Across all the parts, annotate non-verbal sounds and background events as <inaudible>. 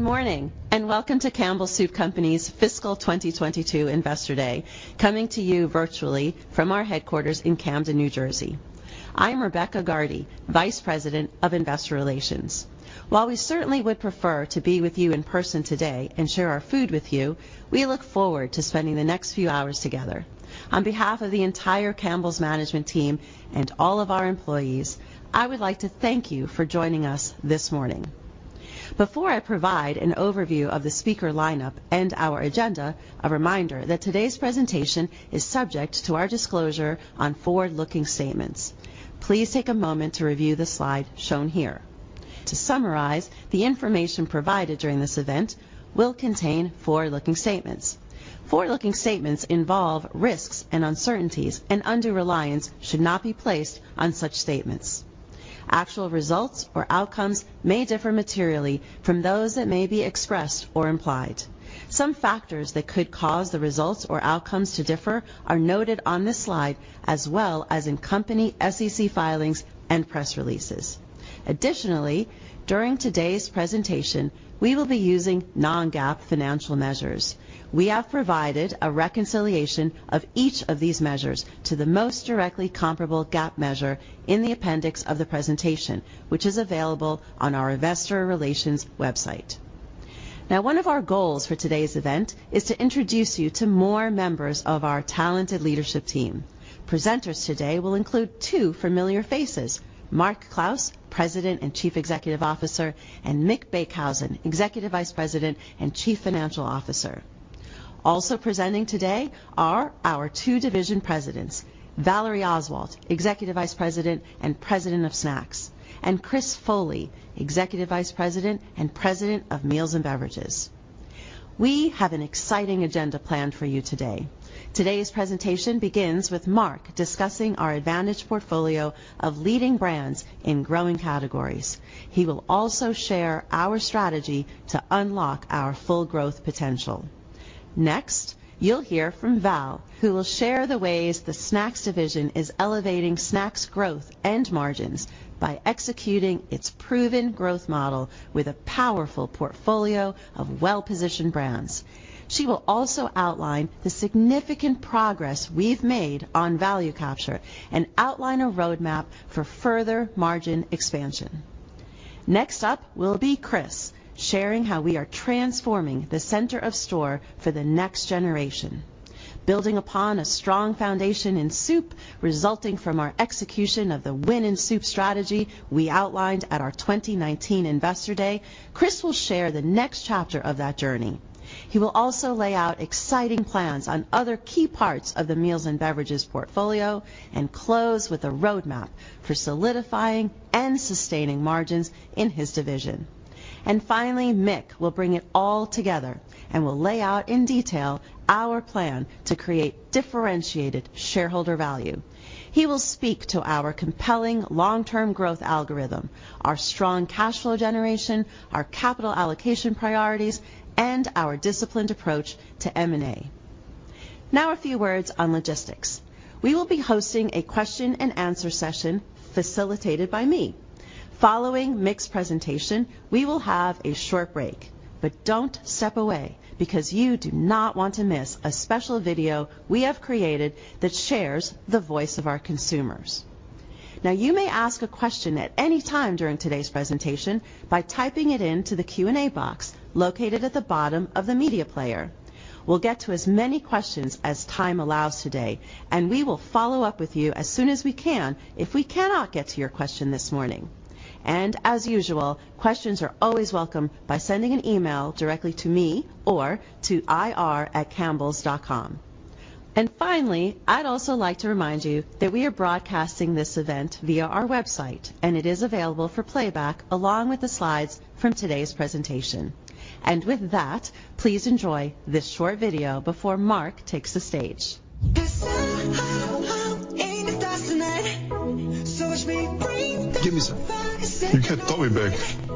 Good morning, and welcome to Campbell Soup Company's Fiscal 2022 Investor Day, coming to you virtually from our headquarters in Camden, New Jersey. I am Rebecca Gardy, Vice President of Investor Relations. While we certainly would prefer to be with you in person today and share our food with you, we look forward to spending the next few hours together. On behalf of the entire Campbell's management team and all of our employees, I would like to thank you for joining us this morning. Before I provide an overview of the speaker lineup and our agenda, a reminder that today's presentation is subject to our disclosure on forward-looking statements. Please take a moment to review the slide shown here. To summarize, the information provided during this event will contain forward-looking statements. Forward-looking statements involve risks and uncertainties, and undue reliance should not be placed on such statements. Actual results or outcomes may differ materially from those that may be expressed or implied. Some factors that could cause the results or outcomes to differ are noted on this slide, as well as in company SEC filings and press releases. Additionally, during today's presentation, we will be using non-GAAP financial measures. We have provided a reconciliation of each of these measures to the most directly comparable GAAP measure in the appendix of the presentation, which is available on our investor relations website. Now, one of our goals for today's event is to introduce you to more members of our talented leadership team. Presenters today will include two familiar faces, Mark Clouse, President and Chief Executive Officer, and Mick Beekhuizen, Executive Vice President and Chief Financial Officer. Also presenting today are our two division presidents, Valerie Oswalt, Executive Vice President and President of Snacks, and Chris Foley, Executive Vice President and President of Meals and Beverages. We have an exciting agenda planned for you today. Today's presentation begins with Mark discussing our advantage portfolio of leading brands in growing categories. He will also share our strategy to unlock our full growth potential. Next, you'll hear from Val, who will share the ways the Snacks division is elevating Snacks growth and margins by executing its proven growth model with a powerful portfolio of well-positioned brands. She will also outline the significant progress we've made on value capture and outline a roadmap for further margin expansion. Next up will be Chris sharing how we are transforming the center of store for the next generation. Building upon a strong foundation in soup resulting from our execution of the Win in Soup strategy we outlined at our 2019 Investor Day, Chris will share the next chapter of that journey. He will also lay out exciting plans on other key parts of the Meals and Beverages portfolio and close with a roadmap for solidifying and sustaining margins in his division. Finally, Mick will bring it all together and will lay out in detail our plan to create differentiated shareholder value. He will speak to our compelling long-term growth algorithm, our strong cash flow generation, our capital allocation priorities, and our disciplined approach to M&A. Now a few words on logistics. We will be hosting a question-and-answer session facilitated by me. Following Mick's presentation, we will have a short break, but don't step away because you do not want to miss a special video we have created that shares the voice of our consumers. Now, you may ask a question at any time during today's presentation by typing it into the Q&A box located at the bottom of the media player. We'll get to as many questions as time allows today, and we will follow up with you as soon as we can if we cannot get to your question this morning. As usual, questions are always welcome by sending an email directly to me or to ir@campbells.com. Finally, I'd also like to remind you that we are broadcasting this event via our website, and it is available for playback along with the slides from today's presentation. With that, please enjoy this short video before Mark takes the stage. <music> <music> <music> I literally ask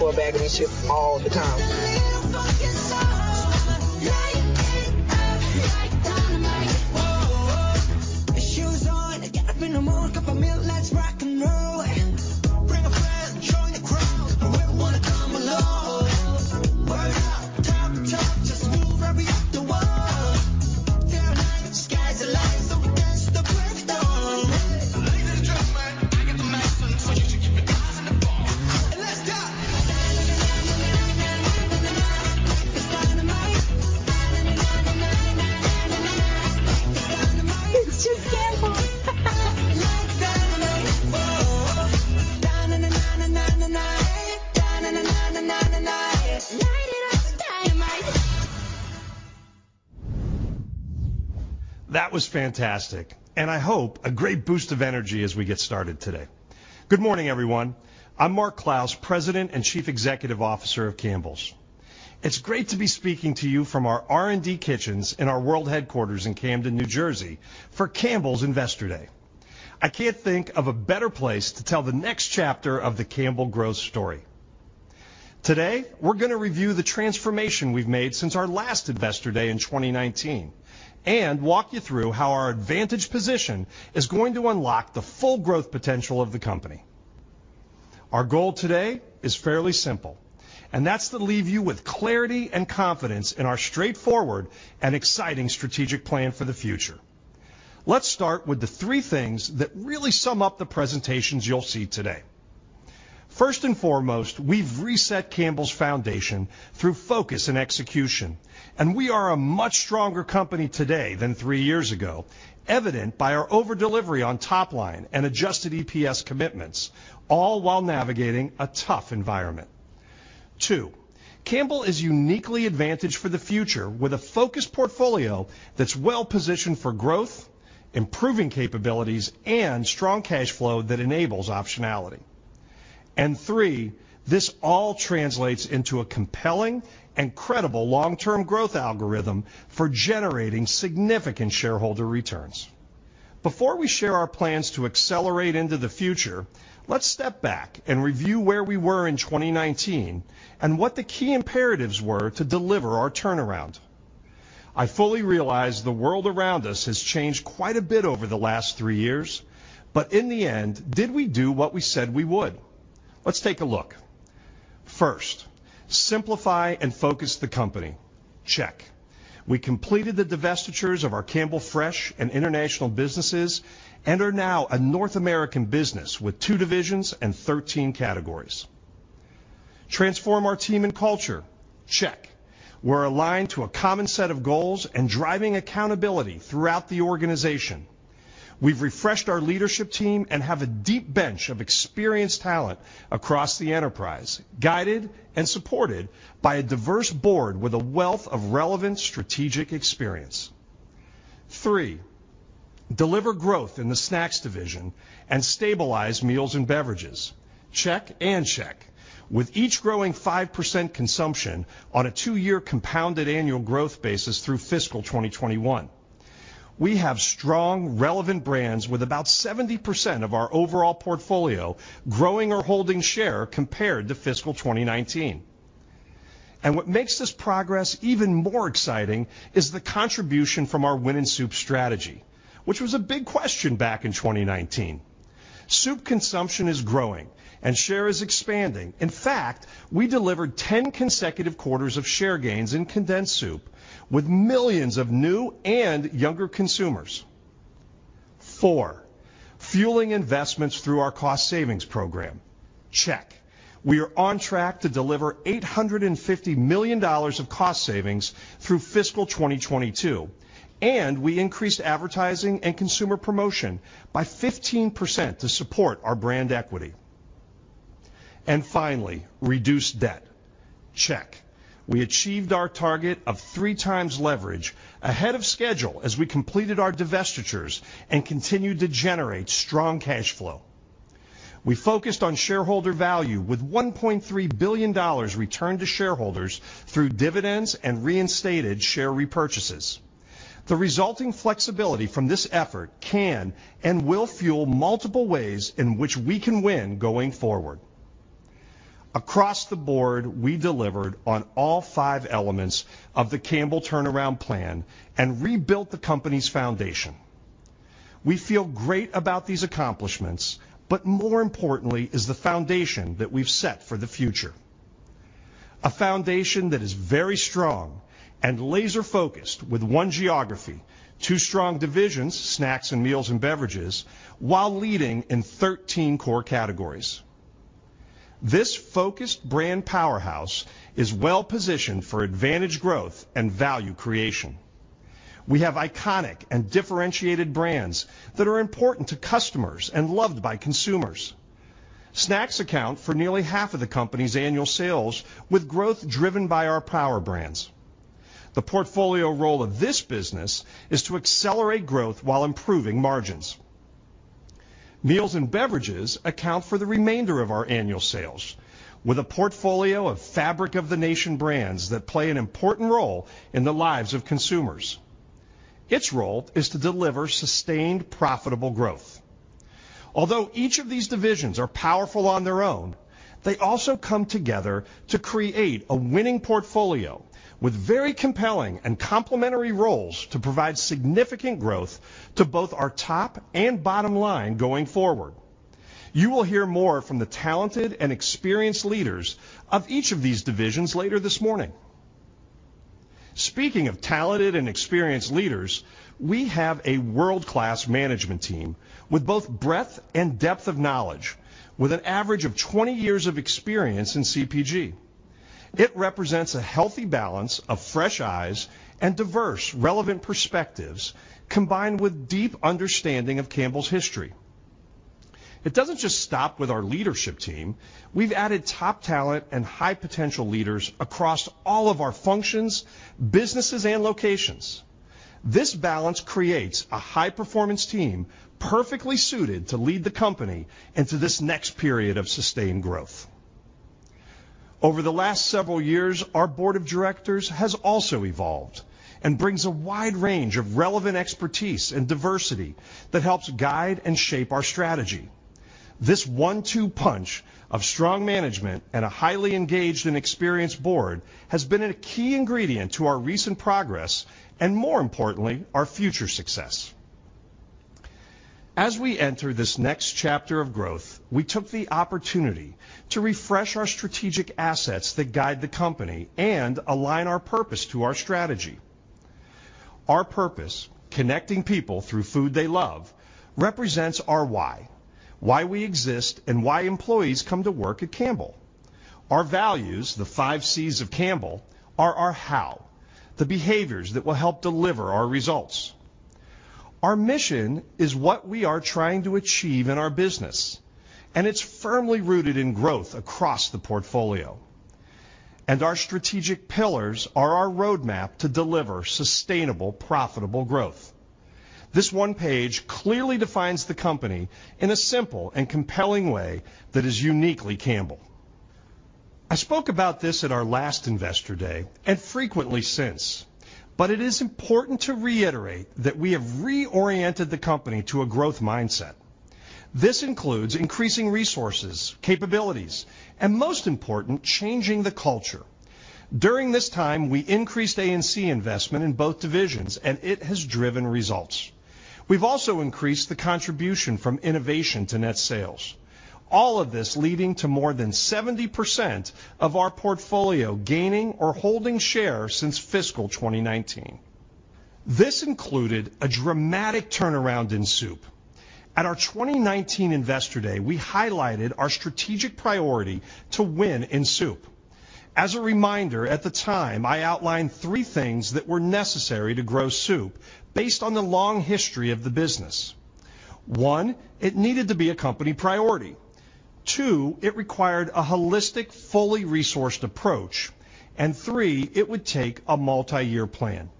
for a bag of these chips all the time. <music> That was fantastic, and I hope a great boost of energy as we get started today. Good morning, everyone. I'm Mark Clouse, President and Chief Executive Officer of Campbell's. It's great to be speaking to you from our R&D kitchens in our world headquarters in Camden, New Jersey, for Campbell's Investor Day. I can't think of a better place to tell the next chapter of the Campbell growth story. Today, we're gonna review the transformation we've made since our last Investor Day in 2019 and walk you through how our advantage position is going to unlock the full growth potential of the company. Our goal today is fairly simple, and that's to leave you with clarity and confidence in our straightforward and exciting strategic plan for the future. Let's start with the three things that really sum up the presentations you'll see today. First and foremost, we've reset Campbell's foundation through focus and execution, and we are a much stronger company today than three years ago, evident by our over-delivery on top line and adjusted EPS commitments, all while navigating a tough environment. Two, Campbell is uniquely advantaged for the future with a focused portfolio that's well-positioned for growth, improving capabilities, and strong cash flow that enables optionality. Three, this all translates into a compelling and credible long-term growth algorithm for generating significant shareholder returns. Before we share our plans to accelerate into the future, let's step back and review where we were in 2019 and what the key imperatives were to deliver our turnaround. I fully realize the world around us has changed quite a bit over the last three years, but in the end, did we do what we said we would? Let's take a look. First, simplify and focus the company. Check. We completed the divestitures of our Campbell Fresh and international businesses and are now a North American business with two divisions and 13 categories. Transform our team and culture. Check. We're aligned to a common set of goals and driving accountability throughout the organization. We've refreshed our leadership team and have a deep bench of experienced talent across the enterprise, guided and supported by a diverse board with a wealth of relevant strategic experience. Three, deliver growth in the snacks division and stabilize meals and beverages. Check and check. With each growing 5% consumption on a 2-year compounded annual growth basis through fiscal 2021, we have strong relevant brands with about 70% of our overall portfolio growing or holding share compared to fiscal 2019. What makes this progress even more exciting is the contribution from our Win in Soup strategy, which was a big question back in 2019. Soup consumption is growing and share is expanding. In fact, we delivered 10 consecutive quarters of share gains in condensed soup with millions of new and younger consumers. Four, fueling investments through our cost savings program. Check. We are on track to deliver $850 million of cost savings through fiscal 2022, and we increased advertising and consumer promotion by 15% to support our brand equity. Reduce debt. Check. We achieved our target of 3x leverage ahead of schedule as we completed our divestitures and continued to generate strong cash flow. We focused on shareholder value with $1.3 billion returned to shareholders through dividends and reinstated share repurchases. The resulting flexibility from this effort can and will fuel multiple ways in which we can win going forward. Across the board, we delivered on all 5 elements of the Campbell turnaround plan and rebuilt the company's foundation. We feel great about these accomplishments, but more importantly is the foundation that we've set for the future. A foundation that is very strong and laser-focused with one geography, two strong divisions, Snacks and Meals and Beverages, while leading in 13 core categories. This focused brand powerhouse is well-positioned for advantage growth and value creation. We have iconic and differentiated brands that are important to customers and loved by consumers. Snacks account for nearly half of the company's annual sales with growth driven by our power brands. The portfolio role of this business is to accelerate growth while improving margins. Meals and beverages account for the remainder of our annual sales with a portfolio of fabric of the nation brands that play an important role in the lives of consumers. Its role is to deliver sustained profitable growth. Although each of these divisions are powerful on their own, they also come together to create a winning portfolio with very compelling and complementary roles to provide significant growth to both our top and bottom line going forward. You will hear more from the talented and experienced leaders of each of these divisions later this morning. Speaking of talented and experienced leaders, we have a world-class management team with both breadth and depth of knowledge with an average of 20 years of experience in CPG. It represents a healthy balance of fresh eyes and diverse relevant perspectives combined with deep understanding of Campbell's history. It doesn't just stop with our leadership team. We've added top talent and high potential leaders across all of our functions, businesses and locations. This balance creates a high-performance team, perfectly suited to lead the company into this next period of sustained growth. Over the last several years, our board of directors has also evolved and brings a wide range of relevant expertise and diversity that helps guide and shape our strategy. This one-two punch of strong management and a highly engaged and experienced board has been a key ingredient to our recent progress and, more importantly, our future success. As we enter this next chapter of growth, we took the opportunity to refresh our strategic assets that guide the company and align our purpose to our strategy. Our purpose, connecting people through food they love, represents our why we exist, and why employees come to work at Campbell's. Our values, the five Cs of Campbell's, are our how, the behaviors that will help deliver our results. Our mission is what we are trying to achieve in our business, and it's firmly rooted in growth across the portfolio. Our strategic pillars are our roadmap to deliver sustainable, profitable growth. This one page clearly defines the company in a simple and compelling way that is uniquely Campbell's. I spoke about this at our last Investor Day and frequently since, but it is important to reiterate that we have reoriented the company to a growth mindset. This includes increasing resources, capabilities, and most important, changing the culture. During this time, we increased A&C investment in both divisions, and it has driven results. We've also increased the contribution from innovation to net sales, all of this leading to more than 70% of our portfolio gaining or holding shares since fiscal 2019. This included a dramatic turnaround in soup. At our 2019 Investor Day, we highlighted our strategic priority to win in soup. As a reminder, at the time, I outlined three things that were necessary to grow soup based on the long history of the business. One, it needed to be a company priority. Two, it required a holistic, fully resourced approach. Three, it would take a multi-year plan.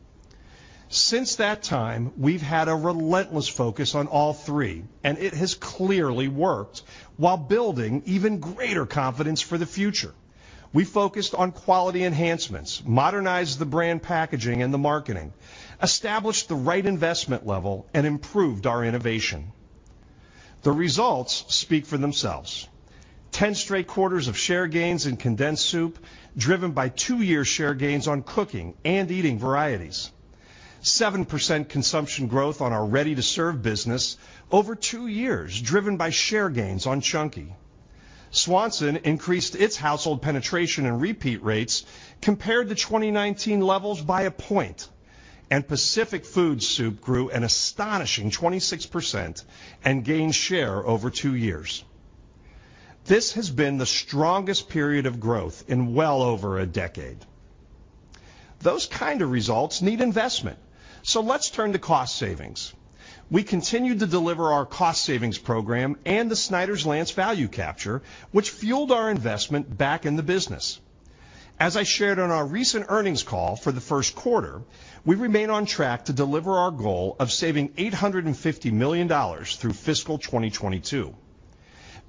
Since that time, we've had a relentless focus on all three, and it has clearly worked while building even greater confidence for the future. We focused on quality enhancements, modernized the brand packaging and the marketing, established the right investment level, and improved our innovation. The results speak for themselves. 10 straight quarters of share gains in condensed soup, driven by 2-year share gains on cooking and eating varieties. 7% consumption growth on our ready-to-serve business over two years, driven by share gains on Chunky. Swanson increased its household penetration and repeat rates compared to 2019 levels by a point, and Pacific Foods soup grew an astonishing 26% and gained share over two years. This has been the strongest period of growth in well over a decade. Those kind of results need investment, so let's turn to cost savings. We continued to deliver our cost savings program and the Snyder's-Lance value capture, which fueled our investment back in the business. As I shared on our recent earnings call for the first quarter, we remain on track to deliver our goal of saving $850 million through fiscal 2022.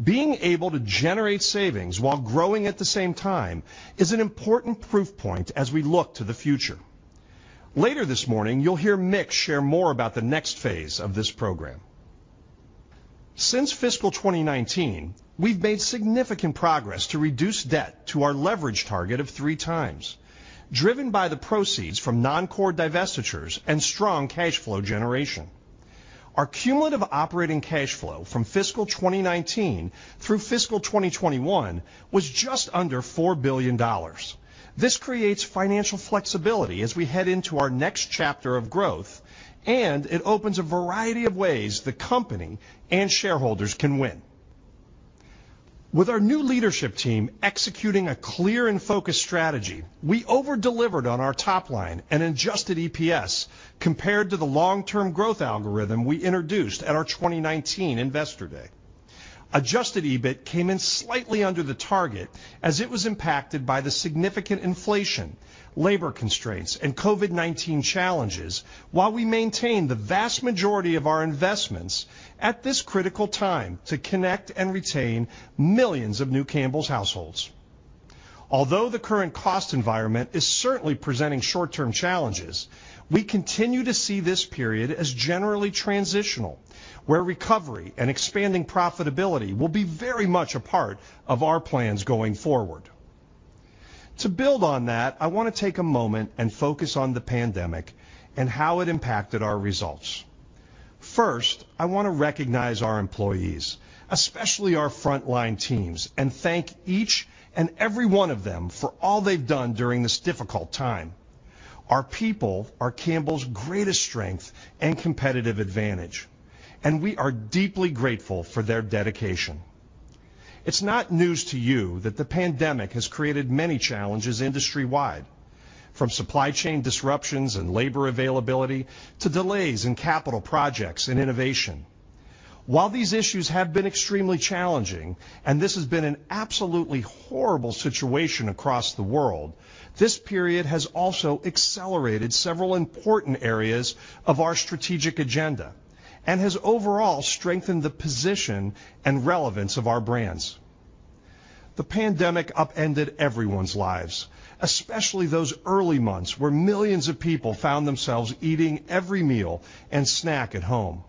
Being able to generate savings while growing at the same time is an important proof point as we look to the future. Later this morning, you'll hear Mick share more about the next phase of this program. Since fiscal 2019, we've made significant progress to reduce debt to our leverage target of 3x, driven by the proceeds from non-core divestitures and strong cash flow generation. Our cumulative operating cash flow from fiscal 2019 through fiscal 2021 was just under $4 billion. This creates financial flexibility as we head into our next chapter of growth, and it opens a variety of ways the company and shareholders can win. With our new leadership team executing a clear and focused strategy, we over-delivered on our top line and adjusted EPS compared to the long-term growth algorithm we introduced at our 2019 Investor Day. Adjusted EBIT came in slightly under the target as it was impacted by the significant inflation, labor constraints, and COVID-19 challenges while we maintained the vast majority of our investments at this critical time to connect and retain millions of new Campbell's households. Although the current cost environment is certainly presenting short-term challenges, we continue to see this period as generally transitional, where recovery and expanding profitability will be very much a part of our plans going forward. To build on that, I wanna take a moment and focus on the pandemic and how it impacted our results. First, I wanna recognize our employees, especially our frontline teams, and thank each and every one of them for all they've done during this difficult time. Our people are Campbell's greatest strength and competitive advantage, and we are deeply grateful for their dedication. It's not news to you that the pandemic has created many challenges industry-wide, from supply chain disruptions and labor availability to delays in capital projects and innovation. While these issues have been extremely challenging, and this has been an absolutely horrible situation across the world, this period has also accelerated several important areas of our strategic agenda and has overall strengthened the position and relevance of our brands. The pandemic upended everyone's lives, especially those early months where millions of people found themselves eating every meal and snack at home.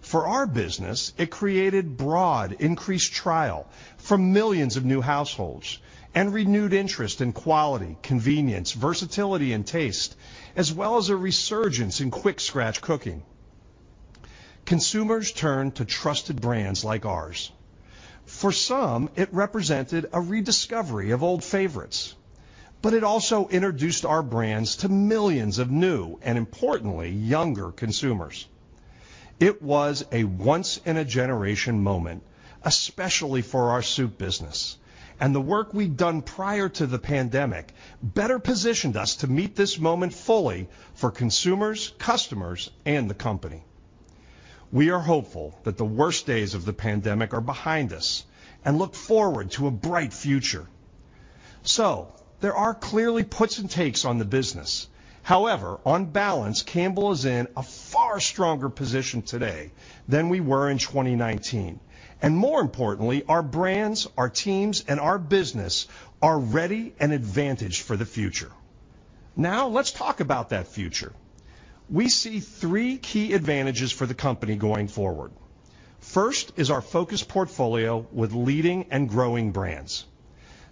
For our business, it created broad increased trial for millions of new households and renewed interest in quality, convenience, versatility, and taste, as well as a resurgence in quick scratch cooking. Consumers turned to trusted brands like ours. For some, it represented a rediscovery of old favorites, but it also introduced our brands to millions of new and, importantly, younger consumers. It was a once-in-a-generation moment, especially for our soup business, and the work we'd done prior to the pandemic better positioned us to meet this moment fully for consumers, customers, and the company. We are hopeful that the worst days of the pandemic are behind us and look forward to a bright future. There are clearly puts and takes on the business. However, on balance, Campbell is in a far stronger position today than we were in 2019. More importantly, our brands, our teams, and our business are ready and advantaged for the future. Now let's talk about that future. We see three key advantages for the company going forward. First is our focused portfolio with leading and growing brands.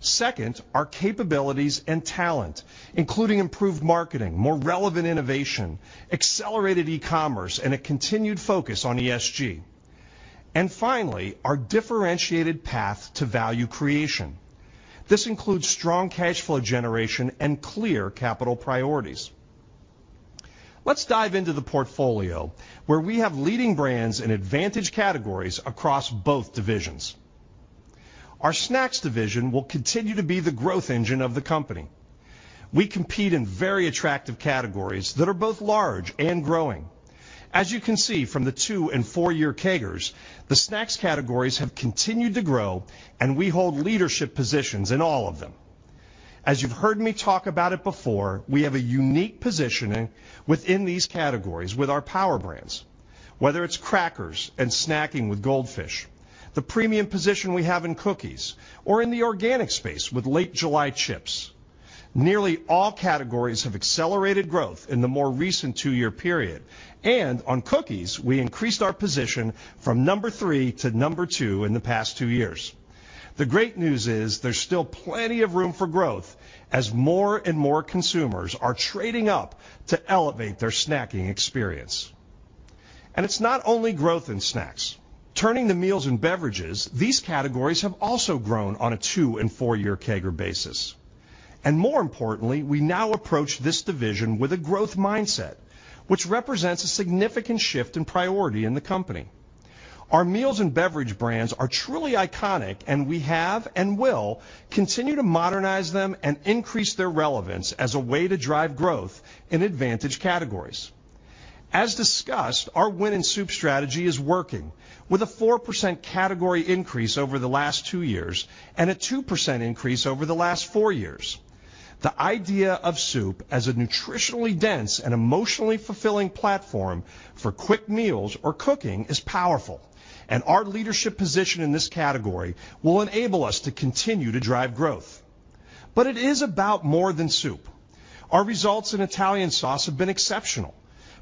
Second, our capabilities and talent, including improved marketing, more relevant innovation, accelerated e-commerce, and a continued focus on ESG. Finally, our differentiated path to value creation. This includes strong cash flow generation and clear capital priorities. Let's dive into the portfolio where we have leading brands in advantage categories across both divisions. Our snacks division will continue to be the growth engine of the company. We compete in very attractive categories that are both large and growing. As you can see from the 2- and 4-year CAGRs, the snacks categories have continued to grow, and we hold leadership positions in all of them. As you've heard me talk about it before, we have a unique positioning within these categories with our power brands, whether it's crackers and snacking with Goldfish, the premium position we have in cookies or in the organic space with Late July chips. Nearly all categories have accelerated growth in the more recent 2-year period, and on cookies, we increased our position from number 3-number 2 in the past two years. The great news is there's still plenty of room for growth as more and more consumers are trading up to elevate their snacking experience. It's not only growth in snacks. Turning to meals and beverages, these categories have also grown on a 2- and 4-year CAGR basis. More importantly, we now approach this division with a growth mindset, which represents a significant shift in priority in the company. Our meals and beverage brands are truly iconic, and we have and will continue to modernize them and increase their relevance as a way to drive growth in advantage categories. As discussed, our Win in Soup strategy is working, with a 4% category increase over the last two years and a 2% increase over the last four years. The idea of soup as a nutritionally dense and emotionally fulfilling platform for quick meals or cooking is powerful, and our leadership position in this category will enable us to continue to drive growth. It is about more than soup. Our results in Italian sauce have been exceptional.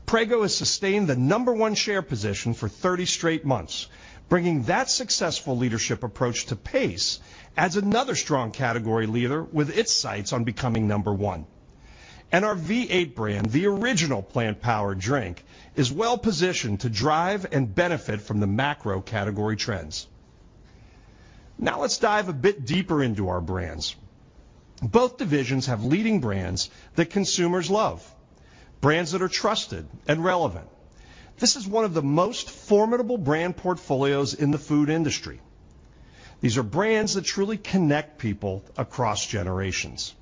Prego has sustained the number one share position for 30 straight months, bringing that successful leadership approach to Pace as another strong category leader with its sights on becoming number one. Our V8 brand, the original plant power drink, is well positioned to drive and benefit from the macro category trends. Now let's dive a bit deeper into our brands. Both divisions have leading brands that consumers love, brands that are trusted and relevant. This is one of the most formidable brand portfolios in the food industry. These are brands that truly connect people across generations.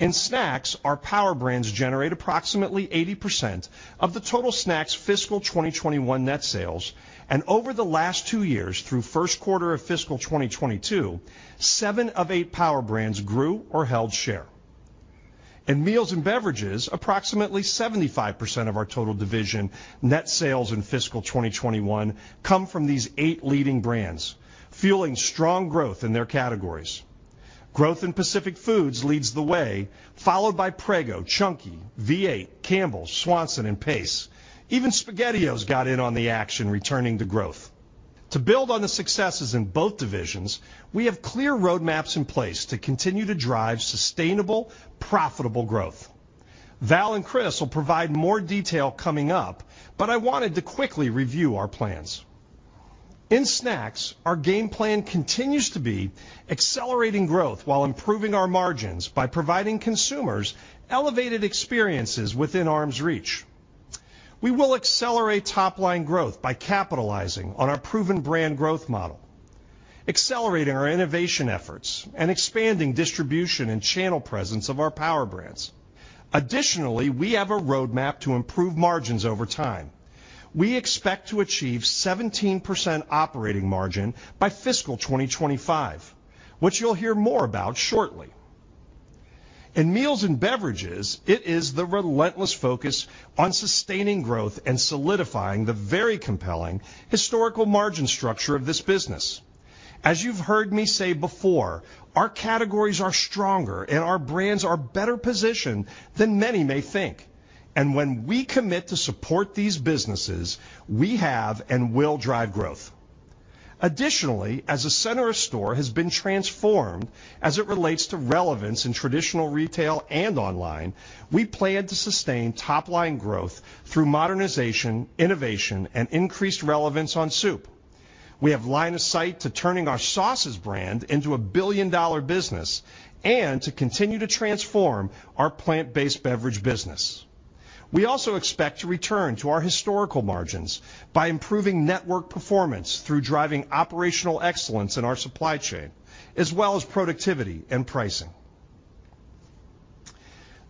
In snacks, our power brands generate approximately 80% of the total snacks fiscal 2021 net sales. Over the last two years, through first quarter of fiscal 2022, 7 of 8 power brands grew or held share. In meals and beverages, approximately 75% of our total division net sales in fiscal 2021 come from these eight leading brands, fueling strong growth in their categories. Growth in Pacific Foods leads the way, followed by Prego, Chunky, V8, Campbell's, Swanson, and Pace. Even SpaghettiOs got in on the action, returning to growth. To build on the successes in both divisions, we have clear roadmaps in place to continue to drive sustainable, profitable growth. Val and Chris will provide more detail coming up, but I wanted to quickly review our plans. In Snacks, our game plan continues to be accelerating growth while improving our margins by providing consumers elevated experiences within arm's reach. We will accelerate top-line growth by capitalizing on our proven brand growth model, accelerating our innovation efforts, and expanding distribution and channel presence of our Power Brands. Additionally, we have a roadmap to improve margins over time. We expect to achieve 17% operating margin by fiscal 2025, which you'll hear more about shortly. In Meals and Beverages, it is the relentless focus on sustaining growth and solidifying the very compelling historical margin structure of this business. As you've heard me say before, our categories are stronger and our brands are better positioned than many may think. When we commit to support these businesses, we have and will drive growth. Additionally, as the center of store has been transformed as it relates to relevance in traditional retail and online, we plan to sustain top-line growth through modernization, innovation, and increased relevance on soup. We have line of sight to turning our sauces brand into a billion-dollar business and to continue to transform our plant-based beverage business. We also expect to return to our historical margins by improving network performance through driving operational excellence in our supply chain, as well as productivity and pricing.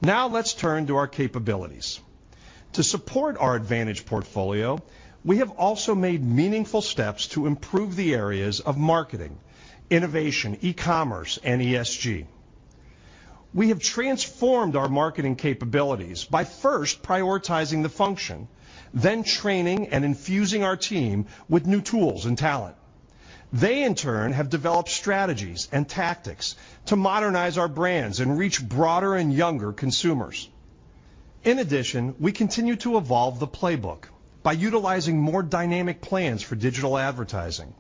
Now let's turn to our capabilities. To support our advantage portfolio, we have also made meaningful steps to improve the areas of marketing, innovation, e-commerce, and ESG. We have transformed our marketing capabilities by first prioritizing the function, then training and infusing our team with new tools and talent. They in turn have developed strategies and tactics to modernize our brands and reach broader and younger consumers. In addition, we continue to evolve the playbook by utilizing more dynamic plans for digital advertising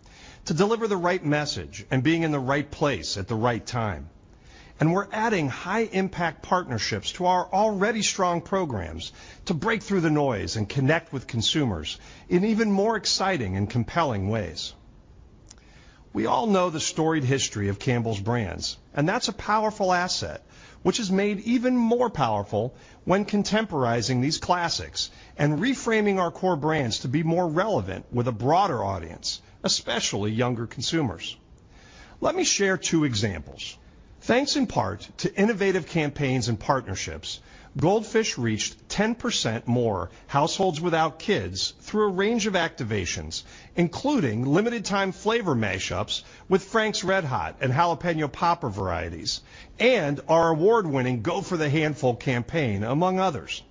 to deliver the right message and being in the right place at the right time. We're adding high-impact partnerships to our already strong programs to break through the noise and connect with consumers in even more exciting and compelling ways. We all know the storied history of Campbell's brands, and that's a powerful asset, which is made even more powerful when contemporizing these classics and reframing our core brands to be more relevant with a broader audience, especially younger consumers. Let me share two examples. Thanks in part to innovative campaigns and partnerships, Goldfish reached 10% more households without kids through a range of activations, including limited time flavor mashups with Frank's RedHot and Jalapeño Popper varieties, and our award-winning Go for the Handful campaign, among others.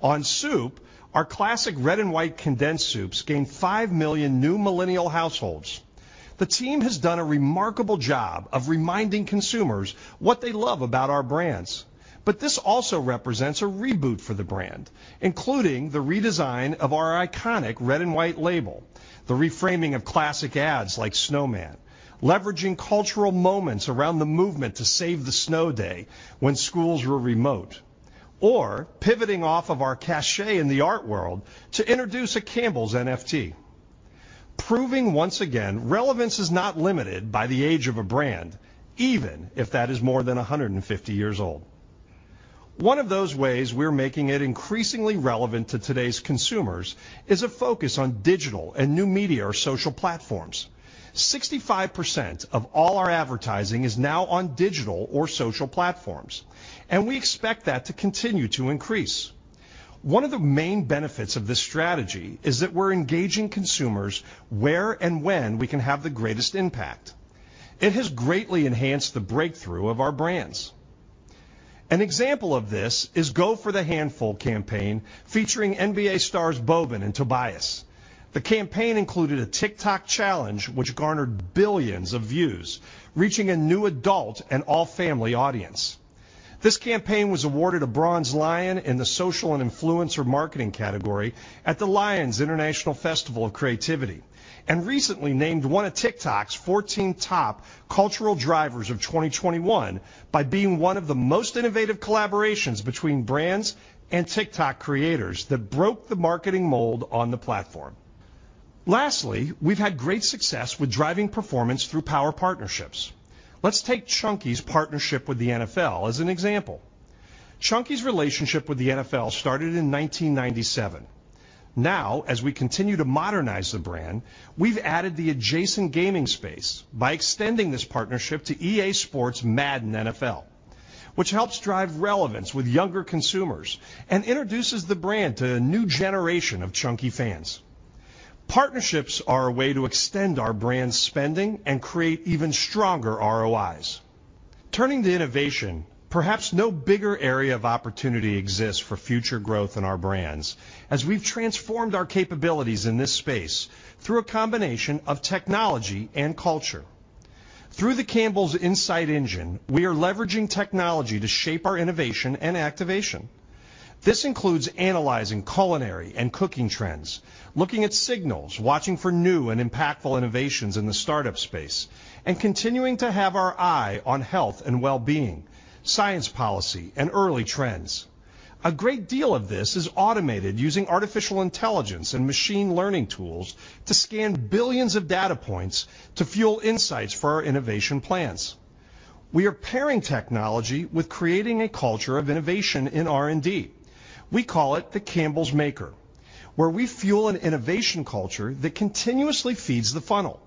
On soup, our classic red and white condensed soups gained 5 million new millennial households. The team has done a remarkable job of reminding consumers what they love about our brands. This also represents a reboot for the brand, including the redesign of our iconic red and white label, the reframing of classic ads like Snowman, leveraging cultural moments around the movement to save the snow day when schools were remote, or pivoting off of our cachet in the art world to introduce a Campbell's NFT. Proving once again, relevance is not limited by the age of a brand, even if that is more than 150 years old. One of those ways we're making it increasingly relevant to today's consumers is a focus on digital and new media or social platforms. 65% of all our advertising is now on digital or social platforms, and we expect that to continue to increase. One of the main benefits of this strategy is that we're engaging consumers where and when we can have the greatest impact. It has greatly enhanced the breakthrough of our brands. An example of this is Go for the Handful campaign featuring NBA stars Boban Marjanović and Tobias Harris. The campaign included a TikTok challenge which garnered billions of views, reaching a new adult and all-family audience. This campaign was awarded a Bronze Lion in the Social and Influencer Marketing category at the Lions International Festival of Creativity, and recently named one of TikTok's 14 top cultural drivers of 2021 by being one of the most innovative collaborations between brands and TikTok creators that broke the marketing mold on the platform. Lastly, we've had great success with driving performance through power partnerships. Let's take Chunky's partnership with the NFL as an example. Chunky's relationship with the NFL started in 1997. Now, as we continue to modernize the brand, we've added the adjacent gaming space by extending this partnership to EA SPORTS Madden NFL, which helps drive relevance with younger consumers and introduces the brand to a new generation of Chunky fans. Partnerships are a way to extend our brand spending and create even stronger ROIs. Turning to innovation, perhaps no bigger area of opportunity exists for future growth in our brands as we've transformed our capabilities in this space through a combination of technology and culture. Through the Campbell's Insight Engine, we are leveraging technology to shape our innovation and activation. This includes analyzing culinary and cooking trends, looking at signals, watching for new and impactful innovations in the startup space, and continuing to have our eye on health and well-being, science policy, and early trends. A great deal of this is automated using artificial intelligence and machine learning tools to scan billions of data points to fuel insights for our innovation plans. We are pairing technology with creating a culture of innovation in R&D. We call it the Campbell's Maker, where we fuel an innovation culture that continuously feeds the funnel.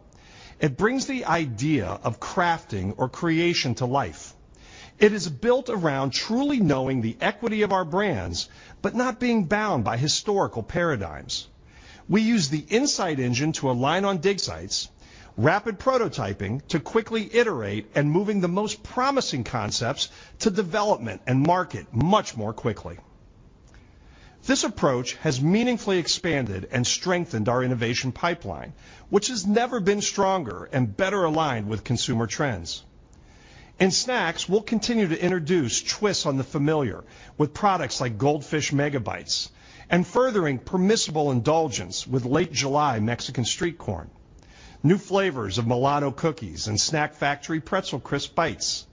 It brings the idea of crafting or creation to life. It is built around truly knowing the equity of our brands, but not being bound by historical paradigms. We use the Insight Engine to align on dig sites, rapid prototyping to quickly iterate and moving the most promising concepts to development and market much more quickly. This approach has meaningfully expanded and strengthened our innovation pipeline, which has never been stronger and better aligned with consumer trends. In snacks, we'll continue to introduce twists on the familiar with products like Goldfish Mega Bites and furthering permissible indulgence with Late July Mexican Street Corn, new flavors of Milano cookies, and Snack Factory Pretzel Crisps Bites.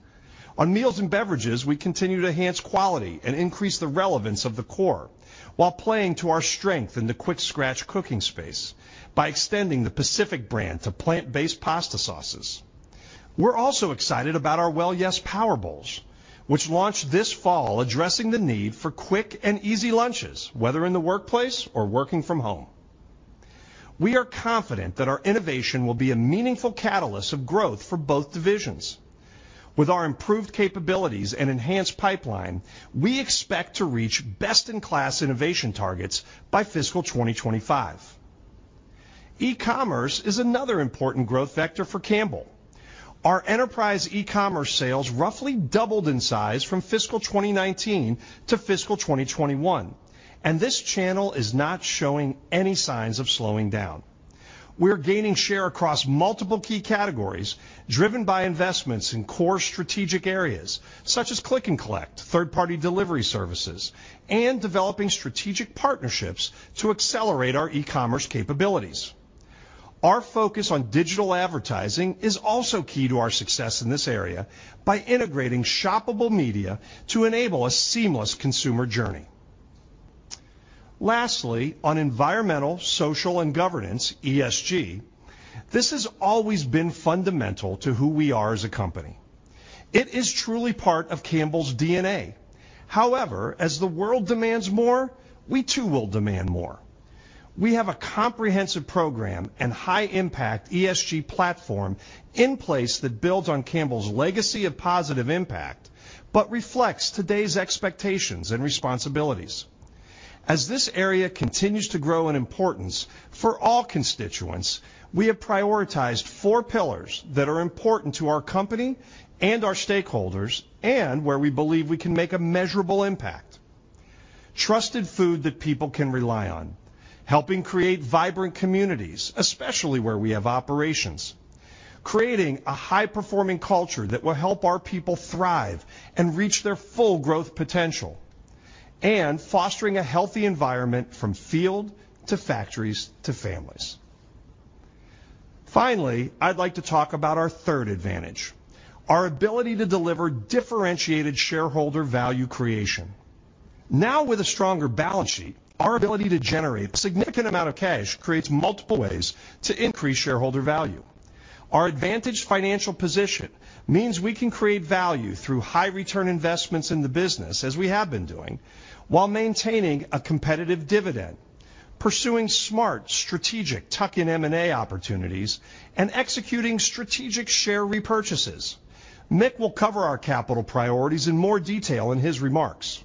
On meals and beverages, we continue to enhance quality and increase the relevance of the core while playing to our strength in the quick scratch cooking space by extending the Pacific brand to plant-based pasta sauces. We're also excited about our Well Yes! Power Soup Bowls, which launched this fall, addressing the need for quick and easy lunches, whether in the workplace or working from home. We are confident that our innovation will be a meaningful catalyst of growth for both divisions. With our improved capabilities and enhanced pipeline, we expect to reach best-in-class innovation targets by fiscal 2025. E-commerce is another important growth vector for Campbell. Our enterprise e-commerce sales roughly doubled in size from fiscal 2019 to fiscal 2021, and this channel is not showing any signs of slowing down. We're gaining share across multiple key categories driven by investments in core strategic areas such as click and collect, third-party delivery services, and developing strategic partnerships to accelerate our e-commerce capabilities. Our focus on digital advertising is also key to our success in this area by integrating shoppable media to enable a seamless consumer journey. Lastly, on environmental, social, and governance, ESG, this has always been fundamental to who we are as a company. It is truly part of Campbell's DNA. However, as the world demands more, we too will demand more. We have a comprehensive program and high impact ESG platform in place that builds on Campbell's legacy of positive impact but reflects today's expectations and responsibilities. As this area continues to grow in importance for all constituents, we have prioritized four pillars that are important to our company and our stakeholders and where we believe we can make a measurable impact. Trusted food that people can rely on. Helping create vibrant communities, especially where we have operations. Creating a high-performing culture that will help our people thrive and reach their full growth potential. And fostering a healthy environment from field to factories to families. Finally, I'd like to talk about our third advantage, our ability to deliver differentiated shareholder value creation. Now with a stronger balance sheet, our ability to generate a significant amount of cash creates multiple ways to increase shareholder value. Our advantaged financial position means we can create value through high return investments in the business as we have been doing while maintaining a competitive dividend, pursuing smart strategic tuck-in M&A opportunities, and executing strategic share repurchases. Mick will cover our capital priorities in more detail in his remarks.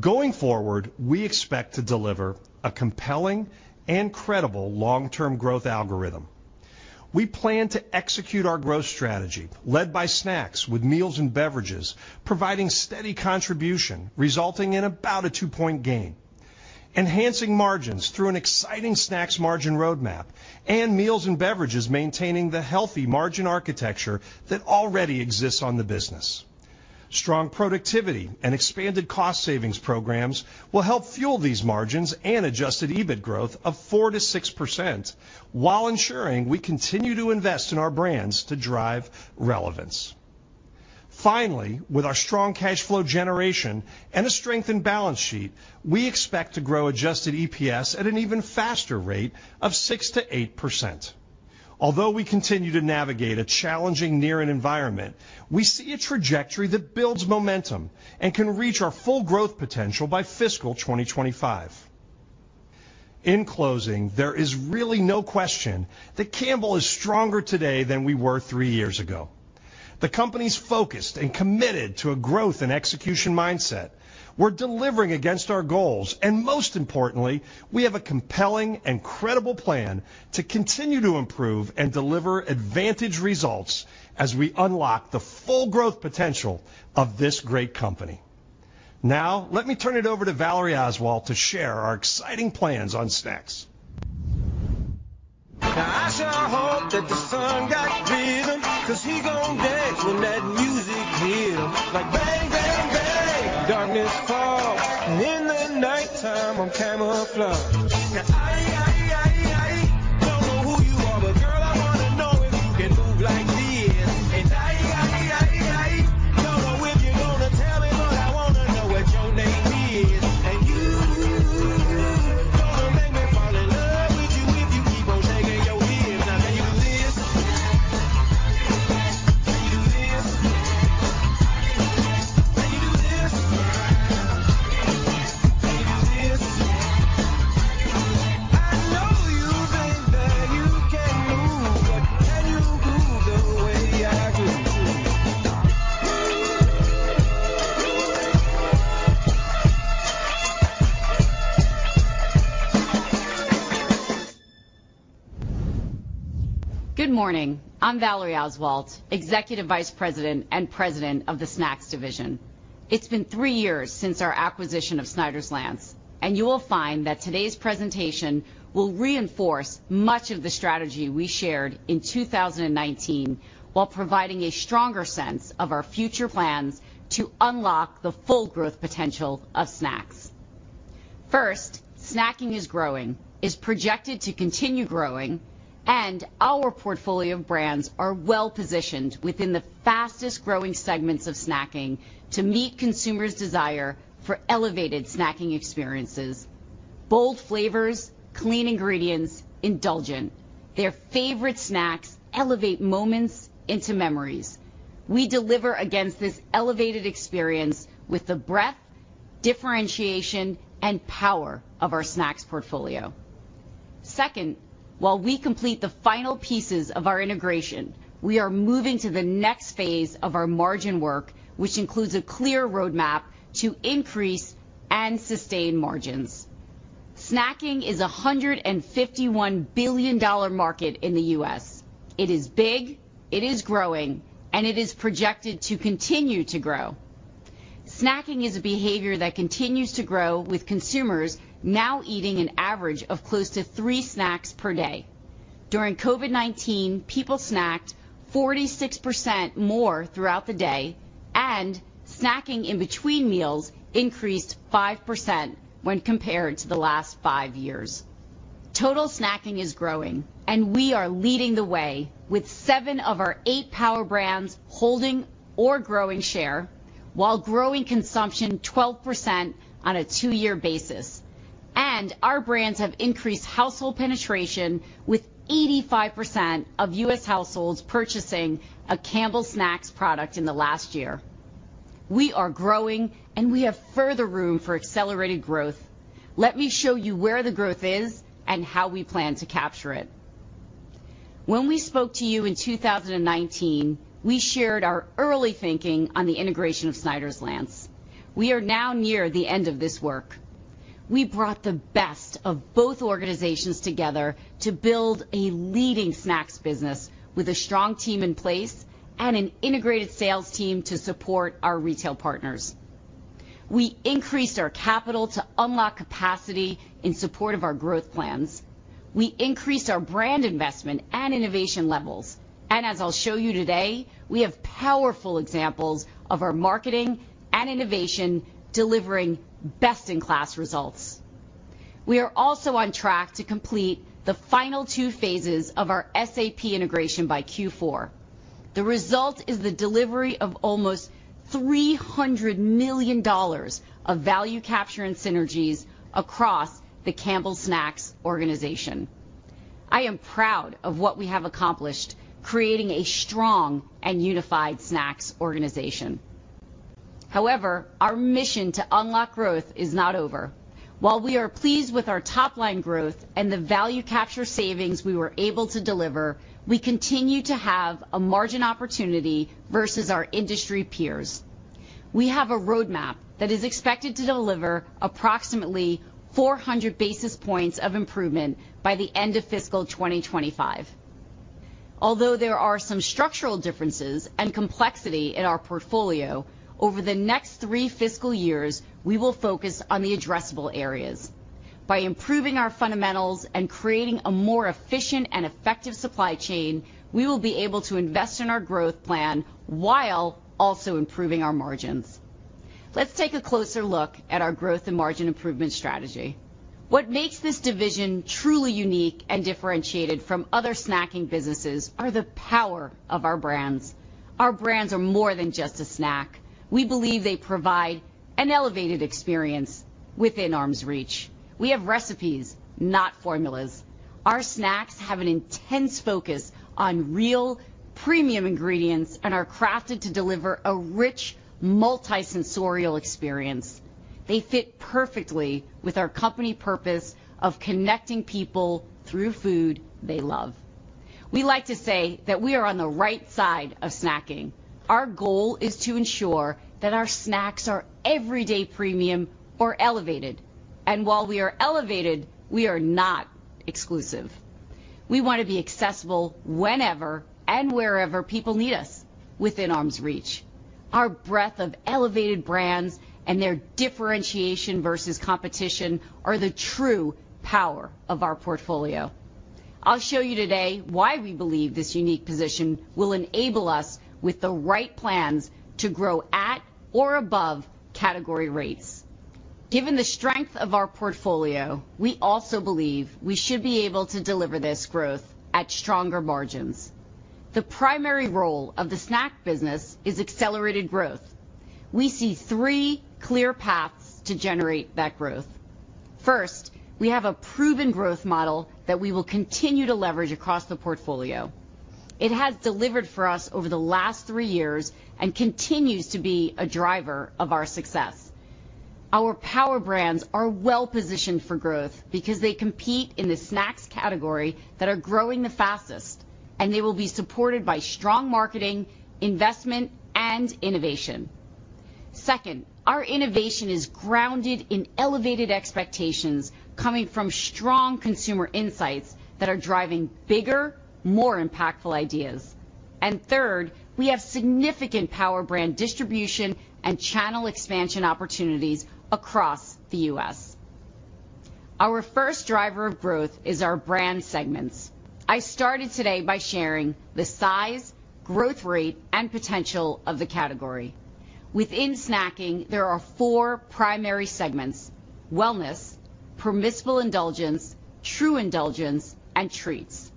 Going forward, we expect to deliver a compelling and credible long-term growth algorithm. We plan to execute our growth strategy led by Snacks with Meals and Beverages, providing steady contribution resulting in about a 2-point gain, enhancing margins through an exciting Snacks margin roadmap and Meals and Beverages maintaining the healthy margin architecture that already exists on the business. Strong productivity and expanded cost savings programs will help fuel these margins and adjusted EBIT growth of 4%-6% while ensuring we continue to invest in our brands to drive relevance. Finally, with our strong cash flow generation and a strengthened balance sheet, we expect to grow adjusted EPS at an even faster rate of 6%-8%. Although we continue to navigate a challenging near-term environment, we see a trajectory that builds momentum and can reach our full growth potential by fiscal 2025. In closing, there is really no question that Campbell is stronger today than we were three years ago. The company's focused and committed to a growth and execution mindset. We're delivering against our goals, and most importantly, we have a compelling and credible plan to continue to improve and deliver advantageous results as we unlock the full growth potential of this great company. Now let me turn it over to Valerie Oswalt to share our exciting plans on snacks. <music> Good morning. I'm Valerie Oswalt, Executive Vice President and President of the Snacks Division. It's been three years since our acquisition of Snyder's-Lance, and you will find that today's presentation will reinforce much of the strategy we shared in 2019 while providing a stronger sense of our future plans to unlock the full growth potential of snacks. First, snacking is growing, is projected to continue growing, and our portfolio of brands are well-positioned within the fastest-growing segments of snacking to meet consumers' desire for elevated snacking experiences. Bold flavors, clean ingredients, indulgent. Their favorite snacks elevate moments into memories. We deliver against this elevated experience with the breadth, differentiation, and power of our snacks portfolio. Second, while we complete the final pieces of our integration, we are moving to the next phase of our margin work, which includes a clear roadmap to increase and sustain margins. Snacking is a $151 billion market in the U.S. It is big, it is growing, and it is projected to continue to grow. Snacking is a behavior that continues to grow, with consumers now eating an average of close to three snacks per day. During COVID-19, people snacked 46% more throughout the day, and snacking in between meals increased 5% when compared to the last five years. Total snacking is growing, and we are leading the way with seven of our eight power brands holding or growing share while growing consumption 12% on a 2-year basis. Our brands have increased household penetration, with 85% of U.S. households purchasing a Campbell Snacks product in the last year. We are growing, and we have further room for accelerated growth. Let me show you where the growth is and how we plan to capture it. When we spoke to you in 2019, we shared our early thinking on the integration of Snyder's-Lance. We are now near the end of this work. We brought the best of both organizations together to build a leading Snacks business with a strong team in place and an integrated sales team to support our retail partners. We increased our capital to unlock capacity in support of our growth plans. We increased our brand investment and innovation levels. As I'll show you today, we have powerful examples of our marketing and innovation delivering best-in-class results. We are also on track to complete the final two phases of our SAP integration by Q4. The result is the delivery of almost $300 million of value capture and synergies across the Campbell Snacks organization. I am proud of what we have accomplished, creating a strong and unified snacks organization. However, our mission to unlock growth is not over. While we are pleased with our top-line growth and the value capture savings we were able to deliver, we continue to have a margin opportunity versus our industry peers. We have a roadmap that is expected to deliver approximately 400 basis points of improvement by the end of fiscal 2025. Although there are some structural differences and complexity in our portfolio, over the next three fiscal years, we will focus on the addressable areas. By improving our fundamentals and creating a more efficient and effective supply chain, we will be able to invest in our growth plan while also improving our margins. Let's take a closer look at our growth and margin improvement strategy. What makes this division truly unique and differentiated from other snacking businesses are the power of our brands. Our brands are more than just a snack. We believe they provide an elevated experience within arm's reach. We have recipes, not formulas. Our snacks have an intense focus on real premium ingredients and are crafted to deliver a rich multisensorial experience. They fit perfectly with our company purpose of connecting people through food they love. We like to say that we are on the right side of snacking. Our goal is to ensure that our snacks are everyday premium or elevated. While we are elevated, we are not exclusive. We wanna be accessible whenever and wherever people need us within arm's reach. Our breadth of elevated brands and their differentiation versus competition are the true power of our portfolio. I'll show you today why we believe this unique position will enable us with the right plans to grow at or above category rates. Given the strength of our portfolio, we also believe we should be able to deliver this growth at stronger margins. The primary role of the snack business is accelerated growth. We see three clear paths to generate that growth. First, we have a proven growth model that we will continue to leverage across the portfolio. It has delivered for us over the last three years and continues to be a driver of our success. Our Power Brands are well-positioned for growth because they compete in the snacks category that are growing the fastest, and they will be supported by strong marketing, investment, and innovation. Second, our innovation is grounded in elevated expectations coming from strong consumer insights that are driving bigger, more impactful ideas. Third, we have significant Power Brand distribution and channel expansion opportunities across the U.S. Our first driver of growth is our brand segments. I started today by sharing the size, growth rate, and potential of the category. Within snacking, there are four primary segments, wellness, permissible indulgence, true indulgence, and treats.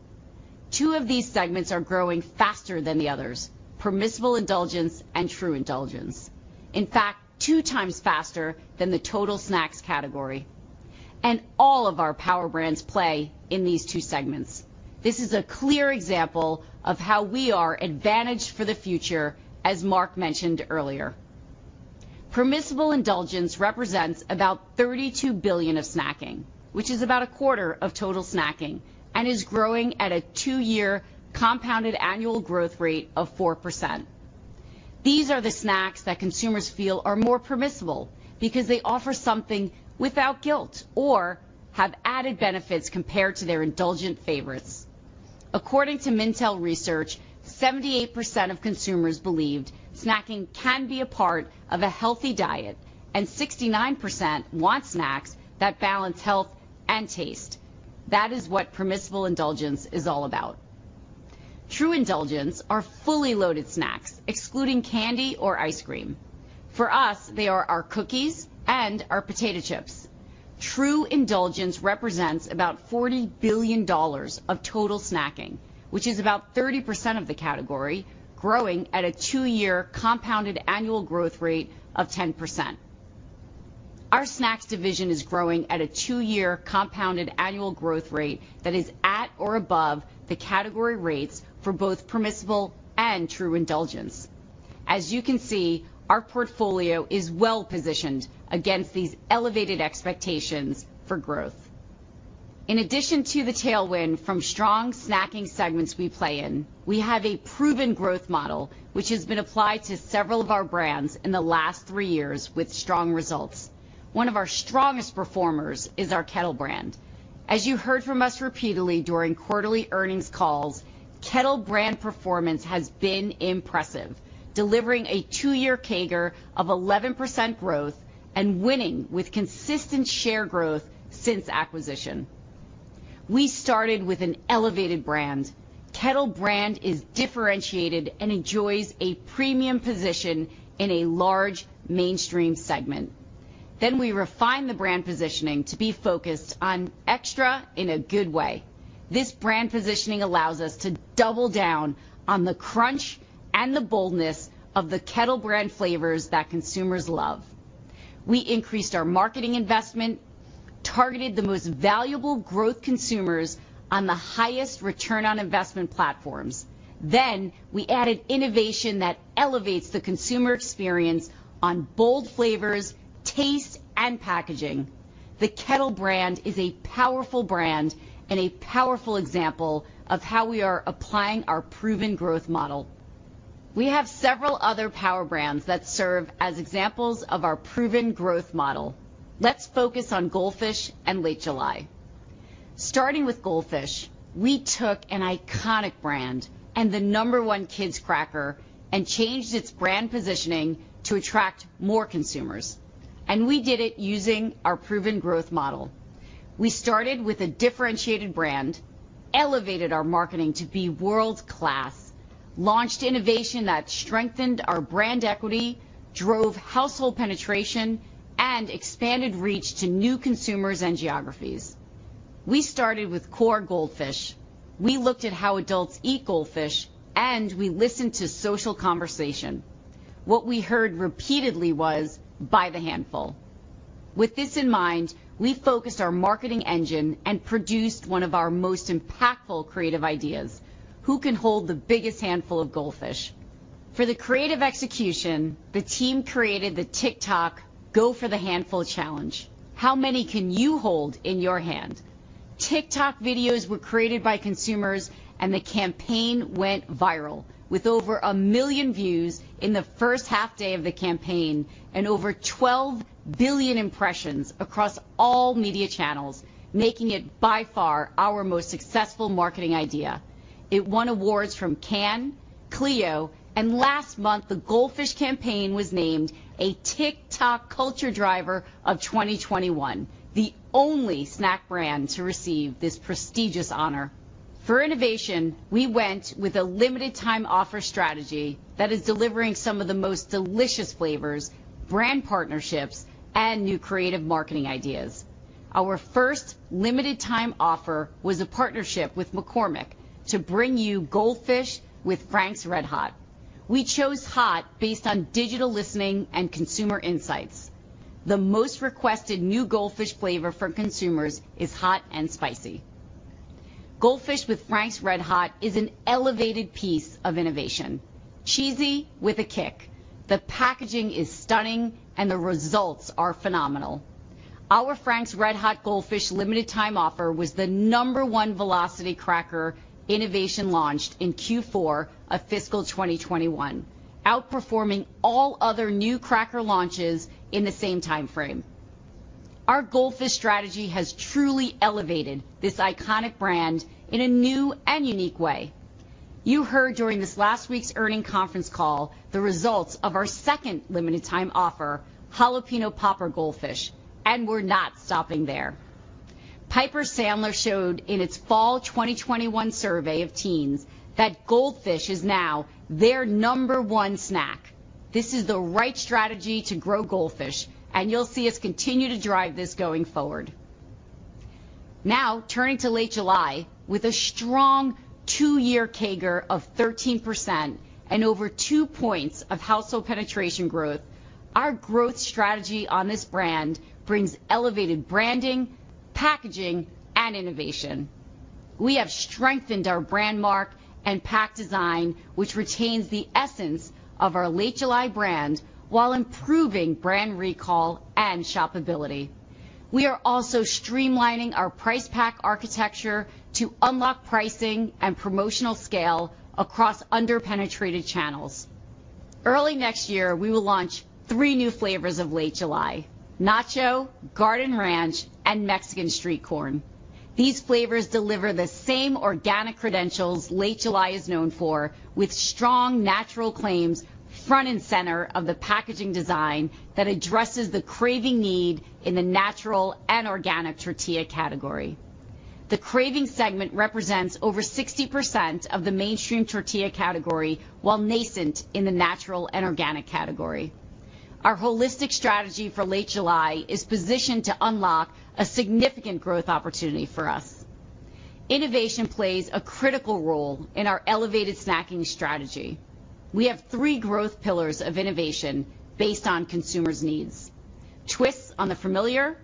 Two of these segments are growing faster than the others, permissible indulgence and true indulgence. In fact, two times faster than the total snacks category. All of our Power Brands play in these two segments. This is a clear example of how we are advantaged for the future, as Mark mentioned earlier. Permissible indulgence represents about $32 billion of snacking, which is about a quarter of total snacking, and is growing at a two-year compounded annual growth rate of 4%. These are the snacks that consumers feel are more permissible because they offer something without guilt or have added benefits compared to their indulgent favorites. According to Mintel research, 78% of consumers believed snacking can be a part of a healthy diet, and 69% want snacks that balance health and taste. That is what permissible indulgence is all about. True indulgence are fully loaded snacks, excluding candy or ice cream. For us, they are our cookies and our potato chips. True indulgence represents about $40 billion of total snacking, which is about 30% of the category, growing at a two-year compounded annual growth rate of 10%. Our snacks division is growing at a two-year compounded annual growth rate that is at or above the category rates for both permissible and true indulgence. As you can see, our portfolio is well-positioned against these elevated expectations for growth. In addition to the tailwind from strong snacking segments we play in, we have a proven growth model which has been applied to several of our brands in the last three years with strong results. One of our strongest performers is our Kettle Brand. As you heard from us repeatedly during quarterly earnings calls, Kettle Brand performance has been impressive, delivering a two-year CAGR of 11% growth and winning with consistent share growth since acquisition. We started with an elevated brand. Kettle Brand is differentiated and enjoys a premium position in a large mainstream segment. We refined the brand positioning to be focused on extra in a good way. This brand positioning allows us to double down on the crunch and the boldness of the Kettle Brand flavors that consumers love. We increased our marketing investment, targeted the most valuable growth consumers on the highest return on investment platforms. We added innovation that elevates the consumer experience on bold flavors, taste, and packaging. The Kettle Brand is a powerful brand and a powerful example of how we are applying our proven growth model. We have several other Power Brands that serve as examples of our proven growth model. Let's focus on Goldfish and Late July. Starting with Goldfish, we took an iconic brand and the number one kids cracker and changed its brand positioning to attract more consumers, and we did it using our proven growth model. We started with core Goldfish. We looked at how adults eat Goldfish, and we listened to social conversation. What we heard repeatedly was, "By the handful." With this in mind, we focused our marketing engine and produced one of our most impactful creative ideas, who can hold the biggest handful of Goldfish? For the creative execution, the team created the TikTok Go for the Handful Challenge. How many can you hold in your hand? TikTok videos were created by consumers, and the campaign went viral with over a million views in the first half day of the campaign and over 12 billion impressions across all media channels, making it by far our most successful marketing idea. It won awards from Cannes, Clio, and last month, the Goldfish campaign was named a TikTok Culture Driver of 2021, the only snack brand to receive this prestigious honor. For innovation, we went with a limited time offer strategy that is delivering some of the most delicious flavors, brand partnerships, and new creative marketing ideas. Our first limited time offer was a partnership with McCormick to bring you Goldfish with Frank's RedHot. We chose hot based on digital listening and consumer insights. The most requested new Goldfish flavor from consumers is hot and spicy. Goldfish with Frank's RedHot is an elevated piece of innovation. Cheesy with a kick. The packaging is stunning, and the results are phenomenal. Our Frank's RedHot Goldfish limited time offer was the number one velocity cracker innovation launched in Q4 of fiscal 2021, outperforming all other new cracker launches in the same time frame. Our Goldfish strategy has truly elevated this iconic brand in a new and unique way. You heard during this last week's earnings conference call the results of our second limited time offer, Jalapeño Popper Goldfish, and we're not stopping there. Piper Sandler showed in its fall 2021 survey of teens that Goldfish is now their number one snack. This is the right strategy to grow Goldfish, and you'll see us continue to drive this going forward. Now turning to Late July, with a strong two-year CAGR of 13% and over two points of household penetration growth, our growth strategy on this brand brings elevated branding, packaging, and innovation. We have strengthened our brand mark and pack design, which retains the essence of our Late July brand while improving brand recall and shoppability. We are also streamlining our price pack architecture to unlock pricing and promotional scale across under-penetrated channels. Early next year, we will launch three new flavors of Late July: Nacho, Garden Ranch, and Mexican Street Corn. These flavors deliver the same organic credentials Late July is known for, with strong natural claims front and center of the packaging design that addresses the craving need in the natural and organic tortilla category. The craving segment represents over 60% of the mainstream tortilla category, while nascent in the natural and organic category. Our holistic strategy for Late July is positioned to unlock a significant growth opportunity for us. Innovation plays a critical role in our elevated snacking strategy. We have three growth pillars of innovation based on consumers' needs. Twists on the familiar,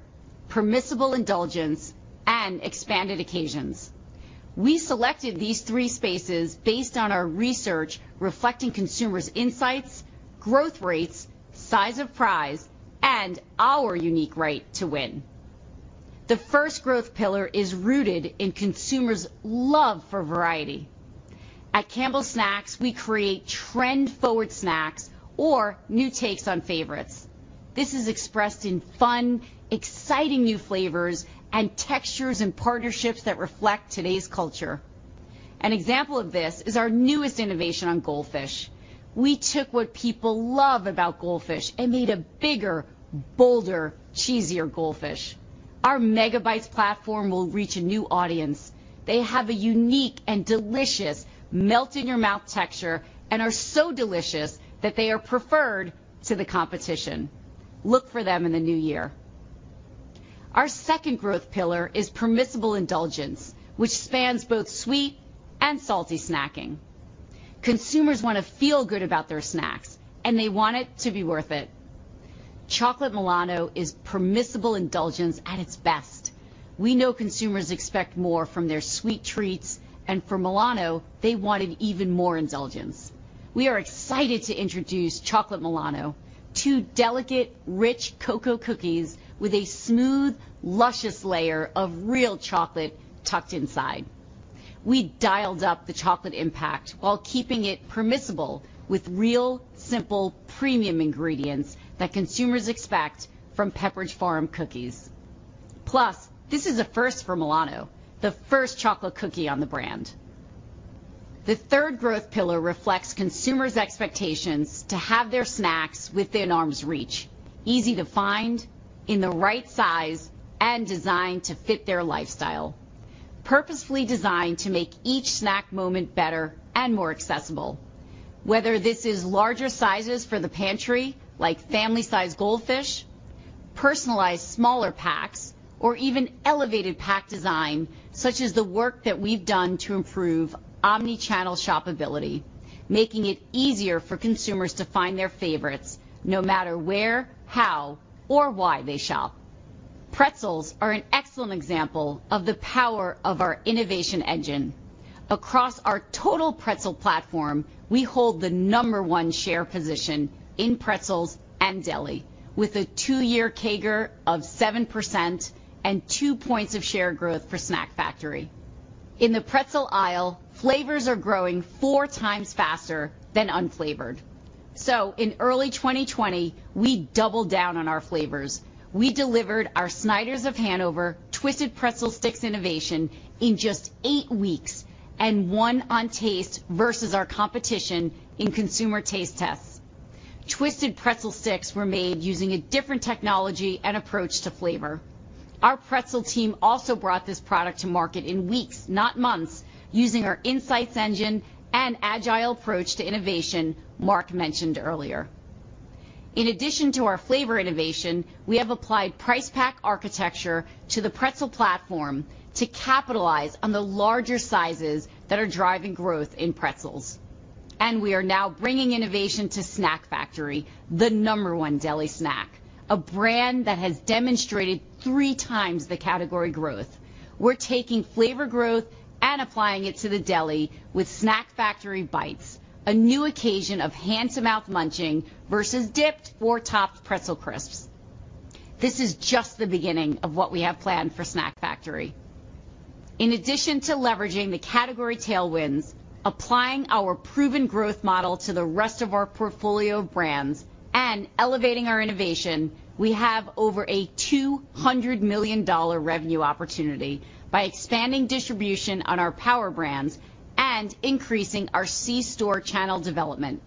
permissible indulgence, and expanded occasions. We selected these three spaces based on our research reflecting consumers' insights, growth rates, size of prize, and our unique right to win. The first growth pillar is rooted in consumers' love for variety. At Campbell Snacks, we create trend-forward snacks or new takes on favorites. This is expressed in fun, exciting new flavors and textures and partnerships that reflect today's culture. An example of this is our newest innovation on Goldfish. We took what people love about Goldfish and made a bigger, bolder, cheesier Goldfish. Our Mega Bites platform will reach a new audience. They have a unique and delicious melt-in-your-mouth texture and are so delicious that they are preferred to the competition. Look for them in the new year. Our second growth pillar is permissible indulgence, which spans both sweet and salty snacking. Consumers wanna feel good about their snacks, and they want it to be worth it. Chocolate Milano is permissible indulgence at its best. We know consumers expect more from their sweet treats, and for Milano, they wanted even more indulgence. We are excited to introduce Chocolate Milano, two delicate, rich cocoa cookies with a smooth, luscious layer of real chocolate tucked inside. We dialed up the chocolate impact while keeping it permissible with real, simple, premium ingredients that consumers expect from Pepperidge Farm cookies. Plus, this is a first for Milano, the first chocolate cookie on the brand. The third growth pillar reflects consumers' expectations to have their snacks within arm's reach, easy to find, in the right size, and designed to fit their lifestyle. Purposefully designed to make each snack moment better and more accessible. Whether this is larger sizes for the pantry, like family-sized Goldfish, personalized smaller packs, or even elevated pack design, such as the work that we've done to improve omni-channel shoppability, making it easier for consumers to find their favorites no matter where, how, or why they shop. Pretzels are an excellent example of the power of our innovation engine. Across our total pretzel platform, we hold the number one share position in pretzels and deli with a two-year CAGR of 7% and two points of share growth for Snack Factory. In the pretzel aisle, flavors are growing four times faster than unflavored. In early 2020, we doubled down on our flavors. We delivered our Snyder's of Hanover Twisted Pretzel Sticks innovation in just eight weeks and won on taste versus our competition in consumer taste tests. Twisted Pretzel Sticks were made using a different technology and approach to flavor. Our pretzel team also brought this product to market in weeks, not months, using our insights engine and agile approach to innovation Mark mentioned earlier. In addition to our flavor innovation, we have applied price pack architecture to the pretzel platform to capitalize on the larger sizes that are driving growth in pretzels. We are now bringing innovation to Snack Factory, the number one deli snack. A brand that has demonstrated three times the category growth. We're taking flavor growth and applying it to the deli with Snack Factory Bites, a new occasion of hand-to-mouth munching versus dipped or topped pretzel crisps. This is just the beginning of what we have planned for Snack Factory. In addition to leveraging the category tailwinds, applying our proven growth model to the rest of our portfolio of brands, and elevating our innovation, we have over $200 million revenue opportunity by expanding distribution on our Power Brands and increasing our c-store channel development.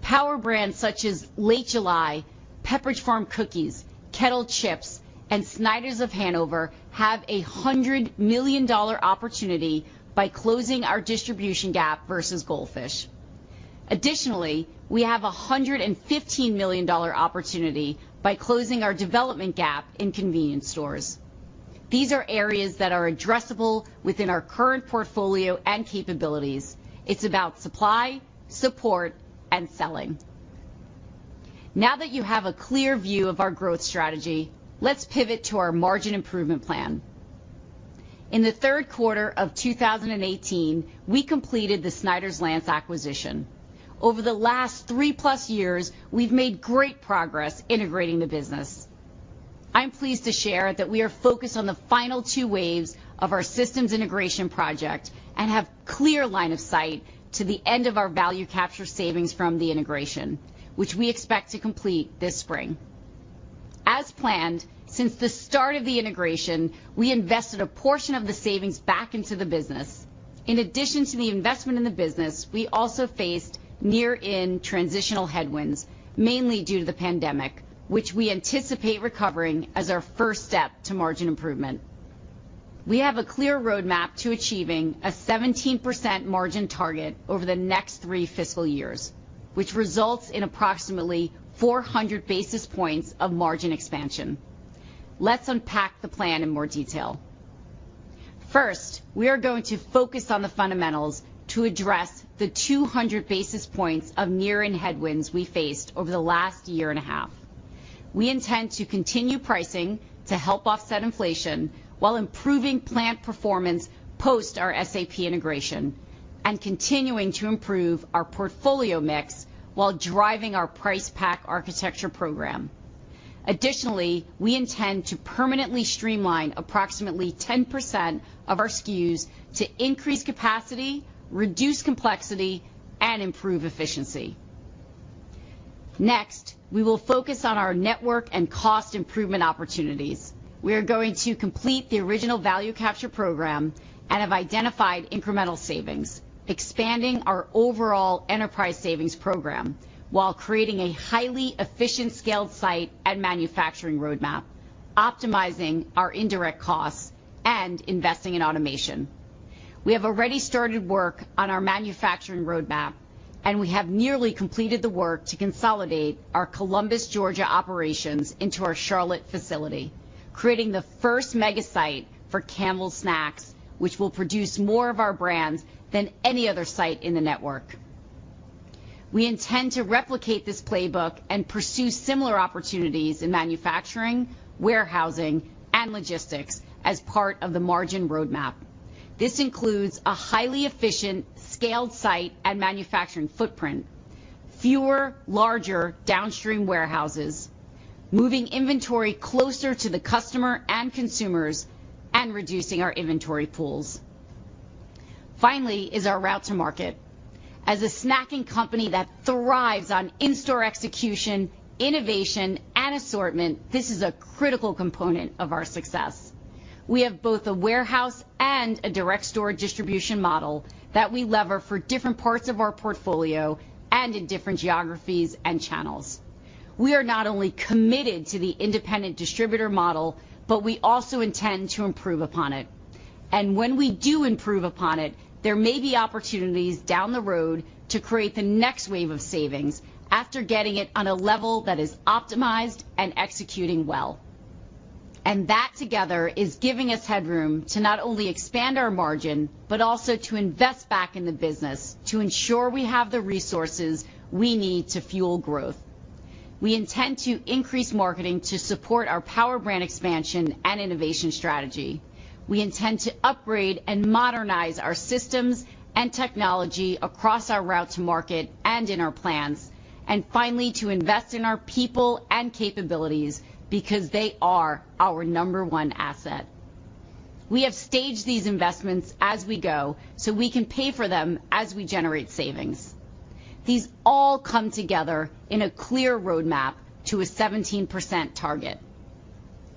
Power brands such as Late July, Pepperidge Farm Cookies, Kettle Brand, and Snyder's of Hanover have $100 million opportunity by closing our distribution gap versus Goldfish. Additionally, we have $115 million opportunity by closing our development gap in convenience stores. These are areas that are addressable within our current portfolio and capabilities. It's about supply, support, and selling. Now that you have a clear view of our growth strategy, let's pivot to our margin improvement plan. In the Q3 of 2018, we completed the Snyder's-Lance acquisition. Over the last 3+ years, we've made great progress integrating the business. I'm pleased to share that we are focused on the final two waves of our systems integration project and have clear line of sight to the end of our value capture savings from the integration, which we expect to complete this spring. As planned, since the start of the integration, we invested a portion of the savings back into the business. In addition to the investment in the business, we also faced near-term transitional headwinds, mainly due to the pandemic, which we anticipate recovering as our first step to margin improvement. We have a clear roadmap to achieving a 17% margin target over the next 3 fiscal years, which results in approximately 400 basis points of margin expansion. Let's unpack the plan in more detail. First, we are going to focus on the fundamentals to address the 200 basis points of near and headwinds we faced over the last year and a half. We intend to continue pricing to help offset inflation while improving plant performance post our SAP integration and continuing to improve our portfolio mix while driving our price pack architecture program. Additionally, we intend to permanently streamline approximately 10% of our SKUs to increase capacity, reduce complexity, and improve efficiency. Next, we will focus on our network and cost improvement opportunities. We are going to complete the original value capture program and have identified incremental savings, expanding our overall enterprise savings program while creating a highly efficient scaled site and manufacturing roadmap, optimizing our indirect costs and investing in automation. We have already started work on our manufacturing roadmap, and we have nearly completed the work to consolidate our Columbus, Georgia, operations into our Charlotte facility, creating the first mega site for Campbell Snacks, which will produce more of our brands than any other site in the network. We intend to replicate this playbook and pursue similar opportunities in manufacturing, warehousing, and logistics as part of the margin roadmap. This includes a highly efficient scaled site and manufacturing footprint, fewer larger downstream warehouses, moving inventory closer to the customer and consumers, and reducing our inventory pools. Finally is our route to market. As a snacking company that thrives on in-store execution, innovation, and assortment, this is a critical component of our success. We have both a warehouse and a direct store distribution model that we leverage for different parts of our portfolio and in different geographies and channels. We are not only committed to the independent distributor model, but we also intend to improve upon it. When we do improve upon it, there may be opportunities down the road to create the next wave of savings after getting it on a level that is optimized and executing well. That together is giving us headroom to not only expand our margin, but also to invest back in the business to ensure we have the resources we need to fuel growth. We intend to increase marketing to support our Power Brand expansion and innovation strategy. We intend to upgrade and modernize our systems and technology across our route to market and in our plans. Finally, to invest in our people and capabilities because they are our number one asset. We have staged these investments as we go, so we can pay for them as we generate savings. These all come together in a clear roadmap to a 17% target.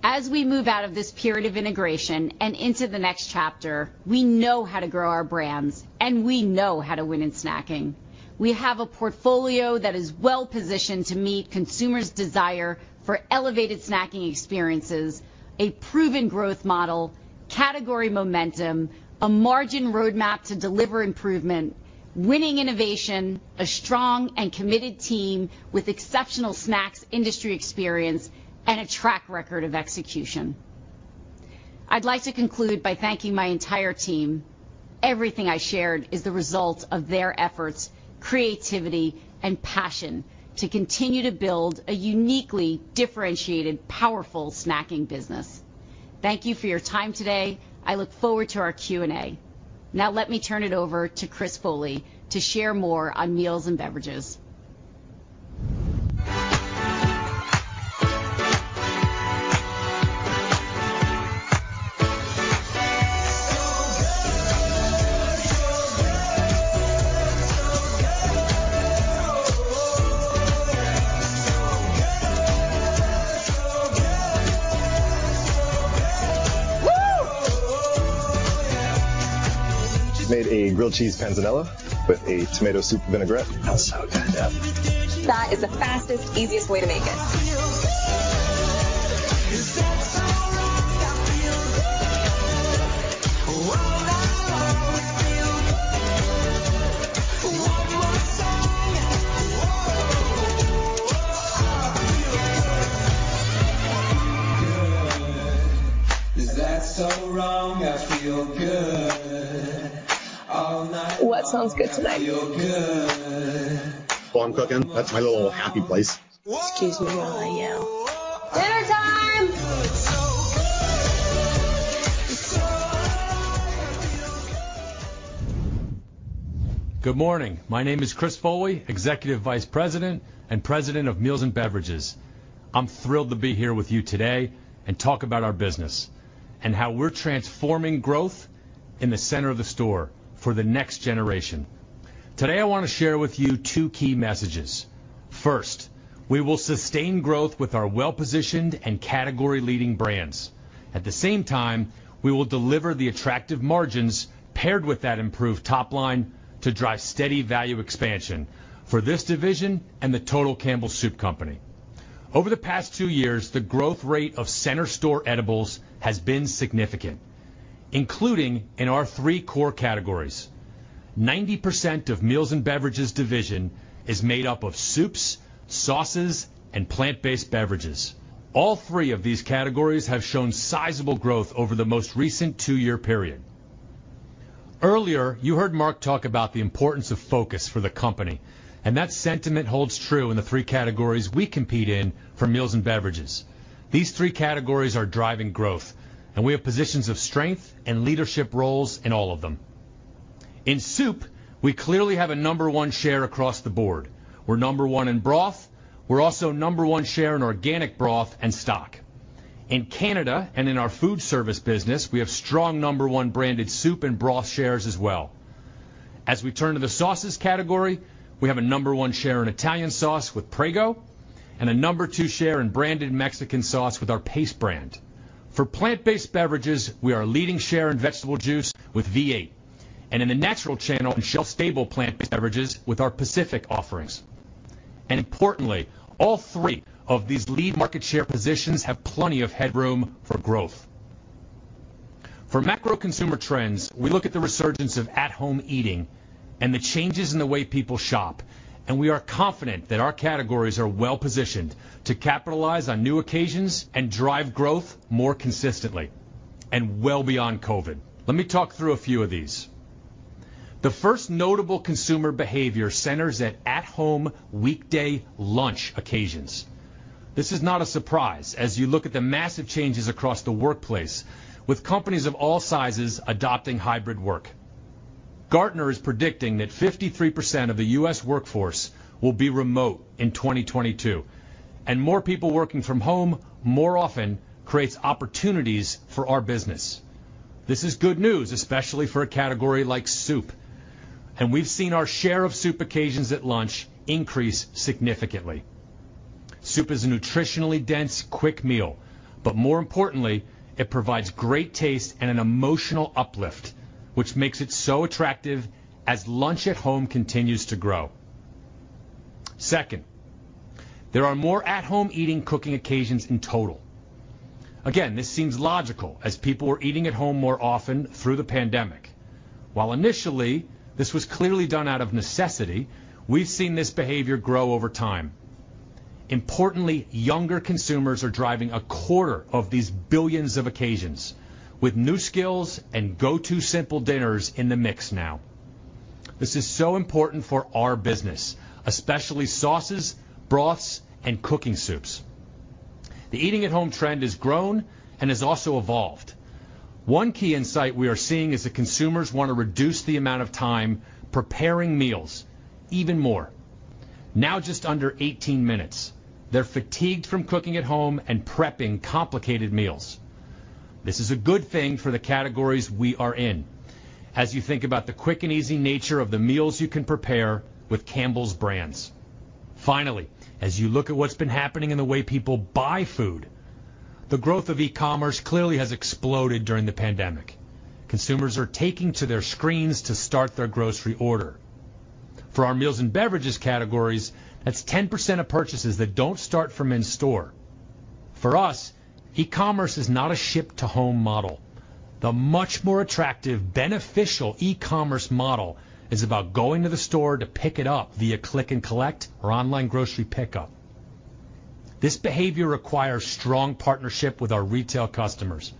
As we move out of this period of integration and into the next chapter, we know how to grow our brands, and we know how to win in snacking. We have a portfolio that is well-positioned to meet consumers' desire for elevated snacking experiences, a proven growth model, category momentum, a margin roadmap to deliver improvement, winning innovation, a strong and committed team with exceptional snacks industry experience, and a track record of execution. I'd like to conclude by thanking my entire team. Everything I shared is the result of their efforts, creativity and passion to continue to build a uniquely differentiated, powerful snacking business. Thank you for your time today. I look forward to our Q&A. Now let me turn it over to Chris Foley to share more on Meals & Beverages. <inaudible> She's made a grilled cheese panzanella with a tomato soup vinaigrette. That's so good. That is the fastest, easiest way to make it. <music> Good morning. My name is Chris Foley, Executive Vice President and President of Meals & Beverages. I'm thrilled to be here with you today and talk about our business and how we're transforming growth in the center of the store for the next generation. Today, I wanna share with you two key messages. First, we will sustain growth with our well-positioned and category leading brands. At the same time, we will deliver the attractive margins paired with that improved top line to drive steady value expansion for this division and the total Campbell Soup Company. Over the past two years, the growth rate of center store edibles has been significant, including in our three core categories. 90% of Meals & Beverages division is made up of soups, sauces, and plant-based beverages. All three of these categories have shown sizable growth over the most recent two-year period. Earlier, you heard Mark talk about the importance of focus for the company, and that sentiment holds true in the three categories we compete in for Meals and Beverages. These three categories are driving growth, and we have positions of strength and leadership roles in all of them. In soup, we clearly have a number one share across the board. We're number one in broth. We're also number one share in organic broth and stock. In Canada and in our food service business, we have strong number one branded soup and broth shares as well. As we turn to the sauces category, we have a number one share in Italian sauce with Prego and a number two share in branded Mexican sauce with our Pace brand. For plant-based beverages, we have a leading share in vegetable juice with V8 and in the natural channel and shelf-stable plant-based beverages with our Pacific offerings. Importantly, all three of these leading market share positions have plenty of headroom for growth. For macro consumer trends, we look at the resurgence of at-home eating and the changes in the way people shop, and we are confident that our categories are well positioned to capitalize on new occasions and drive growth more consistently and well beyond COVID. Let me talk through a few of these. The first notable consumer behavior centers on at-home weekday lunch occasions. This is not a surprise as you look at the massive changes across the workplace with companies of all sizes adopting hybrid work. Gartner is predicting that 53% of the U.S. workforce will be remote in 2022, and more people working from home more often creates opportunities for our business. This is good news, especially for a category like soup, and we've seen our share of soup occasions at lunch increase significantly. Soup is a nutritionally dense, quick meal, but more importantly, it provides great taste and an emotional uplift, which makes it so attractive as lunch at home continues to grow. Second, there are more at home eating cooking occasions in total. Again, this seems logical as people were eating at home more often through the pandemic. While initially this was clearly done out of necessity, we've seen this behavior grow over time. Importantly, younger consumers are driving a quarter of these billions of occasions with new skills and go-to simple dinners in the mix now. This is so important for our business, especially sauces, broths, and cooking soups. The eating at home trend has grown and has also evolved. One key insight we are seeing is that consumers wanna reduce the amount of time preparing meals even more. Now just under 18 minutes. They're fatigued from cooking at home and prepping complicated meals. This is a good thing for the categories we are in as you think about the quick and easy nature of the meals you can prepare with Campbell's brands. Finally, as you look at what's been happening in the way people buy food, the growth of e-commerce clearly has exploded during the pandemic. Consumers are taking to their screens to start their grocery order. For our meals and beverages categories, that's 10% of purchases that don't start from in store. For us, e-commerce is not a ship-to-home model. The much more attractive, beneficial e-commerce model is about going to the store to pick it up via click and collect or online grocery pickup. This behavior requires strong partnership with our retail customers,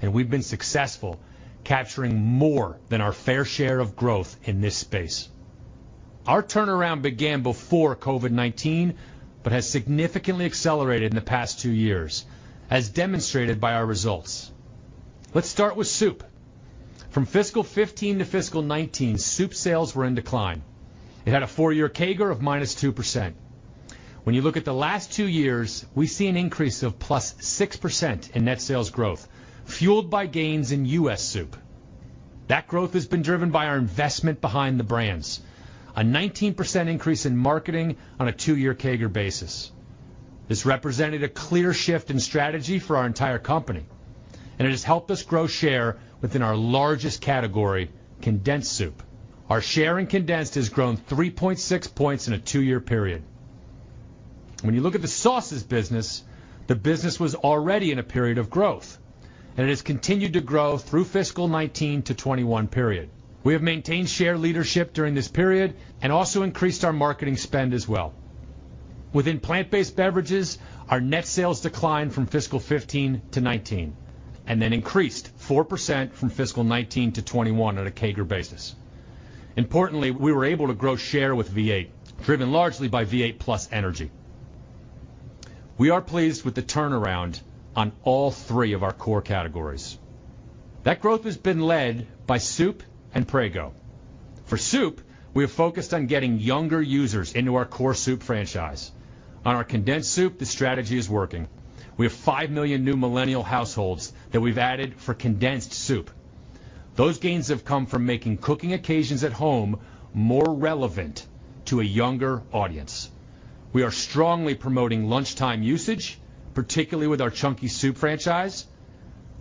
and we've been successful capturing more than our fair share of growth in this space. Our turnaround began before COVID-19, but has significantly accelerated in the past two years, as demonstrated by our results. Let's start with soup. From fiscal 2015 to fiscal 2019, soup sales were in decline. It had a 4-year CAGR of -2%. When you look at the last two years, we see an increase of +6% in net sales growth, fueled by gains in U.S. soup. That growth has been driven by our investment behind the brands, a 19% increase in marketing on a 2-year CAGR basis. This represented a clear shift in strategy for our entire company, and it has helped us grow share within our largest category, condensed soup. Our share in condensed has grown 3.6 points in a 2-year period. When you look at the sauces business, the business was already in a period of growth, and it has continued to grow through fiscal 2019 to 2021 period. We have maintained share leadership during this period and also increased our marketing spend as well. Within plant-based beverages, our net sales declined from fiscal 2015 to 2019, and then increased 4% from fiscal 2019 to 2021 on a CAGR basis. Importantly, we were able to grow share with V8, driven largely by V8 Plus Energy. We are pleased with the turnaround on all three of our core categories. That growth has been led by soup and Prego. For soup, we have focused on getting younger users into our core soup franchise. On our condensed soup, the strategy is working. We have 5 million new millennial households that we've added for condensed soup. Those gains have come from making cooking occasions at home more relevant to a younger audience. We are strongly promoting lunchtime usage, particularly with our Chunky soup franchise.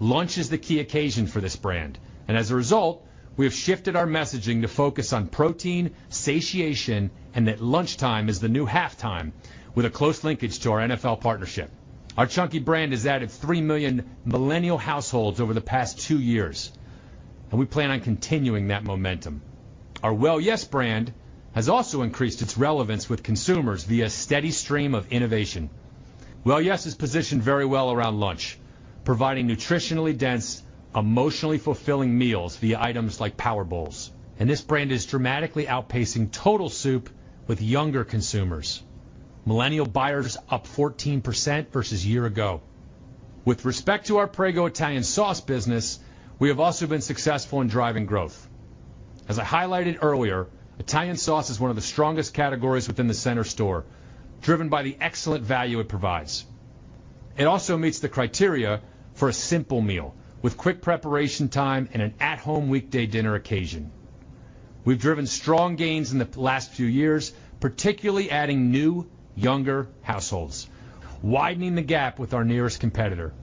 Lunch is the key occasion for this brand, and as a result, we have shifted our messaging to focus on protein, satiation, and that lunchtime is the new halftime with a close linkage to our NFL partnership. Our Chunky brand has added 3 million millennial households over the past 2 years, and we plan on continuing that momentum. Our Well Yes brand has also increased its relevance with consumers via steady stream of innovation. Well Yes is positioned very well around lunch, providing nutritionally dense, emotionally fulfilling meals via items like Power Bowls. This brand is dramatically outpacing total soup with younger consumers. Millennial buyers up 14% versus year ago. With respect to our Prego Italian sauce business, we have also been successful in driving growth. As I highlighted earlier, Italian sauce is one of the strongest categories within the center store, driven by the excellent value it provides. It also meets the criteria for a simple meal with quick preparation time and an at-home weekday dinner occasion. We've driven strong gains in the last few years, particularly adding new, younger households, widening the gap with our nearest competitor.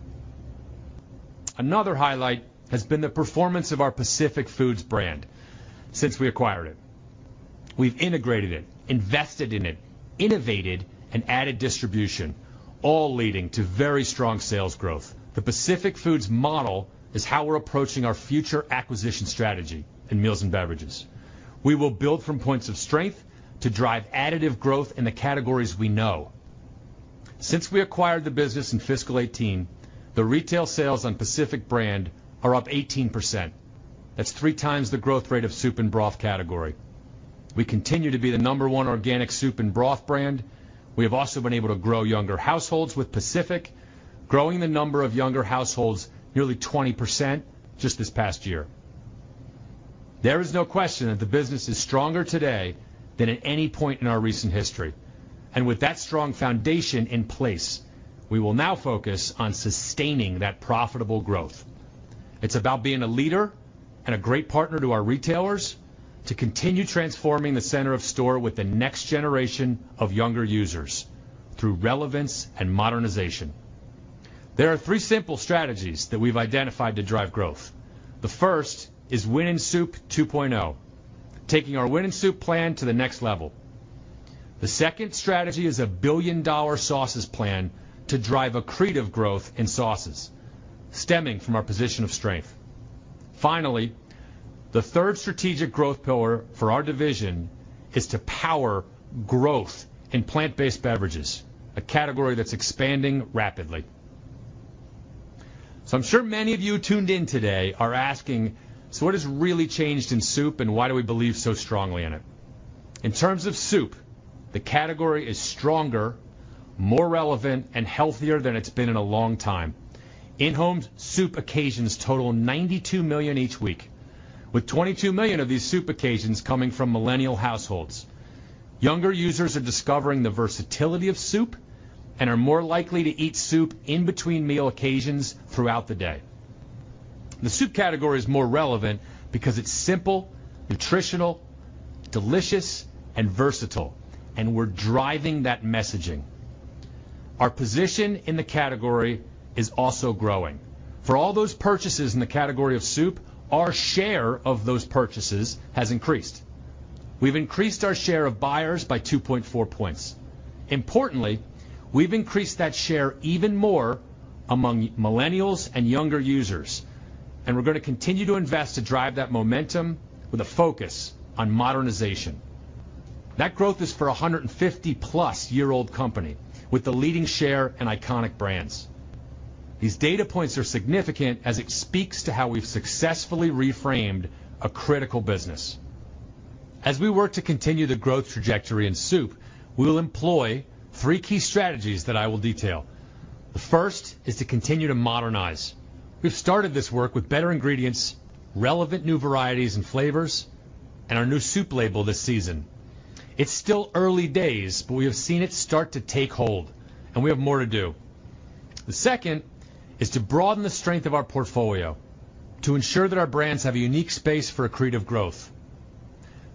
Another highlight has been the performance of our Pacific Foods brand since we acquired it. We've integrated it, invested in it, innovated, and added distribution, all leading to very strong sales growth. The Pacific Foods model is how we're approaching our future acquisition strategy in meals and beverages. We will build from points of strength to drive additive growth in the categories we know. Since we acquired the business in fiscal 2018, the retail sales on Pacific brand are up 18%. That's three times the growth rate of soup and broth category. We continue to be the number one organic soup and broth brand. We have also been able to grow younger households with Pacific, growing the number of younger households nearly 20% just this past year. There is no question that the business is stronger today than at any point in our recent history. With that strong foundation in place, we will now focus on sustaining that profitable growth. It's about being a leader and a great partner to our retailers to continue transforming the center of store with the next generation of younger users through relevance and modernization. There are three simple strategies that we've identified to drive growth. The first is Win in Soup 2.0, taking our Win in Soup plan to the next level. The second strategy is a billion-dollar sauces plan to drive accretive growth in sauces stemming from our position of strength. Finally, the third strategic growth pillar for our division is to power growth in plant-based beverages, a category that's expanding rapidly. I'm sure many of you tuned in today are asking, "So what has really changed in soup, and why do we believe so strongly in it?" In terms of soup, the category is stronger, more relevant, and healthier than it's been in a long time. In-home soup occasions total 92 million each week, with 22 million of these soup occasions coming from millennial households. Younger users are discovering the versatility of soup and are more likely to eat soup in between meal occasions throughout the day. The soup category is more relevant because it's simple, nutritional, delicious, and versatile, and we're driving that messaging. Our position in the category is also growing. For all those purchases in the category of soup, our share of those purchases has increased. We've increased our share of buyers by 2.4 points. Importantly, we've increased that share even more among millennials and younger users, and we're gonna continue to invest to drive that momentum with a focus on modernization. That growth is for a 150+-year-old company with the leading share and iconic brands. These data points are significant as it speaks to how we've successfully reframed a critical business. As we work to continue the growth trajectory in soup, we'll employ three key strategies that I will detail. The first is to continue to modernize. We've started this work with better ingredients, relevant new varieties and flavors, and our new soup label this season. It's still early days, but we have seen it start to take hold, and we have more to do. The second is to broaden the strength of our portfolio to ensure that our brands have a unique space for accretive growth.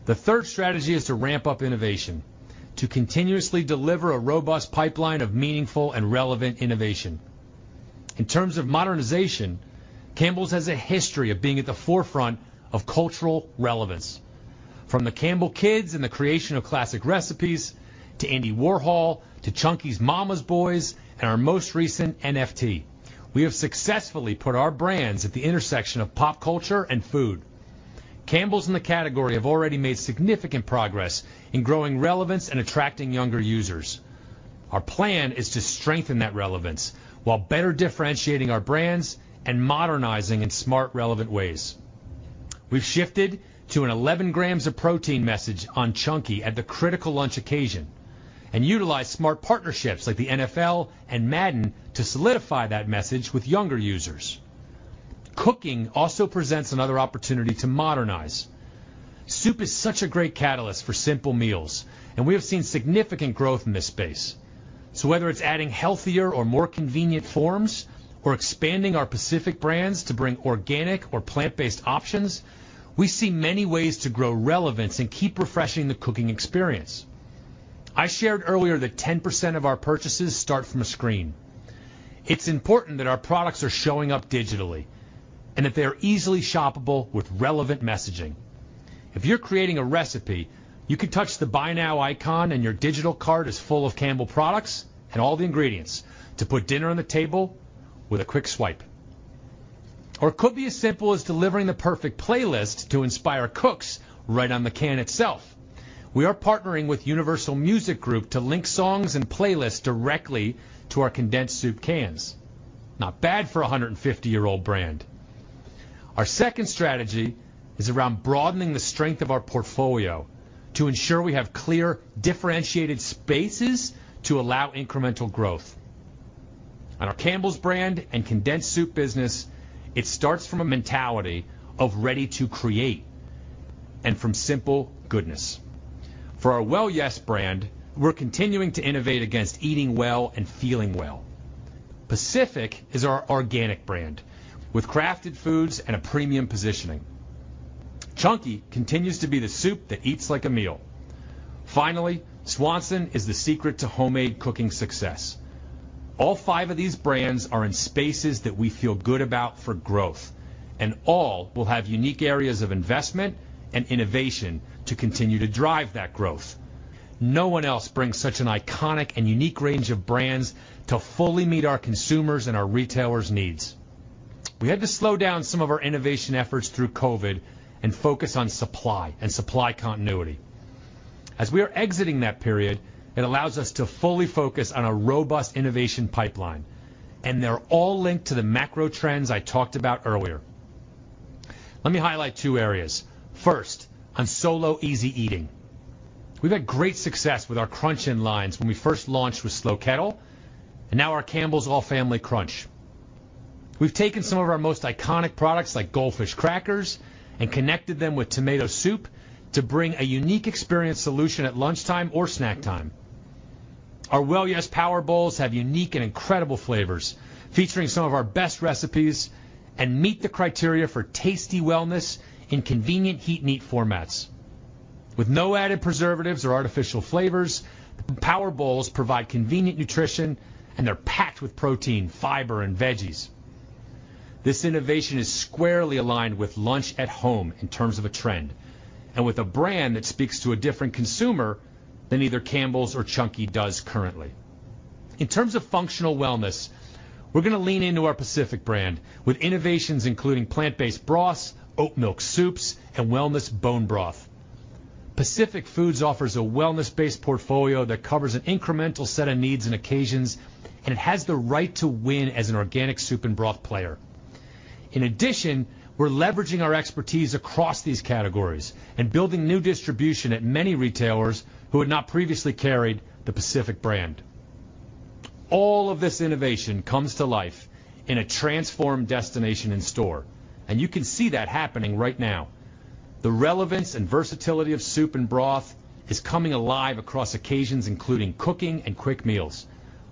The third strategy is to ramp up innovation, to continuously deliver a robust pipeline of meaningful and relevant innovation. In terms of modernization, Campbell's has a history of being at the forefront of cultural relevance. From the Campbell Kids and the creation of classic recipes, to Andy Warhol, to Chunky's Mama's Boys, and our most recent NFT, we have successfully put our brands at the intersection of pop culture and food. Campbell's and the category have already made significant progress in growing relevance and attracting younger users. Our plan is to strengthen that relevance while better differentiating our brands and modernizing in smart, relevant ways. We've shifted to an 11 grams of protein message on Chunky at the critical lunch occasion and utilized smart partnerships like the NFL and Madden to solidify that message with younger users. Cooking also presents another opportunity to modernize. Soup is such a great catalyst for simple meals, and we have seen significant growth in this space. Whether it's adding healthier or more convenient forms or expanding our Pacific brands to bring organic or plant-based options, we see many ways to grow relevance and keep refreshing the cooking experience. I shared earlier that 10% of our purchases start from a screen. It's important that our products are showing up digitally and that they are easily shoppable with relevant messaging. If you're creating a recipe, you can touch the Buy Now icon, and your digital cart is full of Campbell products and all the ingredients to put dinner on the table with a quick swipe. Or it could be as simple as delivering the perfect playlist to inspire cooks right on the can itself. We are partnering with Universal Music Group to link songs and playlists directly to our condensed soup cans. Not bad for a 150-year-old brand. Our second strategy is around broadening the strength of our portfolio to ensure we have clear, differentiated spaces to allow incremental growth. On our Campbell's brand and condensed soup business, it starts from a mentality of ready to create and from simple goodness. For our Well Yes brand, we're continuing to innovate against eating well and feeling well. Pacific is our organic brand with crafted foods and a premium positioning. Chunky continues to be the soup that eats like a meal. Finally, Swanson is the secret to homemade cooking success. All five of these brands are in spaces that we feel good about for growth, and all will have unique areas of investment and innovation to continue to drive that growth. No one else brings such an iconic and unique range of brands to fully meet our consumers' and our retailers' needs. We had to slow down some of our innovation efforts through COVID and focus on supply and supply continuity. As we are exiting that period, it allows us to fully focus on a robust innovation pipeline, and they're all linked to the macro trends I talked about earlier. Let me highlight two areas. First, on solo easy eating. We've had great success with our Crunch In lines when we first launched with Slow Kettle and now our Campbell's All Family Crunch. We've taken some of our most iconic products, like Goldfish crackers, and connected them with tomato soup to bring a unique experience solution at lunchtime or snack time. Our Well Yes! Power Bowls have unique and incredible flavors, featuring some of our best recipes, and meet the criteria for tasty wellness in convenient heat-and-eat formats. With no added preservatives or artificial flavors, Power Bowls provide convenient nutrition, and they're packed with protein, fiber, and veggies. This innovation is squarely aligned with lunch at home in terms of a trend and with a brand that speaks to a different consumer than either Campbell's or Chunky does currently. In terms of functional wellness, we're gonna lean into our Pacific brand with innovations including plant-based broths, oat milk soups, and wellness bone broth. Pacific Foods offers a wellness-based portfolio that covers an incremental set of needs and occasions, and it has the right to win as an organic soup and broth player. In addition, we're leveraging our expertise across these categories and building new distribution at many retailers who had not previously carried the Pacific brand. All of this innovation comes to life in a transformed destination in store, and you can see that happening right now. The relevance and versatility of soup and broth is coming alive across occasions, including cooking and quick meals.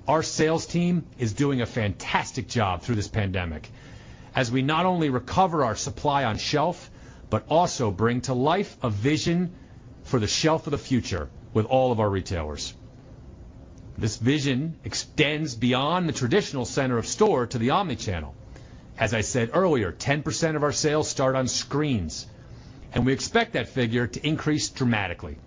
Our sales team is doing a fantastic job through this pandemic as we not only recover our supply on shelf but also bring to life a vision for the shelf of the future with all of our retailers. This vision extends beyond the traditional center of store to the omni-channel. As I said earlier, 10% of our sales start on screens, and we expect that figure to increase dramatically.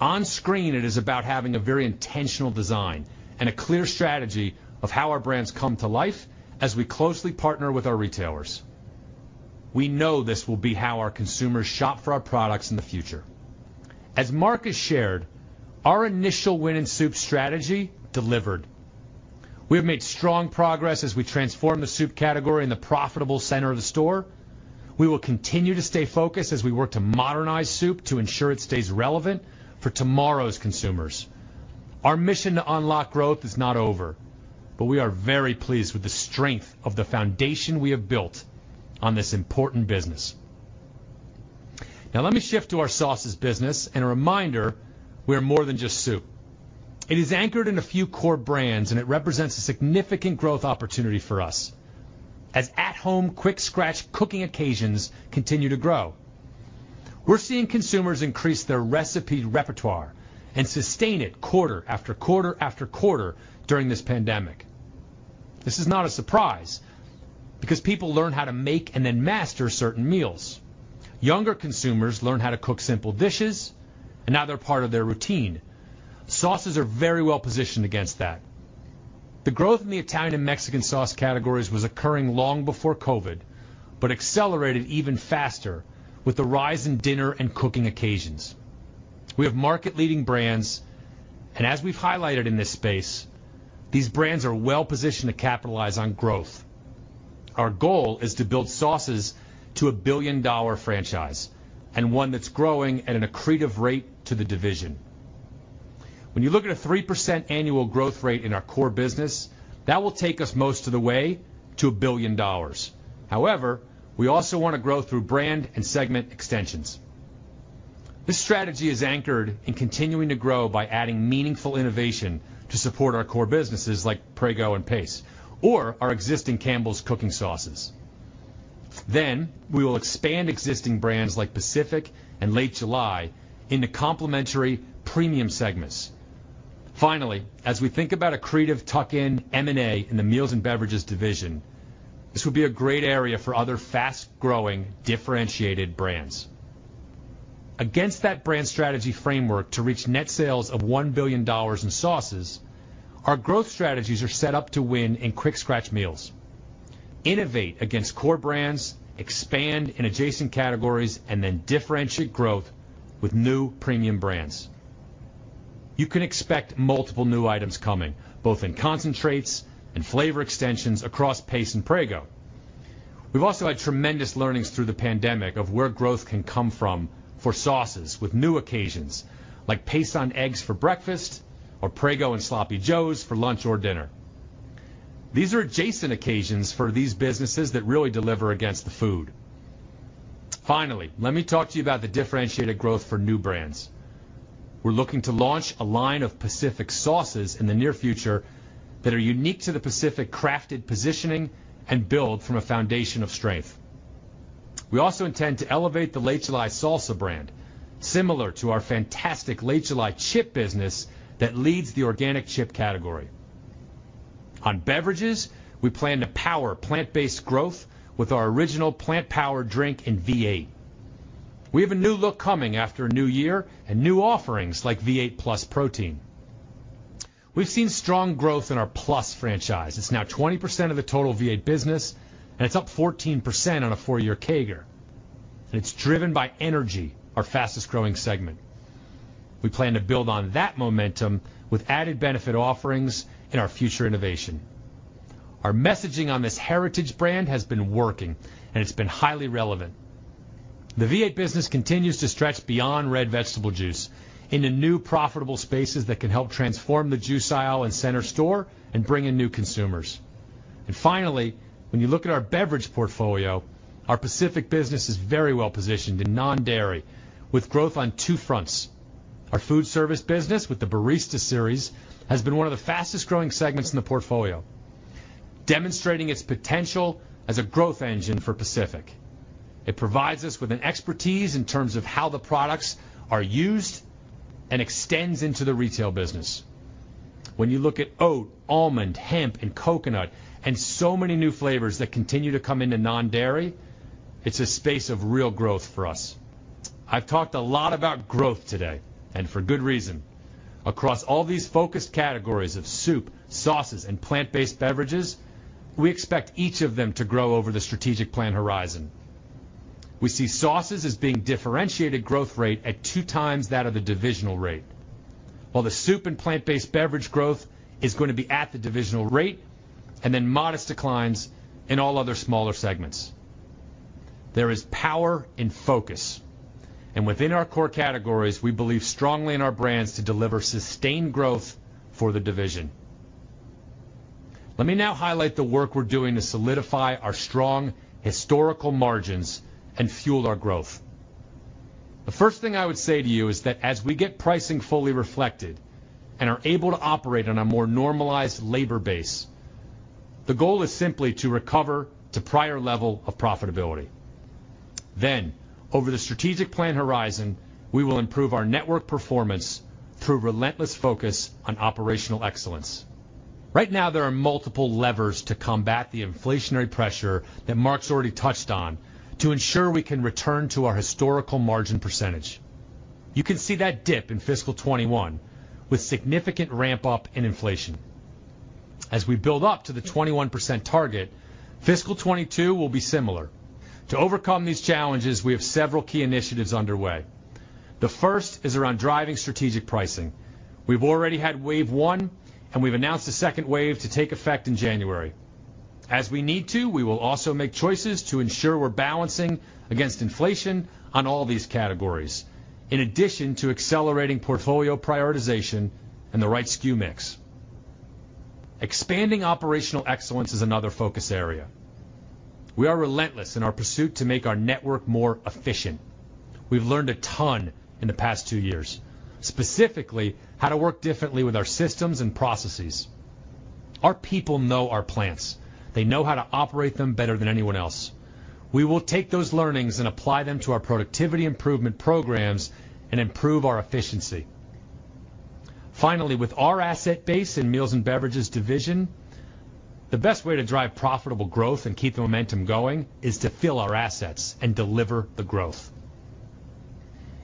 On screen, it is about having a very intentional design and a clear strategy of how our brands come to life as we closely partner with our retailers. We know this will be how our consumers shop for our products in the future. As Mark Clouse shared, our initial win in soup strategy delivered. We have made strong progress as we transform the soup category in the profitable center of the store. We will continue to stay focused as we work to modernize soup to ensure it stays relevant for tomorrow's consumers. Our mission to unlock growth is not over, but we are very pleased with the strength of the foundation we have built on this important business. Now let me shift to our sauces business, and a reminder, we are more than just soup. It is anchored in a few core brands, and it represents a significant growth opportunity for us as at-home quick scratch cooking occasions continue to grow. We're seeing consumers increase their recipe repertoire and sustain it quarter after quarter after quarter during this pandemic. This is not a surprise because people learn how to make and then master certain meals. Younger consumers learn how to cook simple dishes, and now they're part of their routine. Sauces are very well positioned against that. The growth in the Italian and Mexican sauce categories was occurring long before COVID, but accelerated even faster with the rise in dinner and cooking occasions. We have market-leading brands, and as we've highlighted in this space, these brands are well positioned to capitalize on growth. Our goal is to build sauces to a billion-dollar franchise and one that's growing at an accretive rate to the division. When you look at a 3% annual growth rate in our core business, that will take us most of the way to $1 billion. However, we also wanna grow through brand and segment extensions. This strategy is anchored in continuing to grow by adding meaningful innovation to support our core businesses like Prego and Pace or our existing Campbell's cooking sauces. We will expand existing brands like Pacific and Late July into complementary premium segments. Finally, as we think about accretive tuck-in M&A in the meals and beverages division, this would be a great area for other fast-growing differentiated brands. Against that brand strategy framework to reach net sales of $1 billion in sauces, our growth strategies are set up to win in quick scratch meals, innovate against core brands, expand in adjacent categories, and differentiate growth with new premium brands. You can expect multiple new items coming, both in concentrates and flavor extensions across Pace and Prego. We've also had tremendous learnings through the pandemic of where growth can come from for sauces with new occasions, like Pace on eggs for breakfast or Prego and sloppy joes for lunch or dinner. These are adjacent occasions for these businesses that really deliver against the food. Finally, let me talk to you about the differentiated growth for new brands. We're looking to launch a line of Pacific sauces in the near future that are unique to the Pacific crafted positioning and build from a foundation of strength. We also intend to elevate the Late July salsa brand similar to our fantastic Late July chip business that leads the organic chip category. On beverages, we plan to power plant-based growth with our original plant-powered drink in V8. We have a new look coming after New Year and new offerings like V8 +Protein. We've seen strong growth in our Plus franchise. It's now 20% of the total V8 business, and it's up 14% on a four-year CAGR. It's driven by energy, our fastest-growing segment. We plan to build on that momentum with added benefit offerings in our future innovation. Our messaging on this heritage brand has been working, and it's been highly relevant. The V8 business continues to stretch beyond red vegetable juice into new profitable spaces that can help transform the juice aisle and center store and bring in new consumers. Finally, when you look at our beverage portfolio, our Pacific business is very well positioned in non-dairy with growth on two fronts. Our food service business with the Barista series has been one of the fastest-growing segments in the portfolio, demonstrating its potential as a growth engine for Pacific. It provides us with an expertise in terms of how the products are used and extends into the retail business. When you look at oat, almond, hemp, and coconut and so many new flavors that continue to come into non-dairy, it's a space of real growth for us. I've talked a lot about growth today and for good reason. Across all these focused categories of soup, sauces, and plant-based beverages, we expect each of them to grow over the strategic plan horizon. We see sauces as being differentiated growth rate at two times that of the divisional rate. While the soup and plant-based beverage growth is going to be at the divisional rate and then modest declines in all other smaller segments. There is power in focus. Within our core categories, we believe strongly in our brands to deliver sustained growth for the division. Let me now highlight the work we're doing to solidify our strong historical margins and fuel our growth. The first thing I would say to you is that as we get pricing fully reflected and are able to operate on a more normalized labor base. The goal is simply to recover to prior level of profitability. Over the strategic plan horizon, we will improve our network performance through relentless focus on operational excellence. Right now, there are multiple levers to combat the inflationary pressure that Mark's already touched on to ensure we can return to our historical margin percentage. You can see that dip in fiscal 2021 with significant ramp up in inflation. As we build up to the 21% target, fiscal 2022 will be similar. To overcome these challenges, we have several key initiatives underway. The first is around driving strategic pricing. We've already had wave one, and we've announced a second wave to take effect in January. As we need to, we will also make choices to ensure we're balancing against inflation on all these categories, in addition to accelerating portfolio prioritization and the right SKU mix. Expanding operational excellence is another focus area. We are relentless in our pursuit to make our network more efficient. We've learned a ton in the past two years, specifically how to work differently with our systems and processes. Our people know our plants. They know how to operate them better than anyone else. We will take those learnings and apply them to our productivity improvement programs and improve our efficiency. Finally, with our asset base in Meals & Beverages division, the best way to drive profitable growth and keep the momentum going is to fill our assets and deliver the growth.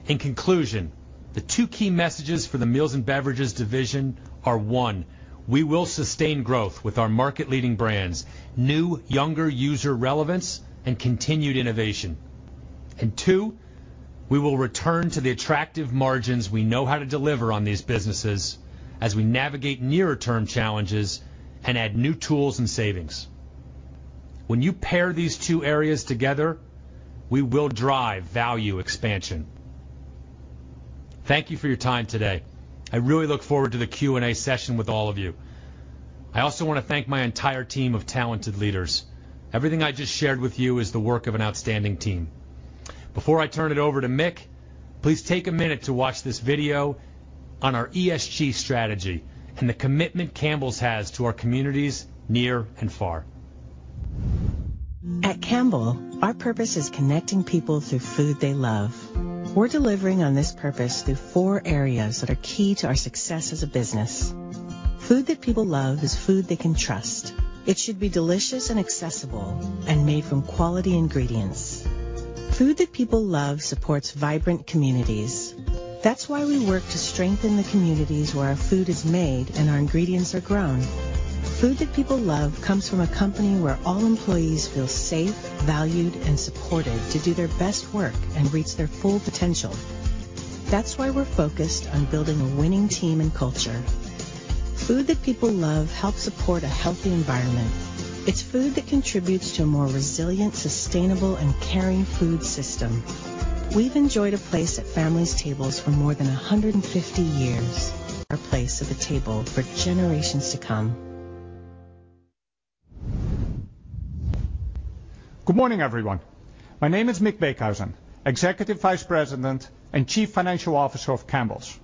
In conclusion, the two key messages for the Meals & Beverages division are, one, we will sustain growth with our market leading brands, new younger user relevance, and continued innovation. Two, we will return to the attractive margins we know how to deliver on these businesses as we navigate near-term challenges and add new tools and savings. When you pair these two areas together, we will drive value expansion. Thank you for your time today. I really look forward to the Q&A session with all of you. I also wanna thank my entire team of talented leaders. Everything I just shared with you is the work of an outstanding team. Before I turn it over to Mick, please take a minute to watch this video on our ESG strategy and the commitment Campbell's has to our communities near and far. At Campbell, our purpose is connecting people through food they love. We're delivering on this purpose through four areas that are key to our success as a business. Food that people love is food they can trust. It should be delicious and accessible and made from quality ingredients. Food that people love supports vibrant communities. That's why we work to strengthen the communities where our food is made and our ingredients are grown. Food that people love comes from a company where all employees feel safe, valued, and supported to do their best work and reach their full potential. That's why we're focused on building a winning team and culture. Food that people love helps support a healthy environment. It's food that contributes to a more resilient, sustainable, and caring food system. We've enjoyed a place at families' tables for more than 150 years. Our place at the table for generations to come. Good morning, everyone. My name is Mick Beekhuizen, Executive Vice President and Chief Financial Officer of Campbell's.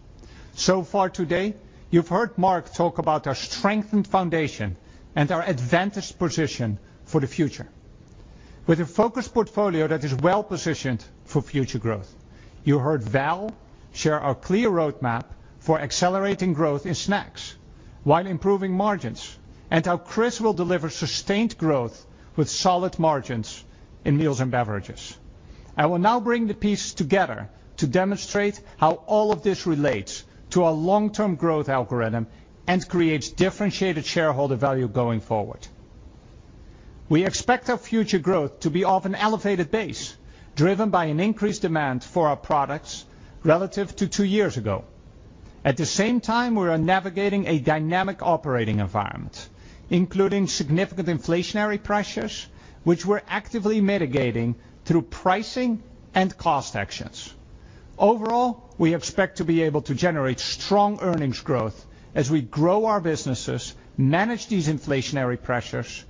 So far today, you've heard Mark talk about our strengthened foundation and our advantaged position for the future. With a focused portfolio that is well-positioned for future growth, you heard Val share our clear roadmap for accelerating growth in snacks while improving margins, and how Chris will deliver sustained growth with solid margins in meals and beverages. I will now bring the pieces together to demonstrate how all of this relates to our long-term growth algorithm and creates differentiated shareholder value going forward. We expect our future growth to be of an elevated base, driven by an increased demand for our products relative to two years ago. At the same time, we are navigating a dynamic operating environment, including significant inflationary pressures, which we're actively mitigating through pricing and cost actions. Overall, we expect to be able to generate strong earnings growth as we grow our businesses, manage these inflationary pressures,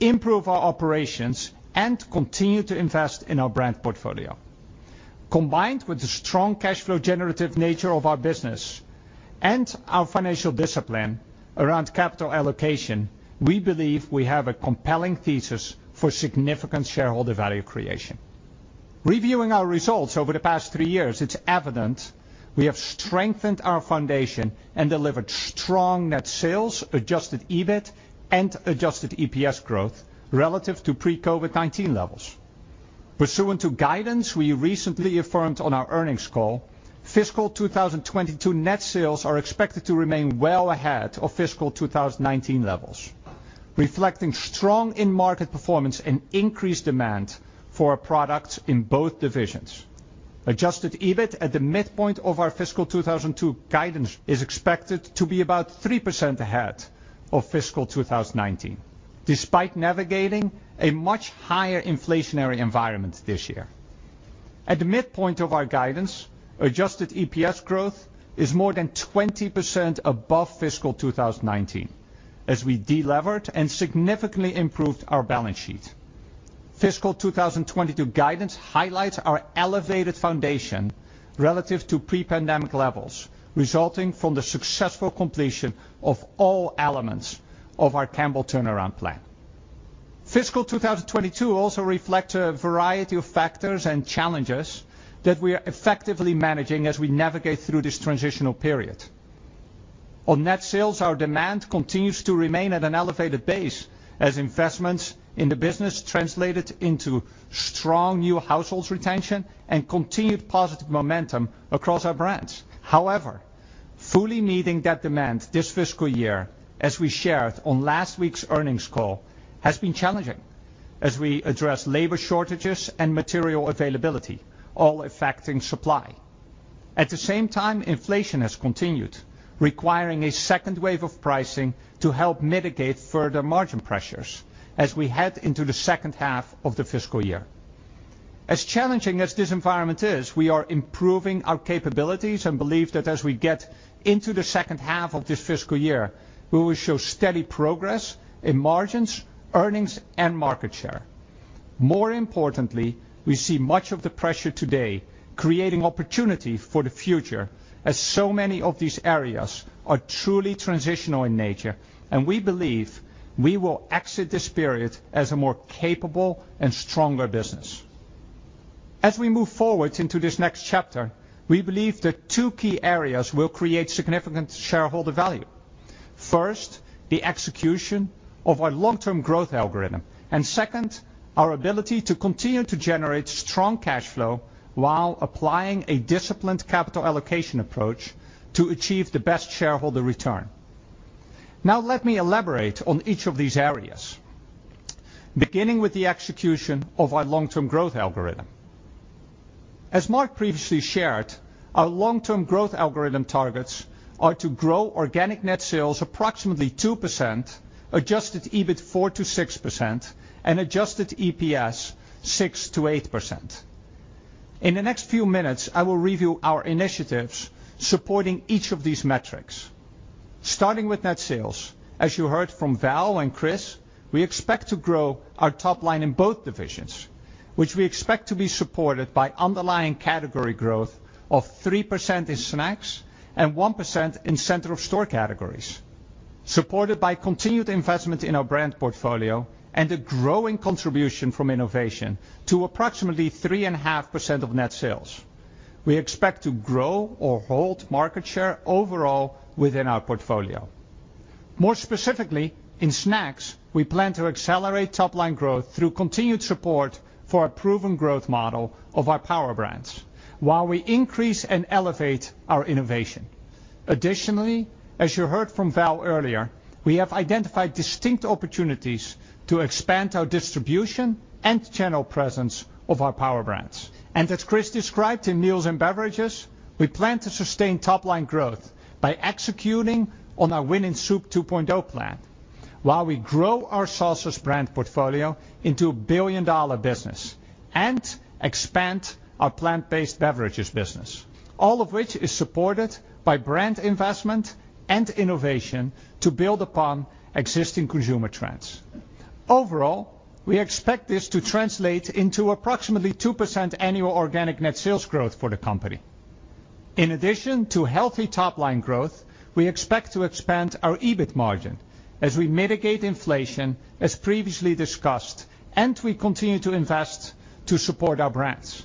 improve our operations, and continue to invest in our brand portfolio. Combined with the strong cash flow generative nature of our business and our financial discipline around capital allocation, we believe we have a compelling thesis for significant shareholder value creation. Reviewing our results over the past three years, it's evident we have strengthened our foundation and delivered strong net sales, adjusted EBIT, and adjusted EPS growth relative to pre-COVID-19 levels. Pursuant to guidance we recently affirmed on our earnings call, fiscal 2022 net sales are expected to remain well ahead of fiscal 2019 levels, reflecting strong in-market performance and increased demand for our products in both divisions. Adjusted EBIT at the midpoint of our fiscal 2022 guidance is expected to be about 3% ahead of fiscal 2019, despite navigating a much higher inflationary environment this year. At the midpoint of our guidance, adjusted EPS growth is more than 20% above fiscal 2019, as we delevered and significantly improved our balance sheet. Fiscal 2022 guidance highlights our elevated foundation relative to pre-pandemic levels, resulting from the successful completion of all elements of our Campbell turnaround plan. Fiscal 2022 also reflects a variety of factors and challenges that we are effectively managing as we navigate through this transitional period. On net sales, our demand continues to remain at an elevated base as investments in the business translated into strong new households retention and continued positive momentum across our brands. However, fully meeting that demand this fiscal year, as we shared on last week's earnings call, has been challenging as we address labor shortages and material availability, all affecting supply. At the same time, inflation has continued, requiring a second wave of pricing to help mitigate further margin pressures as we head into the second half of the fiscal year. As challenging as this environment is, we are improving our capabilities and believe that as we get into the second half of this fiscal year, we will show steady progress in margins, earnings, and market share. More importantly, we see much of the pressure today creating opportunity for the future as so many of these areas are truly transitional in nature, and we believe we will exit this period as a more capable and stronger business. As we move forward into this next chapter, we believe that two key areas will create significant shareholder value. First, the execution of our long-term growth algorithm. Second, our ability to continue to generate strong cash flow while applying a disciplined capital allocation approach to achieve the best shareholder return. Now let me elaborate on each of these areas. Beginning with the execution of our long-term growth algorithm. As Mark previously shared, our long-term growth algorithm targets are to grow organic net sales approximately 2%, adjusted EBIT 4%-6%, and adjusted EPS 6%-8%. In the next few minutes, I will review our initiatives supporting each of these metrics. Starting with net sales, as you heard from Val and Chris, we expect to grow our top line in both divisions, which we expect to be supported by underlying category growth of 3% in snacks and 1% in center of store categories, supported by continued investment in our brand portfolio and a growing contribution from innovation to approximately 3.5% of net sales. We expect to grow or hold market share overall within our portfolio. More specifically, in Snacks, we plan to accelerate top-line growth through continued support for our proven growth model of our power brands while we increase and elevate our innovation. Additionally, as you heard from Val earlier, we have identified distinct opportunities to expand our distribution and channel presence of our power brands. As Chris described in Meals and Beverages, we plan to sustain top-line growth by executing on our Winning Soup 2.0 plan while we grow our sauces brand portfolio into a billion-dollar business and expand our plant-based beverages business, all of which is supported by brand investment and innovation to build upon existing consumer trends. Overall, we expect this to translate into approximately 2% annual organic net sales growth for the company. In addition to healthy top-line growth, we expect to expand our EBIT margin as we mitigate inflation, as previously discussed, and we continue to invest to support our brands.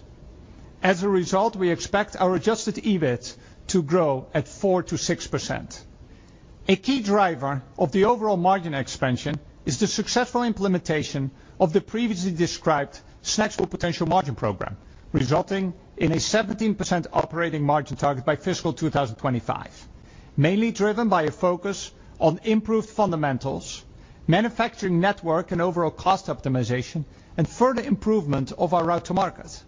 As a result, we expect our adjusted EBIT to grow at 4%-6%. A key driver of the overall margin expansion is the successful implementation of the previously described Snacks Full Potential Margin program, resulting in a 17% operating margin target by fiscal 2025, mainly driven by a focus on improved fundamentals, manufacturing network and overall cost optimization, and further improvement of our route to market.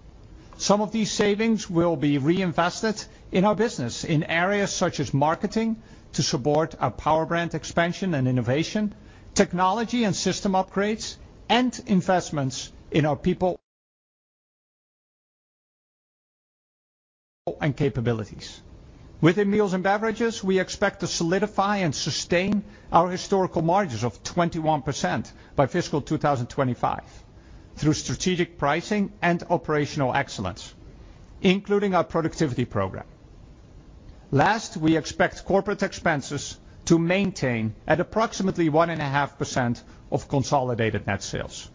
Some of these savings will be reinvested in our business in areas such as marketing to support our power brand expansion and innovation, technology and system upgrades, and investments in our people and capabilities. Within meals and beverages, we expect to solidify and sustain our historical margins of 21% by fiscal 2025 through strategic pricing and operational excellence, including our productivity program. Last, we expect corporate expenses to maintain at approximately 1.5% of consolidated net sales.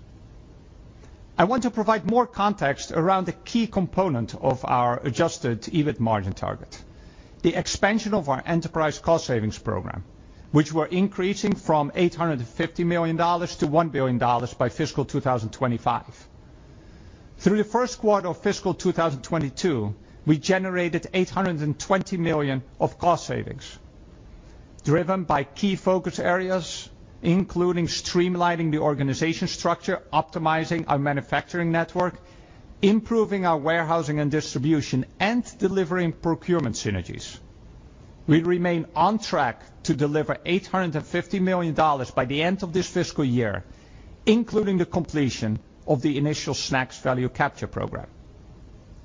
I want to provide more context around the key component of our adjusted EBIT margin target, the expansion of our enterprise cost savings program, which we're increasing from $850 million to $1 billion by fiscal 2025. Through the first quarter of fiscal 2022, we generated $820 million of cost savings, driven by key focus areas, including streamlining the organization structure, optimizing our manufacturing network, improving our warehousing and distribution, and delivering procurement synergies. We remain on track to deliver $850 million by the end of this fiscal year, including the completion of the initial Snacks Value Capture program.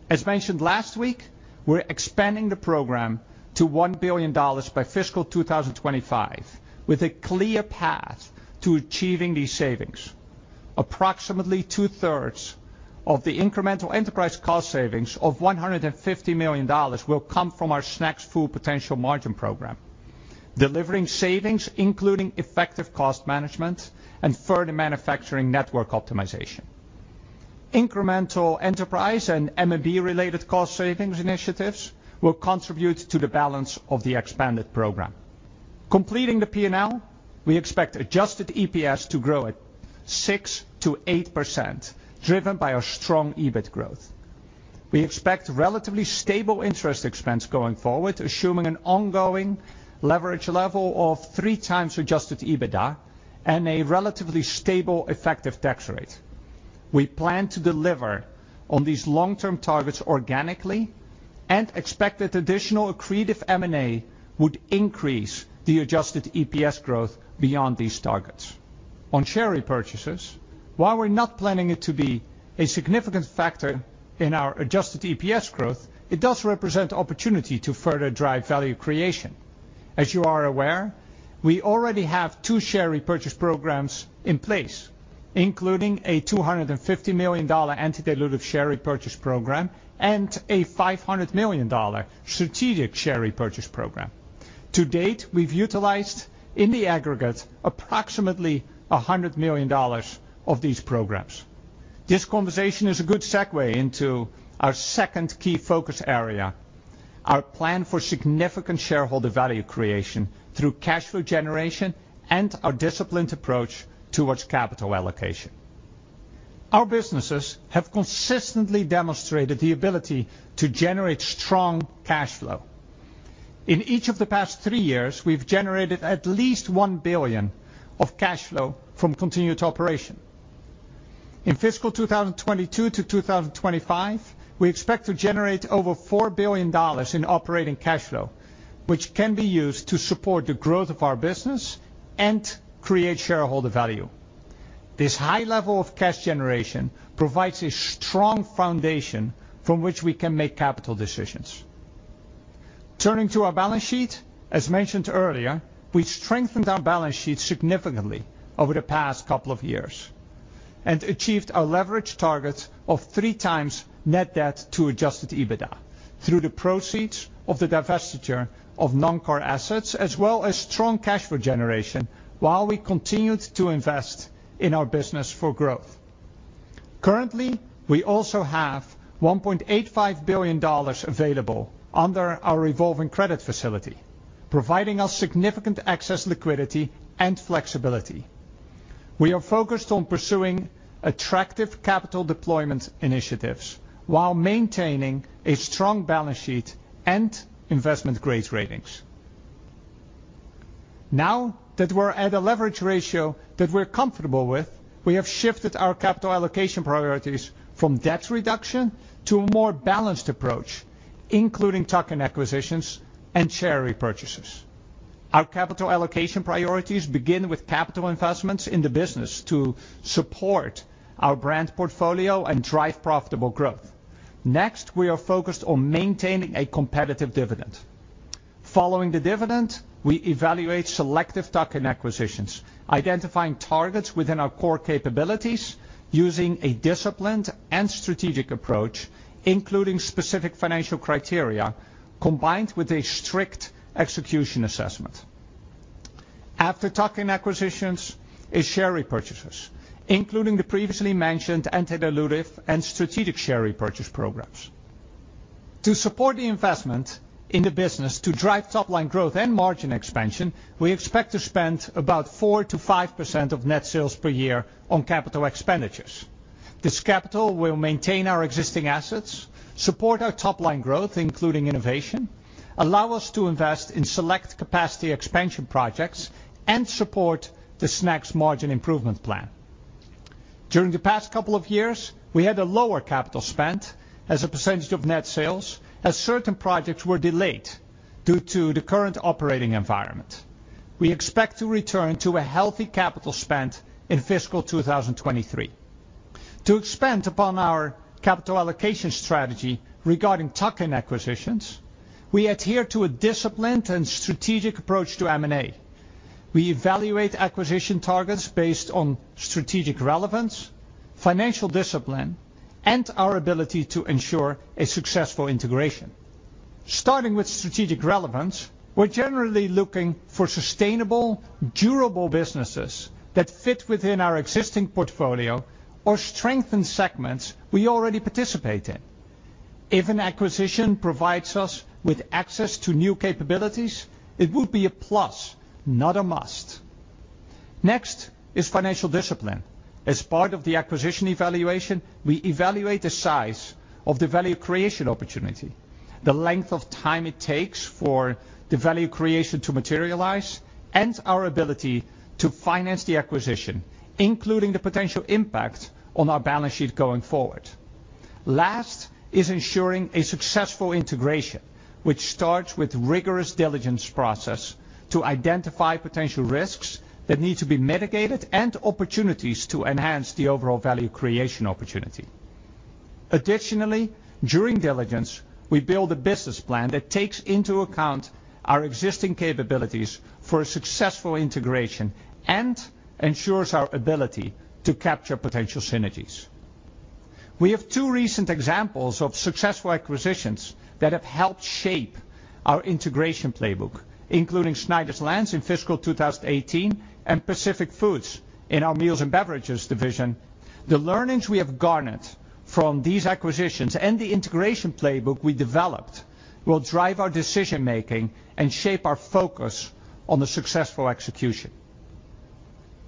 As mentioned last week, we're expanding the program to $1 billion by fiscal 2025, with a clear path to achieving these savings. Approximately two-thirds of the incremental enterprise cost savings of $150 million will come from our Snacks Full Potential Margin Program, delivering savings including effective cost management and further manufacturing network optimization. Incremental enterprise and M&B related cost savings initiatives will contribute to the balance of the expanded program. Completing the P&L, we expect adjusted EPS to grow at 6%-8%, driven by our strong EBIT growth. We expect relatively stable interest expense going forward, assuming an ongoing leverage level of 3x adjusted EBITDA and a relatively stable effective tax rate. We plan to deliver on these long-term targets organically and expect that additional accretive M&A would increase the adjusted EPS growth beyond these targets. On share repurchases, while we're not planning it to be a significant factor in our adjusted EPS growth, it does represent opportunity to further drive value creation. As you are aware, we already have two share repurchase programs in place, including a $250 million anti-dilutive share repurchase program and a $500 million strategic share repurchase program. To date, we've utilized in the aggregate approximately $100 million of these programs. This conversation is a good segue into our second key focus area, our plan for significant shareholder value creation through cash flow generation and our disciplined approach towards capital allocation. Our businesses have consistently demonstrated the ability to generate strong cash flow. In each of the past 3 years, we've generated at least $1 billion of cash flow from continuing operations. In fiscal 2022 to 2025, we expect to generate over $4 billion in operating cash flow, which can be used to support the growth of our business and create shareholder value. This high level of cash generation provides a strong foundation from which we can make capital decisions. Turning to our balance sheet, as mentioned earlier, we strengthened our balance sheet significantly over the past couple of years and achieved our leverage target of three times net debt to adjusted EBITDA through the proceeds of the divestiture of non-core assets as well as strong cash flow generation while we continued to invest in our business for growth. Currently, we also have $1.85 billion available under our revolving credit facility, providing us significant excess liquidity and flexibility. We are focused on pursuing attractive capital deployment initiatives while maintaining a strong balance sheet and investment grade ratings. Now that we're at a leverage ratio that we're comfortable with, we have shifted our capital allocation priorities from debt reduction to a more balanced approach, including tuck-in acquisitions and share repurchases. Our capital allocation priorities begin with capital investments in the business to support our brand portfolio and drive profitable growth. Next, we are focused on maintaining a competitive dividend. Following the dividend, we evaluate selective tuck-in acquisitions, identifying targets within our core capabilities using a disciplined and strategic approach, including specific financial criteria combined with a strict execution assessment. After tuck-in acquisitions is share repurchases, including the previously mentioned anti-dilutive and strategic share repurchase programs. To support the investment in the business to drive top line growth and margin expansion, we expect to spend about 4%-5% of net sales per year on capital expenditures. This capital will maintain our existing assets, support our top line growth, including innovation, allow us to invest in select capacity expansion projects, and support the snacks margin improvement plan. During the past couple of years, we had a lower capital spend as a percentage of net sales as certain projects were delayed due to the current operating environment. We expect to return to a healthy capital spend in fiscal 2023. To expand upon our capital allocation strategy regarding tuck-in acquisitions, we adhere to a disciplined and strategic approach to M&A. We evaluate acquisition targets based on strategic relevance, financial discipline, and our ability to ensure a successful integration. Starting with strategic relevance, we're generally looking for sustainable, durable businesses that fit within our existing portfolio or strengthen segments we already participate in. If an acquisition provides us with access to new capabilities, it would be a plus, not a must. Next is financial discipline. As part of the acquisition evaluation, we evaluate the size of the value creation opportunity, the length of time it takes for the value creation to materialize, and our ability to finance the acquisition, including the potential impact on our balance sheet going forward. Last is ensuring a successful integration, which starts with rigorous diligence process to identify potential risks that need to be mitigated and opportunities to enhance the overall value creation opportunity. During diligence, we build a business plan that takes into account our existing capabilities for a successful integration and ensures our ability to capture potential synergies. We have two recent examples of successful acquisitions that have helped shape our integration playbook, including Snyder's-Lance in fiscal 2018, and Pacific Foods in our Meals & Beverages division. The learnings we have garnered from these acquisitions and the integration playbook we developed will drive our decision-making and shape our focus on the successful execution.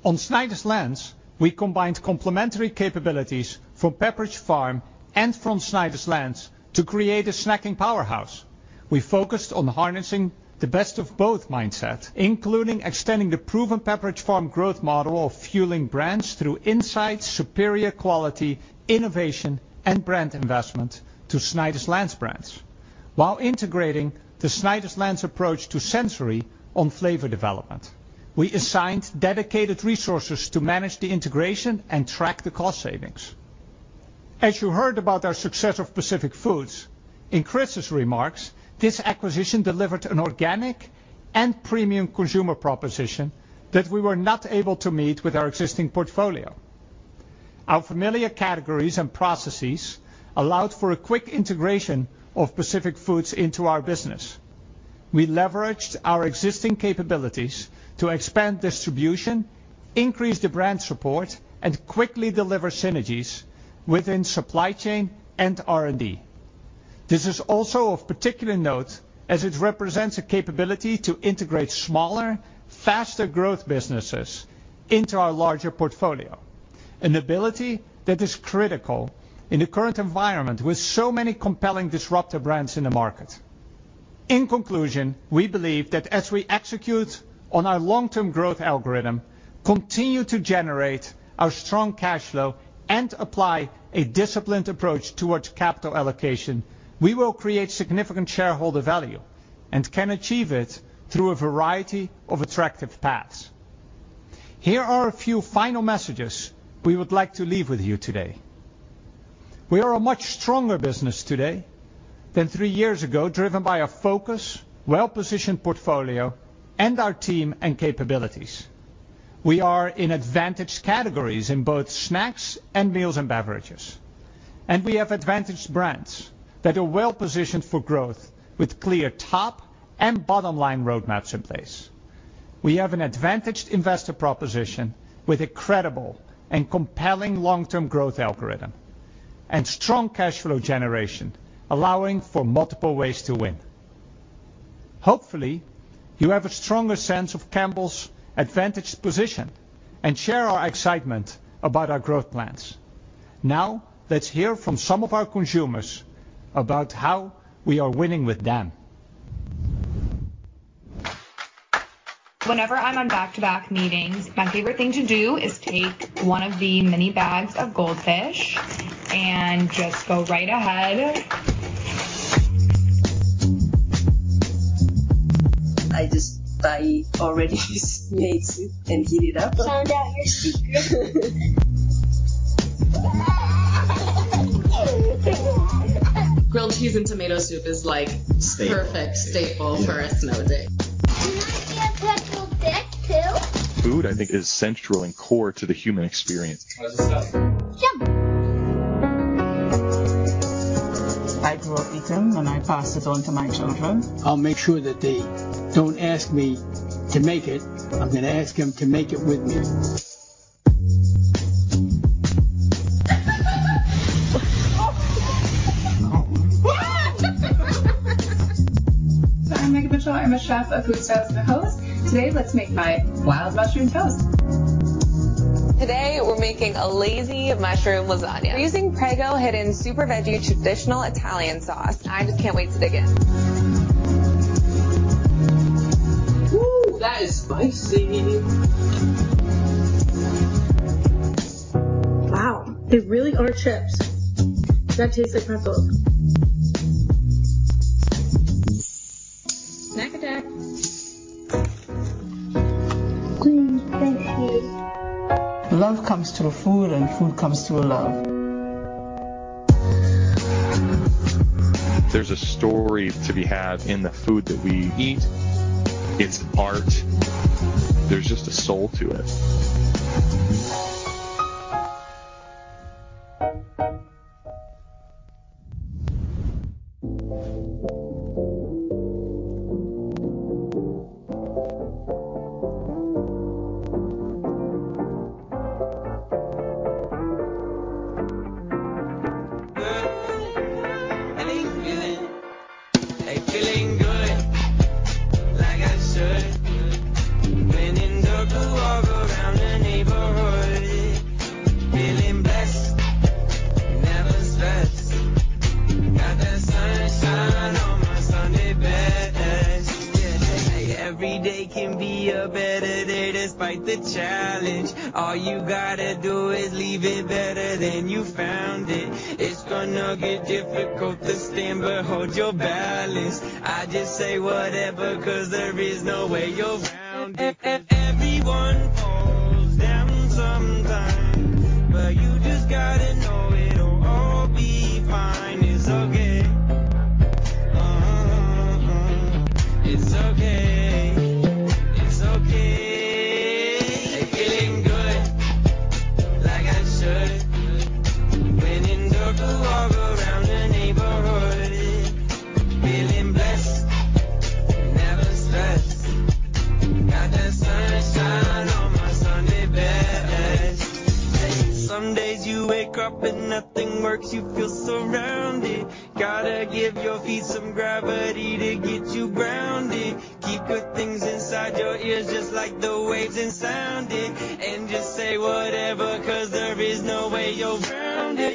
On Snyder's-Lance, we combined complementary capabilities from Pepperidge Farm and from Snyder's-Lance to create a snacking powerhouse. We focused on harnessing the best of both mindsets, including extending the proven Pepperidge Farm growth model of fueling brands through insights, superior quality, innovation, and brand investment to Snyder's-Lance brands while integrating the Snyder's-Lance approach to sensory and flavor development. We assigned dedicated resources to manage the integration and track the cost savings. As you heard about our success of Pacific Foods in Chris's remarks, this acquisition delivered an organic and premium consumer proposition that we were not able to meet with our existing portfolio. Our familiar categories and processes allowed for a quick integration of Pacific Foods into our business. We leveraged our existing capabilities to expand distribution, increase the brand support, and quickly deliver synergies within supply chain and R&D. This is also of particular note as it represents a capability to integrate smaller, faster growth businesses into our larger portfolio, an ability that is critical in the current environment with so many compelling disruptive brands in the market. In conclusion, we believe that as we execute on our long-term growth algorithm, continue to generate our strong cash flow, and apply a disciplined approach towards capital allocation, we will create significant shareholder value and can achieve it through a variety of attractive paths. Here are a few final messages we would like to leave with you today. We are a much stronger business today than three years ago, driven by a focus, well-positioned portfolio, and our team and capabilities. We are in advantaged categories in both snacks and meals and beverages, and we have advantaged brands that are well-positioned for growth with clear top and bottom-line roadmaps in place. We have an advantaged investor proposition with a credible and compelling long-term growth algorithm and strong cash flow generation, allowing for multiple ways to win. Hopefully, you have a stronger sense of Campbell's advantaged position and share our excitement about our growth plans. Now, let's hear from some of our consumers about how we are winning with them. Whenever I'm on back-to-back meetings, my favorite thing to do is take one of the mini bags of Goldfish and just go right ahead. I already just made soup and heat it up. Found out your secret. Grilled cheese and tomato soup is like. Staple perfect staple for a snow day. Yeah. Can I get Prego dip too? Food, I think, is central and core to the human experience. How's it smell? Yum. I grew up eating, and I pass it on to my children. I'll make sure that they don't ask me to make it. I'm gonna ask them to make it with me. Oh. Woo-hoo! I'm Megan Mitchell. I'm a chef, a food stylist, and a host. Today, let's make my wild mushroom toast. Today, we're making a lazy mushroom lasagna. We're using Prego Hidden Super Veggies Traditional Pasta Sauce. I just can't wait to dig in. Whoo. That is spicy. Wow, they really are chips that taste like Prego. Snack attack. Thank you. Love comes through food, and food comes through love. There's a story to be had in the food that we eat. It's art. There's just a soul to it. Good.'. <inaudible> <music> <music> <music> <inaudible> <music>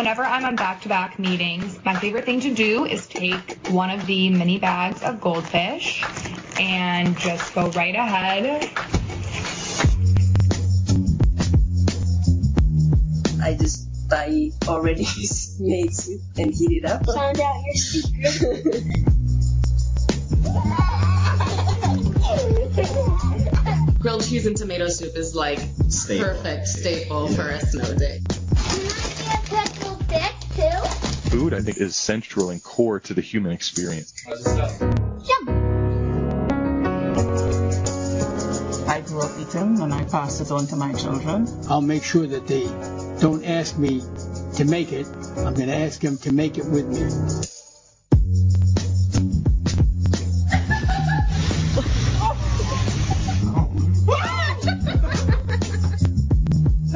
Whenever I'm on back-to-back meetings, my favorite thing to do is take one of the mini bags of Goldfish and just go right ahead. I already just made soup and heat it up. Found out your secret. Grilled cheese and tomato soup is like. Staple Perfect staple for a snow day. Can I get pretzel sticks too? Food, I think is central and core to the human experience. How's the soup? Yum. I grew up eating and I pass it on to my children. I'll make sure that they don't ask me to make it. I'm gonna ask them to make it with me. Woo!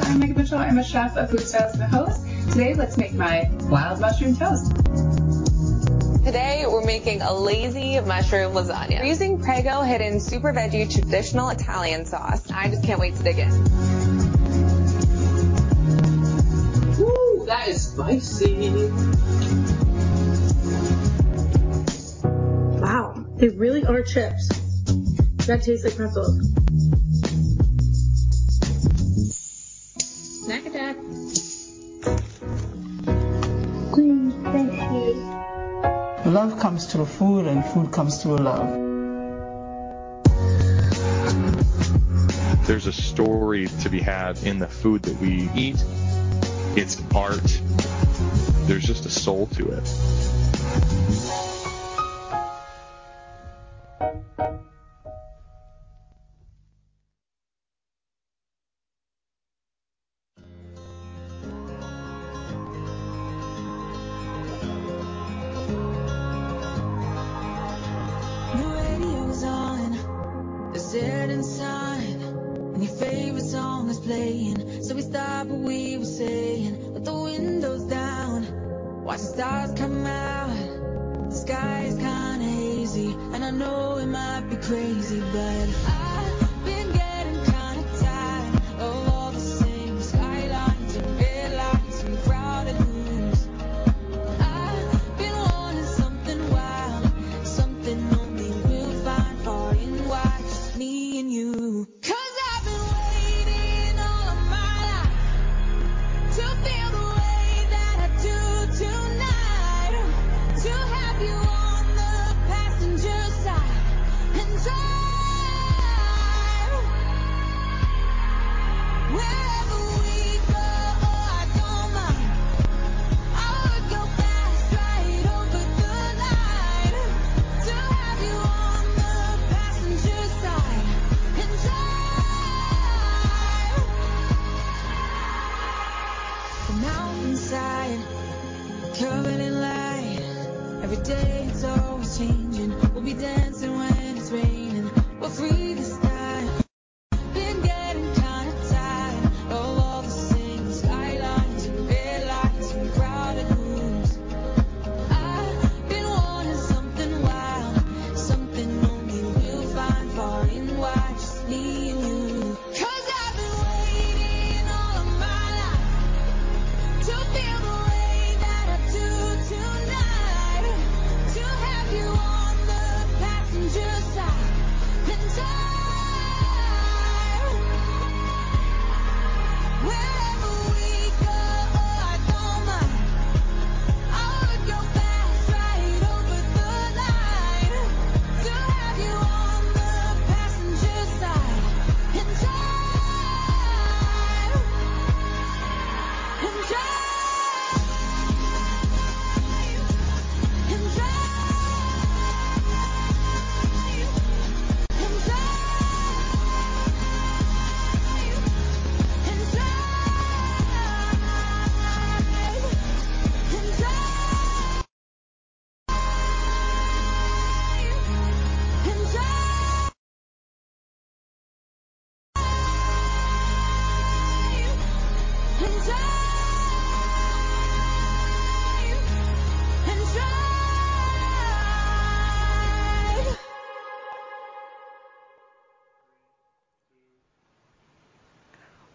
I'm Megan Mitchell. I'm a chef, a food stylist, and a host. Today, let's make my wild mushroom toast. Today, we're making a lazy mushroom lasagna. We're using Prego Hidden Super Veggies Traditional Pasta Sauce. I just can't wait to dig in. Ooh, that is spicy. Wow, they really are chips that taste like pretzels. Snack attack. Thank you. Love comes through food and food comes through love. There's a story to be had in the food that we eat. It's art. There's just a soul to it.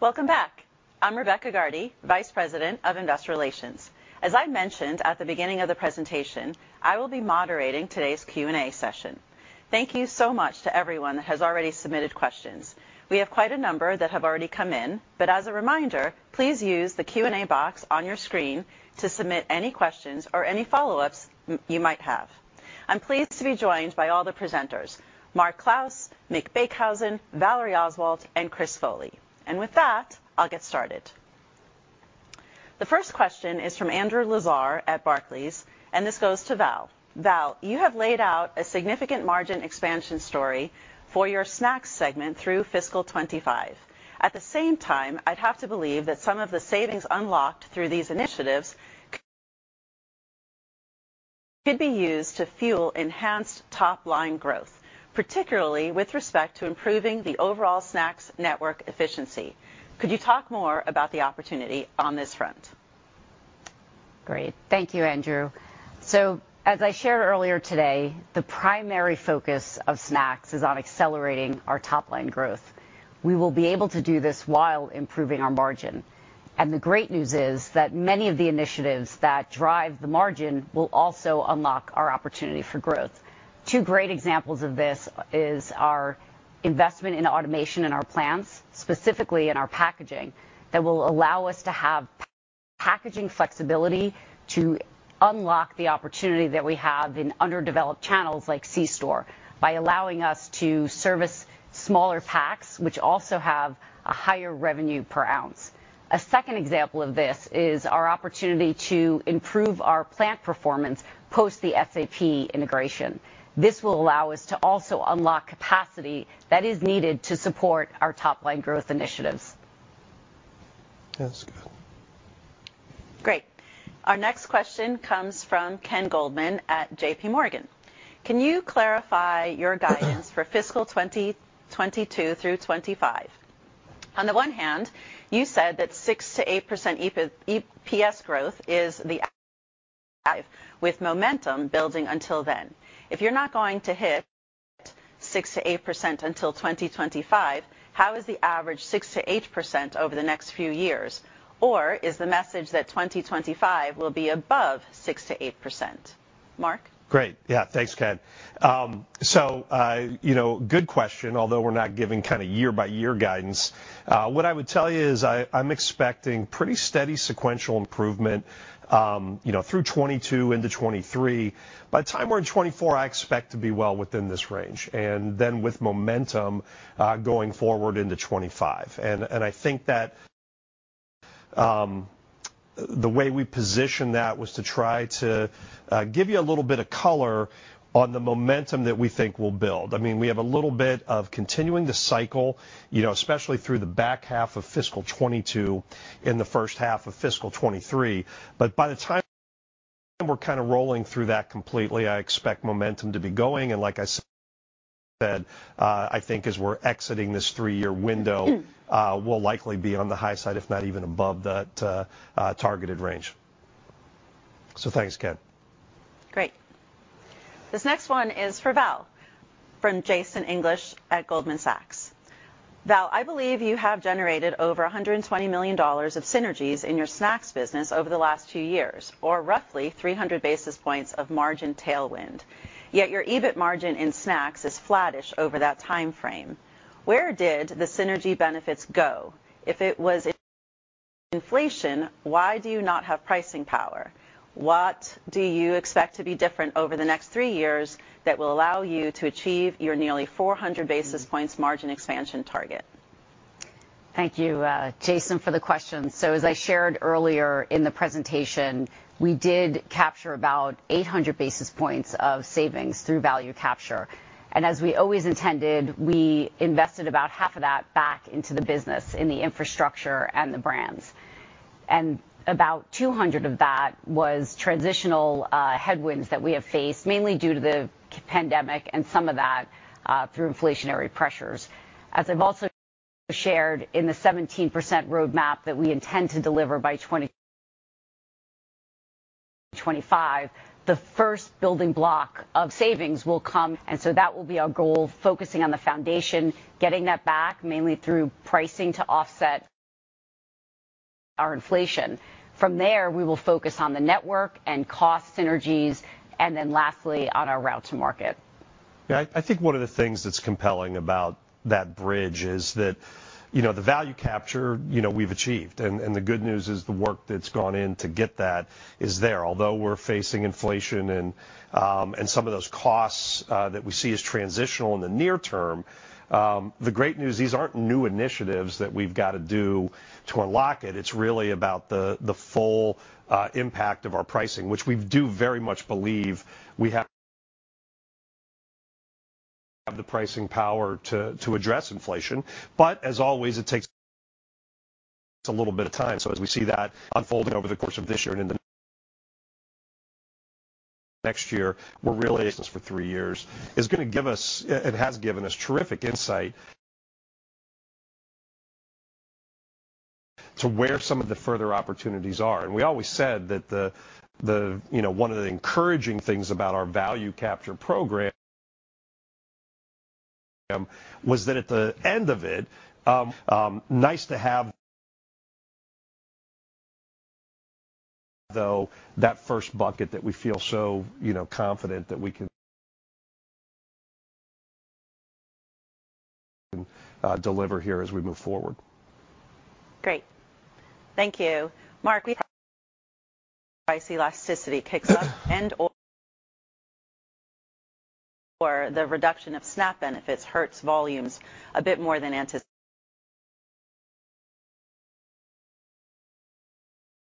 <music> <music> Welcome back. I'm Rebecca Gardy, Vice President of Investor Relations. As I mentioned at the beginning of the presentation, I will be moderating today's Q&A session. Thank you so much to everyone that has already submitted questions. We have quite a number that have already come in, but as a reminder, please use the Q&A box on your screen to submit any questions or any follow-ups you might have. I'm pleased to be joined by all the presenters, Mark Clouse, Mick Beekhuizen, Valerie Oswalt, and Chris Foley. With that, I'll get started. The first question is from Andrew Lazar at Barclays, and this goes to Val. Val, you have laid out a significant margin expansion story for your snacks segment through fiscal 2025. At the same time, I'd have to believe that some of the savings unlocked through these initiatives could be used to fuel enhanced top-line growth, particularly with respect to improving the overall snacks network efficiency. Could you talk more about the opportunity on this front? Great. Thank you, Rebecca. As I shared earlier today, the primary focus of Snacks is on accelerating our top-line growth. We will be able to do this while improving our margin. The great news is that many of the initiatives that drive the margin will also unlock our opportunity for growth. Two great examples of this is our investment in automation in our plants, specifically in our packaging, that will allow us to have packaging flexibility to unlock the opportunity that we have in underdeveloped channels like c-store by allowing us to service smaller packs, which also have a higher revenue per ounce. A second example of this is our opportunity to improve our plant performance post the SAP integration. This will allow us to also unlock capacity that is needed to support our top-line growth initiatives. That's good. Great. Our next question comes from Ken Goldman at J.P. Morgan. Can you clarify your guidance for fiscal 2022 through 2025? On the one hand, you said that 6%-8% EPS growth is targeted with momentum building until then. If you're not going to hit 6%-8% until 2025, how is the average 6%-8% over the next few years? Or is the message that 2025 will be above 6%-8%? Mark? Great. Yeah. Thanks, Ken. So, you know, good question, although we're not giving kinda year-by-year guidance. What I would tell you is I'm expecting pretty steady sequential improvement, you know, through 2022 into 2023. By the time we're in 2024, I expect to be well within this range, and then with momentum going forward into 2025. I think that the way we position that was to try to give you a little bit of color on the momentum that we think will build. I mean, we have a little bit of continuing the cycle, you know, especially through the back half of fiscal 2022 and the first half of fiscal 2023. But by the time we're kinda rolling through that completely, I expect momentum to be going. Like I said, I think as we're exiting this three-year window, we'll likely be on the high side, if not even above that targeted range. Thanks, Ken. Great. This next one is for Val from Jason English at Goldman Sachs. "Val, I believe you have generated over $120 million of synergies in your snacks business over the last two years or roughly 300 basis points of margin tailwind, yet your EBIT margin in snacks is flattish over that timeframe. Where did the synergy benefits go? If it was inflation, why do you not have pricing power? What do you expect to be different over the next three years that will allow you to achieve your nearly 400 basis points margin expansion target? Thank you, Jason, for the question. As I shared earlier in the presentation, we did capture about 800 basis points of savings through value capture. As we always intended, we invested about half of that back into the business, in the infrastructure and the brands. About 200 of that was transitional headwinds that we have faced, mainly due to the pandemic and some of that through inflationary pressures. As I've also shared in the 17% roadmap that we intend to deliver by 2025, the first building block of savings will come. That will be our goal, focusing on the foundation, getting that back mainly through pricing to offset our inflation. From there, we will focus on the network and cost synergies, and then lastly on our route to market. Yeah, I think one of the things that's compelling about that bridge is that, you know, the value capture, you know, we've achieved. The good news is the work that's gone in to get that is there. Although we're facing inflation and some of those costs that we see as transitional in the near term, the great news, these aren't new initiatives that we've gotta do to unlock it. It's really about the full impact of our pricing, which we do very much believe we have the pricing power to address inflation. As always, it takes a little bit of time. As we see that unfolding over the course of this year and into next year, for three years is gonna give us, it has given us terrific insight to where some of the further opportunities are. We always said that, you know, one of the encouraging things about our value capture program was that at the end of it, nice to have though that first bucket that we feel so, you know, confident that we can deliver here as we move forward. Great. Thank you. Mark, we have price elasticity kicks up and/or the reduction of SNAP benefits hurts volumes a bit more than anticipated.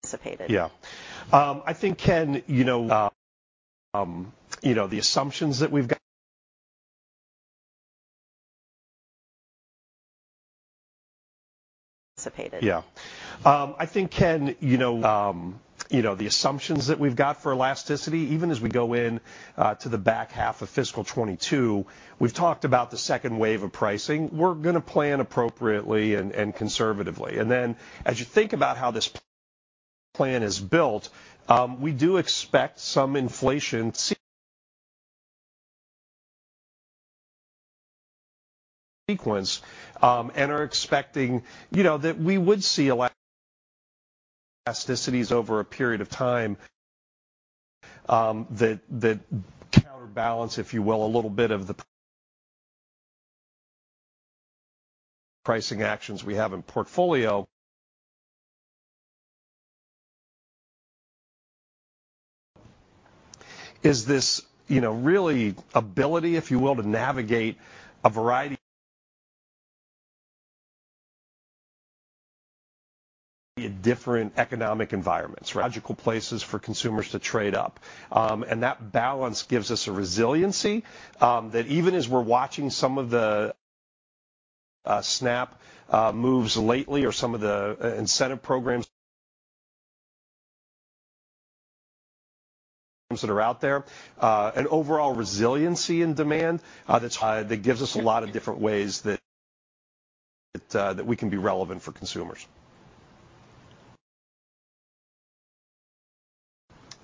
Yeah. I think, Ken, you know, the assumptions that we've got- Anticipated. Yeah. I think, Ken, you know, the assumptions that we've got for elasticity, even as we go in to the back half of fiscal 2022, we've talked about the second wave of pricing. We're gonna plan appropriately and conservatively. Then as you think about how this plan is built, we do expect some inflation sequentially and are expecting, you know, that we would see elasticities over a period of time that counterbalance, if you will, a little bit of the pricing actions we have in portfolio. It's this, you know, real ability, if you will, to navigate a variety of different economic environments. Logical places for consumers to trade up. That balance gives us a resiliency that even as we're watching some of the SNAP moves lately or some of the incentive programs that are out there, an overall resiliency in demand that gives us a lot of different ways that we can be relevant for consumers.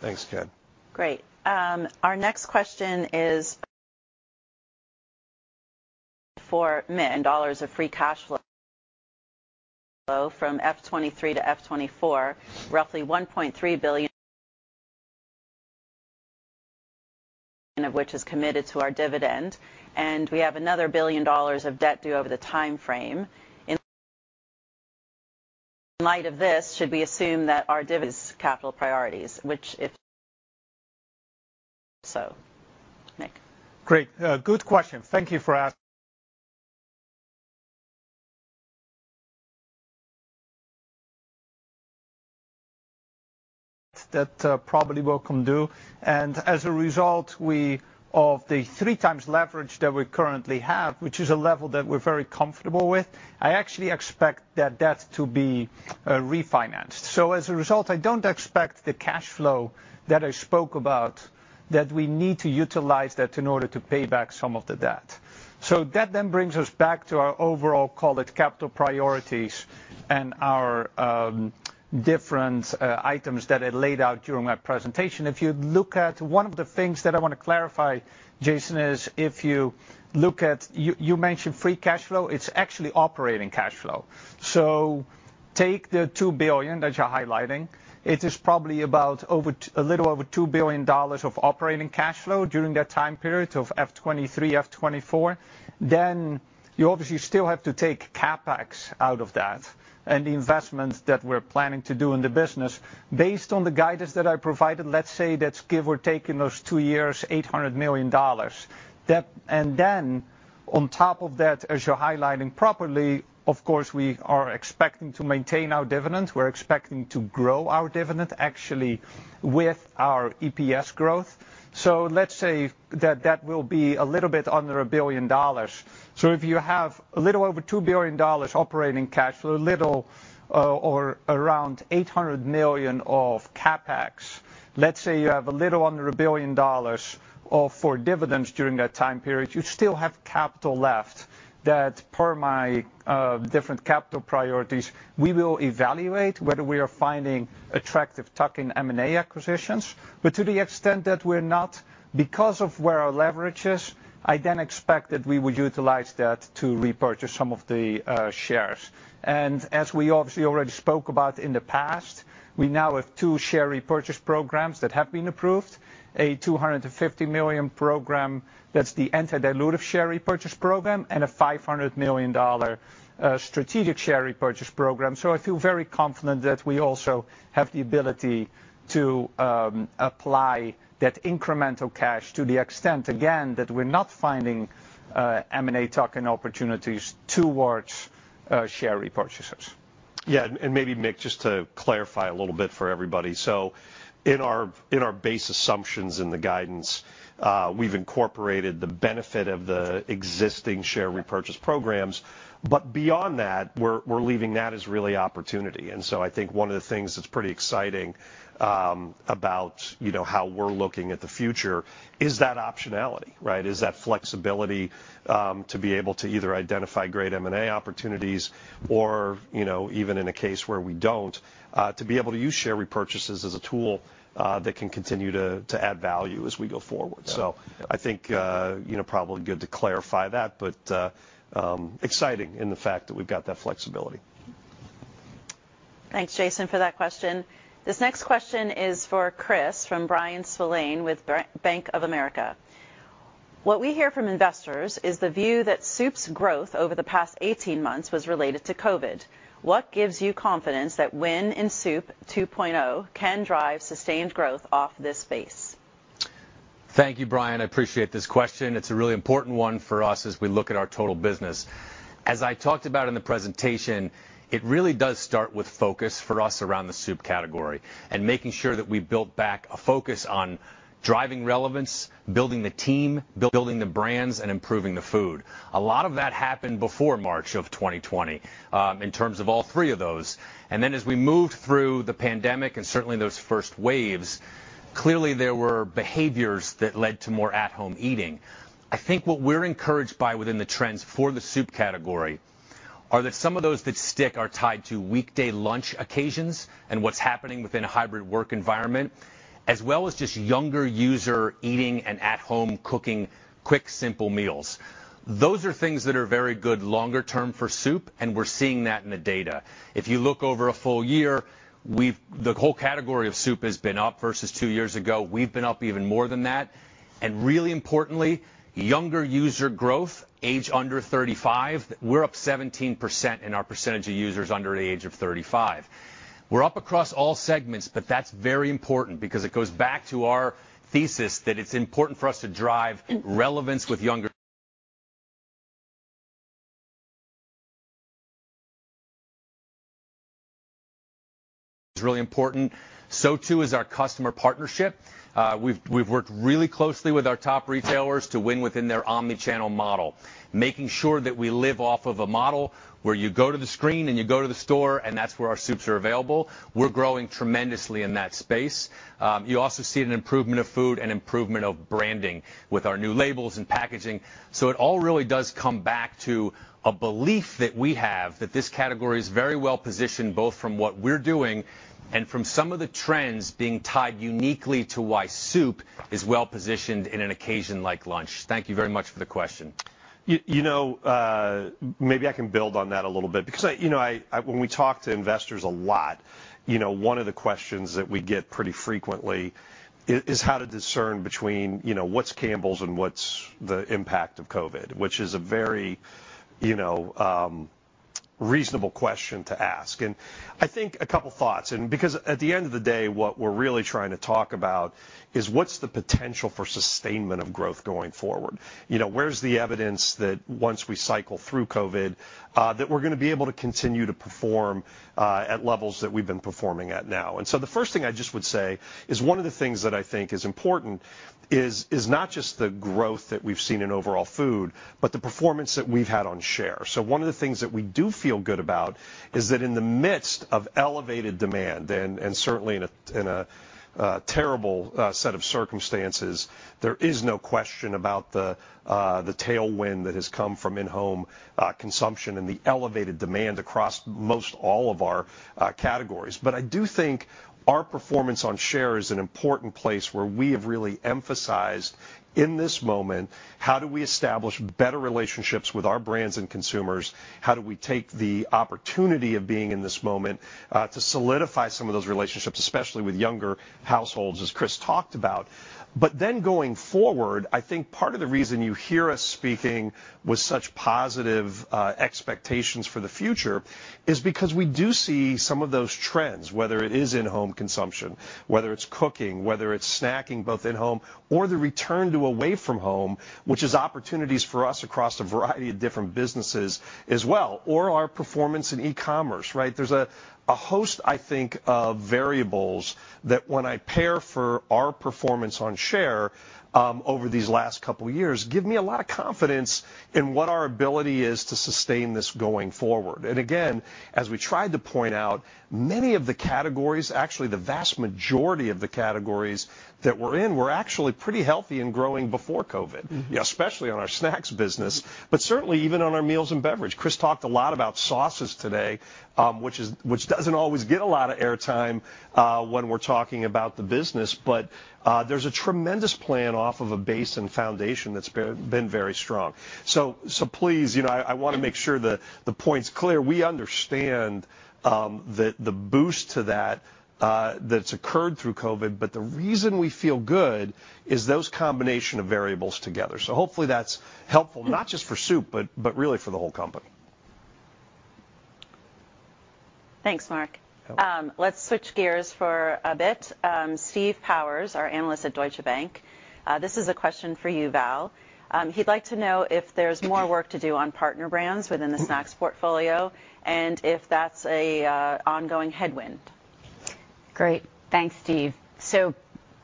Thanks, Ken. Great. Our next question is $4 million of free cash flow from FY 2023 to FY 2024, roughly $1.3 billion of which is committed to our dividend, and we have another $1 billion of debt due over the timeframe. In light of this, should we assume that our div is capital priorities, which if so. Mick. Great. Good question. Thank you for asking. That probably will come due. As a result, of the 3x leverage that we currently have, which is a level that we're very comfortable with, I actually expect that debt to be refinanced. As a result, I don't expect the cash flow that I spoke about, that we need to utilize that in order to pay back some of the debt. That then brings us back to our overall, call it, capital priorities and our different items that I laid out during my presentation. If you look at one of the things that I want to clarify, Jason, is you mentioned free cash flow. It's actually operating cash flow. Take the $2 billion that you're highlighting. It is probably a little over $2 billion of operating cash flow during that time period of FY 2023, FY 2024. You obviously still have to take CapEx out of that and the investments that we're planning to do in the business. Based on the guidance that I provided, let's say that's give or take in those two years, $800 million. On top of that, as you're highlighting properly, of course, we are expecting to maintain our dividends. We're expecting to grow our dividend actually with our EPS growth. Let's say that that will be a little bit under $1 billion. If you have a little over $2 billion operating cash flow, a little or around $800 million of CapEx, let's say you have a little under $1 billion for dividends during that time period, you still have capital left that per my different capital priorities, we will evaluate whether we are finding attractive tuck-in M&A acquisitions. To the extent that we're not, because of where our leverage is, I then expect that we will utilize that to repurchase some of the shares. As we obviously already spoke about in the past, we now have two share repurchase programs that have been approved, a $250 million program that's the anti-dilutive share repurchase program and a $500 million strategic share repurchase program. I feel very confident that we also have the ability to apply that incremental cash to the extent, again, that we're not finding M&A tuck-in opportunities towards share repurchases. Yeah. Maybe, Mick, just to clarify a little bit for everybody. In our base assumptions in the guidance, we've incorporated the benefit of the existing share repurchase programs. Beyond that, we're leaving that as real opportunity. I think one of the things that's pretty exciting, about, you know, how we're looking at the future is that optionality, right? Is that flexibility to be able to either identify great M&A opportunities or, you know, even in a case where we don't, to be able to use share repurchases as a tool that can continue to add value as we go forward. I think, you know, probably good to clarify that, but exciting in the fact that we've got that flexibility. Thanks, Jason, for that question. This next question is for Chris from Bryan Spillane with Bank of America. What we hear from investors is the view that soup's growth over the past 18 months was related to COVID. What gives you confidence that Win in Soup 2.0 can drive sustained growth off this base? Thank you, Bryan. I appreciate this question. It's a really important one for us as we look at our total business. As I talked about in the presentation, it really does start with focus for us around the soup category and making sure that we built back a focus on driving relevance, building the team, building the brands, and improving the food. A lot of that happened before March of 2020, in terms of all three of those. As we moved through the pandemic and certainly those first waves, clearly, there were behaviors that led to more at-home eating. I think what we're encouraged by within the trends for the soup category are that some of those that stick are tied to weekday lunch occasions and what's happening within a hybrid work environment, as well as just younger user eating and at-home cooking quick, simple meals. Those are things that are very good longer term for soup, and we're seeing that in the data. If you look over a full year, the whole category of soup has been up versus two years ago. We've been up even more than that. Really importantly, younger user growth, age under 35, we're up 17% in our percentage of users under the age of 35. We're up across all segments, but that's very important because it goes back to our thesis that it's important for us to drive relevance with younger. It's really important. Too is our customer partnership. We've worked really closely with our top retailers to win within their omni-channel model, making sure that we live off of a model where you go to the screen and you go to the store, and that's where our soups are available. We're growing tremendously in that space. You also see an improvement in food and improvement in branding with our new labels and packaging. It all really does come back to a belief that we have that this category is very well positioned, both from what we're doing and from some of the trends being tied uniquely to why soup is well positioned in an occasion like lunch. Thank you very much for the question. Maybe I can build on that a little bit because when we talk to investors a lot, you know, one of the questions that we get pretty frequently is how to discern between, you know, what's Campbell's and what's the impact of COVID, which is a very, you know, reasonable question to ask. I think a couple thoughts because at the end of the day, what we're really trying to talk about is what's the potential for sustainment of growth going forward. You know, where's the evidence that once we cycle through COVID, that we're gonna be able to continue to perform at levels that we've been performing at now. The first thing I just would say is one of the things that I think is important is not just the growth that we've seen in overall food, but the performance that we've had on share. One of the things that we do feel good about is that in the midst of elevated demand, and certainly in a terrible set of circumstances, there is no question about the tailwind that has come from in-home consumption and the elevated demand across most all of our categories. I do think our performance on share is an important place where we have really emphasized in this moment, how do we establish better relationships with our brands and consumers? How do we take the opportunity of being in this moment, to solidify some of those relationships, especially with younger households, as Chris talked about. Going forward, I think part of the reason you hear us speaking with such positive, expectations for the future is because we do see some of those trends, whether it is in-home consumption, whether it's cooking, whether it's snacking, both in home or the return to away from home, which is opportunities for us across a variety of different businesses as well, or our performance in e-commerce, right? There's a host, I think, of variables that when I pair with our performance on share, over these last couple years, give me a lot of confidence in what our ability is to sustain this going forward. Again, as we tried to point out, many of the categories, actually, the vast majority of the categories that we're in were actually pretty healthy and growing before COVID. Mm-hmm. Especially on our snacks business, but certainly even on our meals and beverages. Chris talked a lot about sauces today, which doesn't always get a lot of air time when we're talking about the business. There's a tremendous plan off of a base and foundation that's been very strong. Please, you know, I wanna make sure the point's clear. We understand the boost to that that's occurred through COVID, but the reason we feel good is those combination of variables together. Hopefully that's helpful, not just for soup, but really for the whole company. Thanks, Mark. Yep. Let's switch gears for a bit. Steve Powers, our analyst at Deutsche Bank, this is a question for you, Val. He'd like to know if there's more work to do on partner brands within the snacks portfolio, and if that's an ongoing headwind. Great. Thanks, Steve.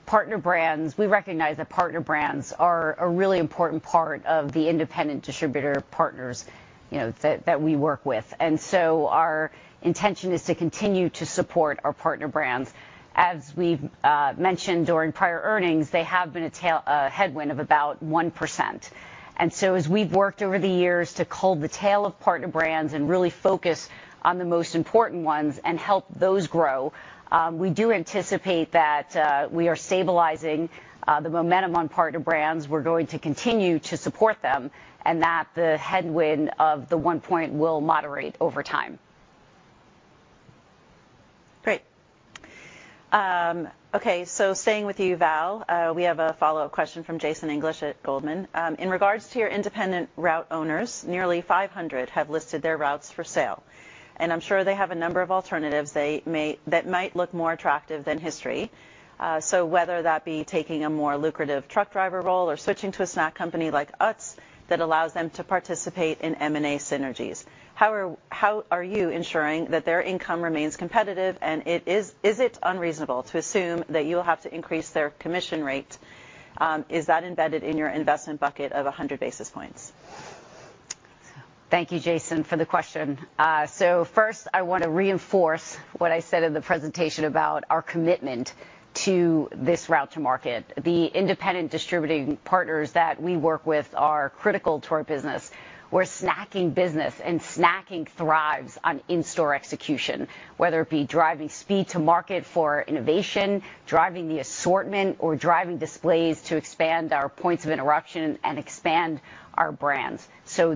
Partner brands, we recognize that partner brands are a really important part of the independent distributor partners, you know, that we work with. Our intention is to continue to support our partner brands. As we've mentioned during prior earnings, they have been a headwind of about 1%. As we've worked over the years to cull the tail of partner brands and really focus on the most important ones and help those grow, we do anticipate that we are stabilizing the momentum on partner brands. We're going to continue to support them, and that the headwind of the 1 point will moderate over time. Great. Staying with you, Val, we have a follow-up question from Jason English at Goldman. In regards to your independent route owners, nearly 500 have listed their routes for sale, and I'm sure they have a number of alternatives that might look more attractive than Hershey. Whether that be taking a more lucrative truck driver role or switching to a snack company like Utz that allows them to participate in M&A synergies. How are you ensuring that their income remains competitive, and is it unreasonable to assume that you'll have to increase their commission rate? Is that embedded in your investment bucket of 100 basis points? Thank you, Jason, for the question. First I want to reinforce what I said in the presentation about our commitment to this route to market. The independent distributing partners that we work with are critical to our business. We're a snacking business, and snacking thrives on in-store execution, whether it be driving speed to market for innovation, driving the assortment, or driving displays to expand our points of interruption and expand our brands.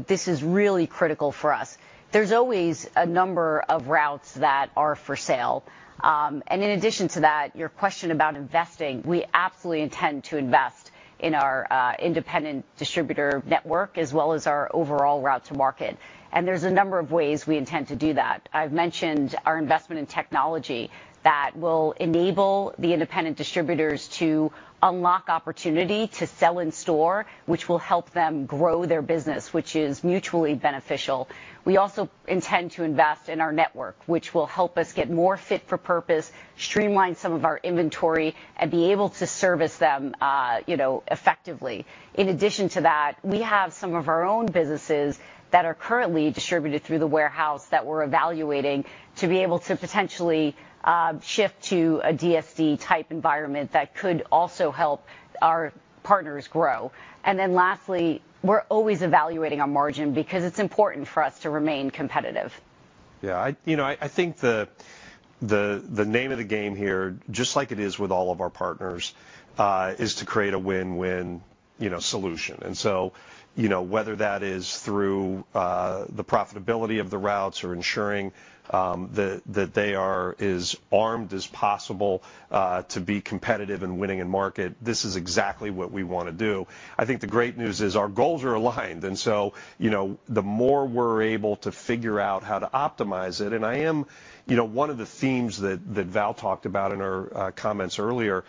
This is really critical for us. There's always a number of routes that are for sale. In addition to that, your question about investing, we absolutely intend to invest in our independent distributor network as well as our overall route to market. There's a number of ways we intend to do that. I've mentioned our investment in technology that will enable the independent distributors to unlock opportunity to sell in store, which will help them grow their business, which is mutually beneficial. We also intend to invest in our network, which will help us get more fit for purpose, streamline some of our inventory, and be able to service them, you know, effectively. In addition to that, we have some of our own businesses that are currently distributed through the warehouse that we're evaluating to be able to potentially shift to a DSD-type environment that could also help our partners grow. Lastly, we're always evaluating our margin because it's important for us to remain competitive. Yeah, you know, I think the name of the game here, just like it is with all of our partners, is to create a win-win, you know, solution. You know, whether that is through the profitability of the routes or ensuring that they are as armed as possible to be competitive and winning in market, this is exactly what we wanna do. I think the great news is our goals are aligned. You know, the more we're able to figure out how to optimize it. You know, one of the themes that Val talked about in her comments earlier,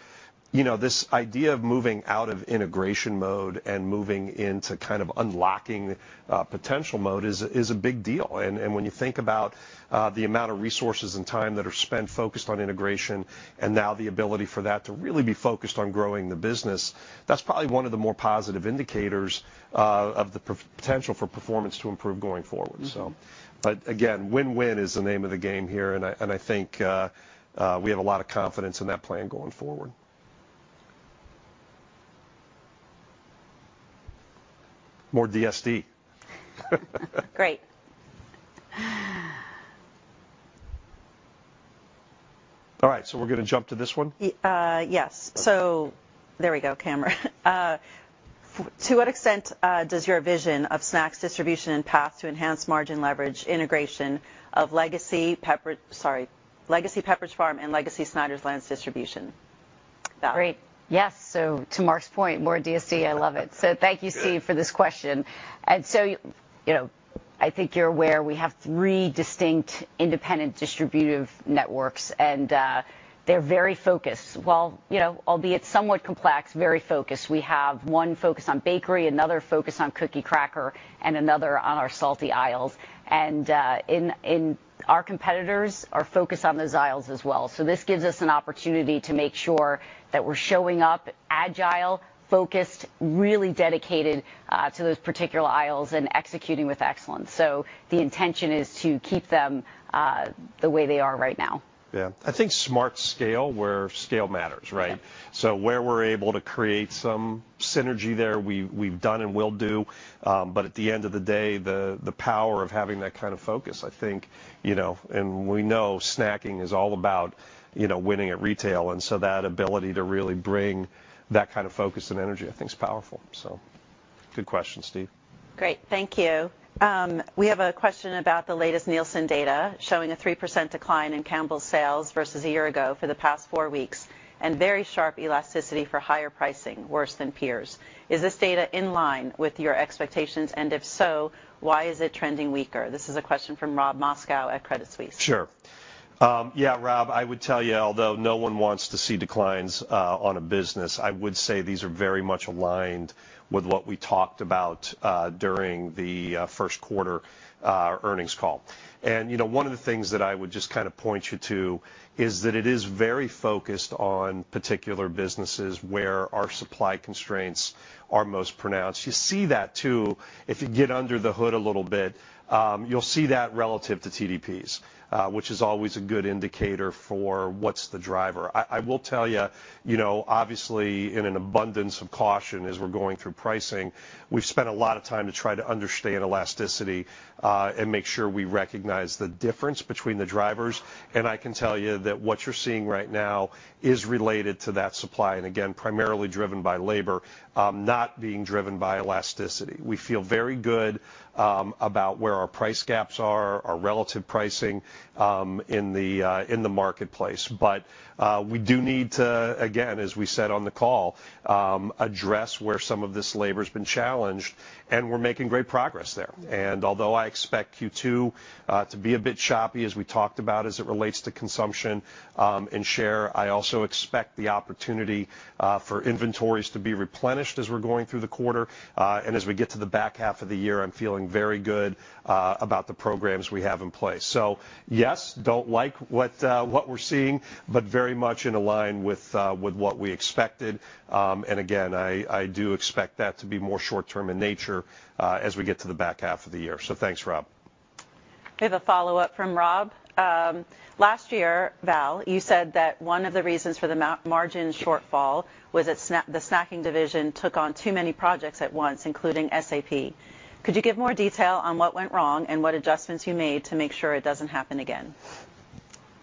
you know, this idea of moving out of integration mode and moving into kind of unlocking potential mode is a big deal. When you think about the amount of resources and time that are spent focused on integration and now the ability for that to really be focused on growing the business, that's probably one of the more positive indicators of the potential for performance to improve going forward. Mm-hmm. Again, win-win is the name of the game here, and I think we have a lot of confidence in that plan going forward. More DSD. Great. All right, we're gonna jump to this one? Yes. So there we go, camera. To what extent does your vision of snacks distribution and path to enhanced margin leverage integration of legacy Pepperidge Farm and legacy Snyder's-Lance distribution? Val. Great. Yes, to Mark's point, more DSD, I love it. Yeah. Thank you, Steve, for this question. You know, I think you're aware we have three distinct independent distribution networks, and they're very focused. Well, you know, albeit somewhat complex, very focused. We have one focused on bakery, another focused on cookie cracker, and another on our salty aisles. Our competitors are focused on those aisles as well. This gives us an opportunity to make sure that we're showing up agile, focused, really dedicated to those particular aisles and executing with excellence. The intention is to keep them the way they are right now. Yeah. I think smart scale where scale matters, right? Yeah. Where we're able to create some synergy there, we've done and will do. At the end of the day, the power of having that kind of focus, I think, you know, and we know snacking is all about, you know, winning at retail. That ability to really bring that kind of focus and energy I think is powerful. Good question, Steve. Great. Thank you. We have a question about the latest Nielsen data showing a 3% decline in Campbell's sales versus a year ago for the past four weeks, and very sharp elasticity for higher pricing, worse than peers. Is this data in line with your expectations? And if so, why is it trending weaker? This is a question from Rob Moskow at Credit Suisse. Sure. Yeah, Rob, I would tell you, although no one wants to see declines on a business, I would say these are very much aligned with what we talked about during the first quarter earnings call. You know, one of the things that I would just kind of point you to is that it is very focused on particular businesses where our supply constraints are most pronounced. You see that too if you get under the hood a little bit. You'll see that relative to TDPs, which is always a good indicator for what's the driver. I will tell you know, obviously in an abundance of caution as we're going through pricing, we've spent a lot of time to try to understand elasticity and make sure we recognize the difference between the drivers. I can tell you that what you're seeing right now is related to that supply, and again, primarily driven by labor, not being driven by elasticity. We feel very good about where our price gaps are, our relative pricing, in the marketplace. We do need to, again, as we said on the call, address where some of this labor's been challenged, and we're making great progress there. Although I expect Q2 to be a bit choppy as we talked about as it relates to consumption and share, I also expect the opportunity for inventories to be replenished as we're going through the quarter. As we get to the back half of the year, I'm feeling very good about the programs we have in place. Yes, I don't like what we're seeing, but very much in a line with what we expected. Again, I do expect that to be more short term in nature, as we get to the back half of the year. Thanks, Rob. We have a follow-up from Rob. Last year, Val, you said that one of the reasons for the margin shortfall was that the snacking division took on too many projects at once, including SAP. Could you give more detail on what went wrong and what adjustments you made to make sure it doesn't happen again?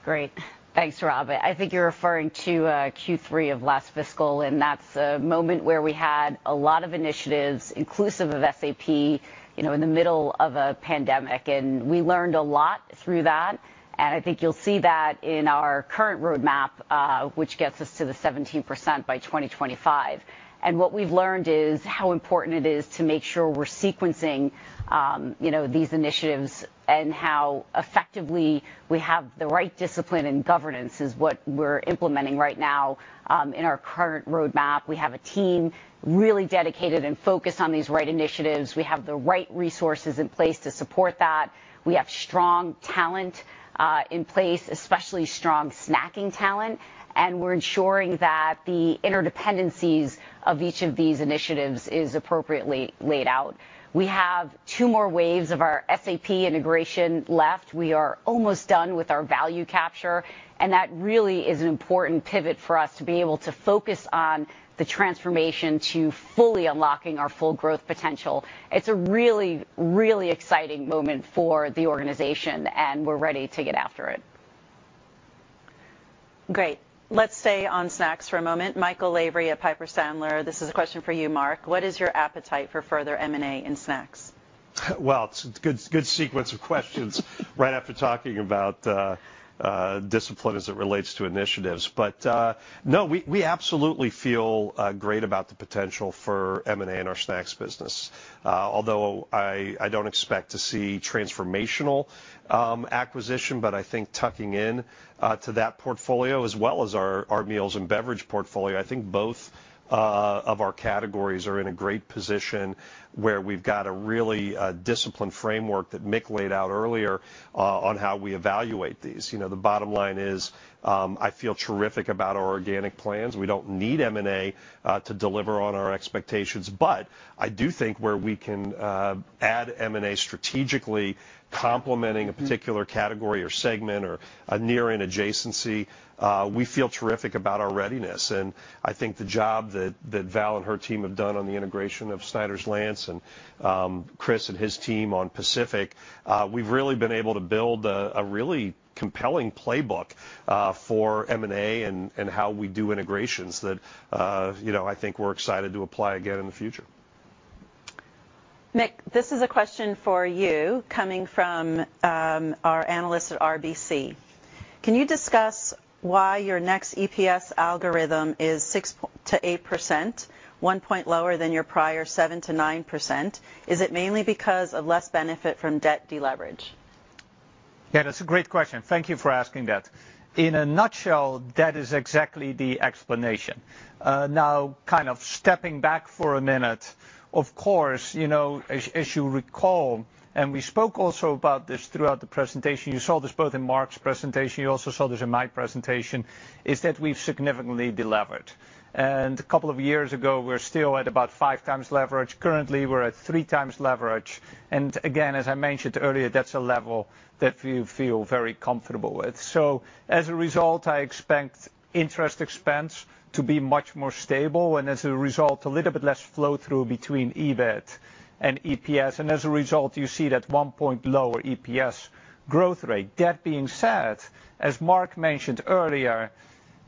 Great. Thanks, Rob. I think you're referring to Q3 of last fiscal, and that's a moment where we had a lot of initiatives, inclusive of SAP, you know, in the middle of a pandemic. We learned a lot through that, and I think you'll see that in our current roadmap, which gets us to the 17% by 2025. What we've learned is how important it is to make sure we're sequencing, you know, these initiatives and how effectively we have the right discipline and governance is what we're implementing right now in our current roadmap. We have a team really dedicated and focused on these right initiatives. We have the right resources in place to support that. We have strong talent in place, especially strong snacking talent, and we're ensuring that the interdependencies of each of these initiatives is appropriately laid out. We have two more waves of our SAP integration left. We are almost done with our value capture, and that really is an important pivot for us to be able to focus on the transformation to fully unlocking our full growth potential. It's a really, really exciting moment for the organization, and we're ready to get after it. Great. Let's stay on snacks for a moment. Michael Lavery at Piper Sandler, this is a question for you, Mark. What is your appetite for further M&A in snacks? Well, it's a good sequence of questions right after talking about discipline as it relates to initiatives. No, we absolutely feel great about the potential for M&A in our Snacks business. Although I don't expect to see transformational acquisition, I think tucking in to that portfolio, as well as our Meals and Beverages portfolio, both of our categories are in a great position where we've got a really disciplined framework that Mick laid out earlier on how we evaluate these. You know, the bottom line is, I feel terrific about our organic plans. We don't need M&A to deliver on our expectations. I do think where we can add M&A strategically complementing a particular category or segment or a near-in adjacency, we feel terrific about our readiness. I think the job that Val and her team have done on the integration of Snyder's-Lance and Chris and his team on Pacific. We've really been able to build a really compelling playbook for M&A and how we do integrations that you know I think we're excited to apply again in the future. Mick, this is a question for you coming from our analyst at RBC. Can you discuss why your next EPS algorithm is 6%-8%, 1 point lower than your prior 7%-9%? Is it mainly because of less benefit from debt deleverage? Yeah, that's a great question. Thank you for asking that. In a nutshell, that is exactly the explanation. Now kind of stepping back for a minute, of course, you know, as you recall, and we spoke also about this throughout the presentation, you saw this both in Mark's presentation, you also saw this in my presentation, is that we've significantly deleveraged. A couple of years ago, we're still at about 5 times leverage. Currently, we're at 3 times leverage. Again, as I mentioned earlier, that's a level that we feel very comfortable with. As a result, I expect interest expense to be much more stable, and as a result, a little bit less flow-through between EBIT and EPS. As a result, you see that 1 point lower EPS growth rate. That being said, as Mark mentioned earlier,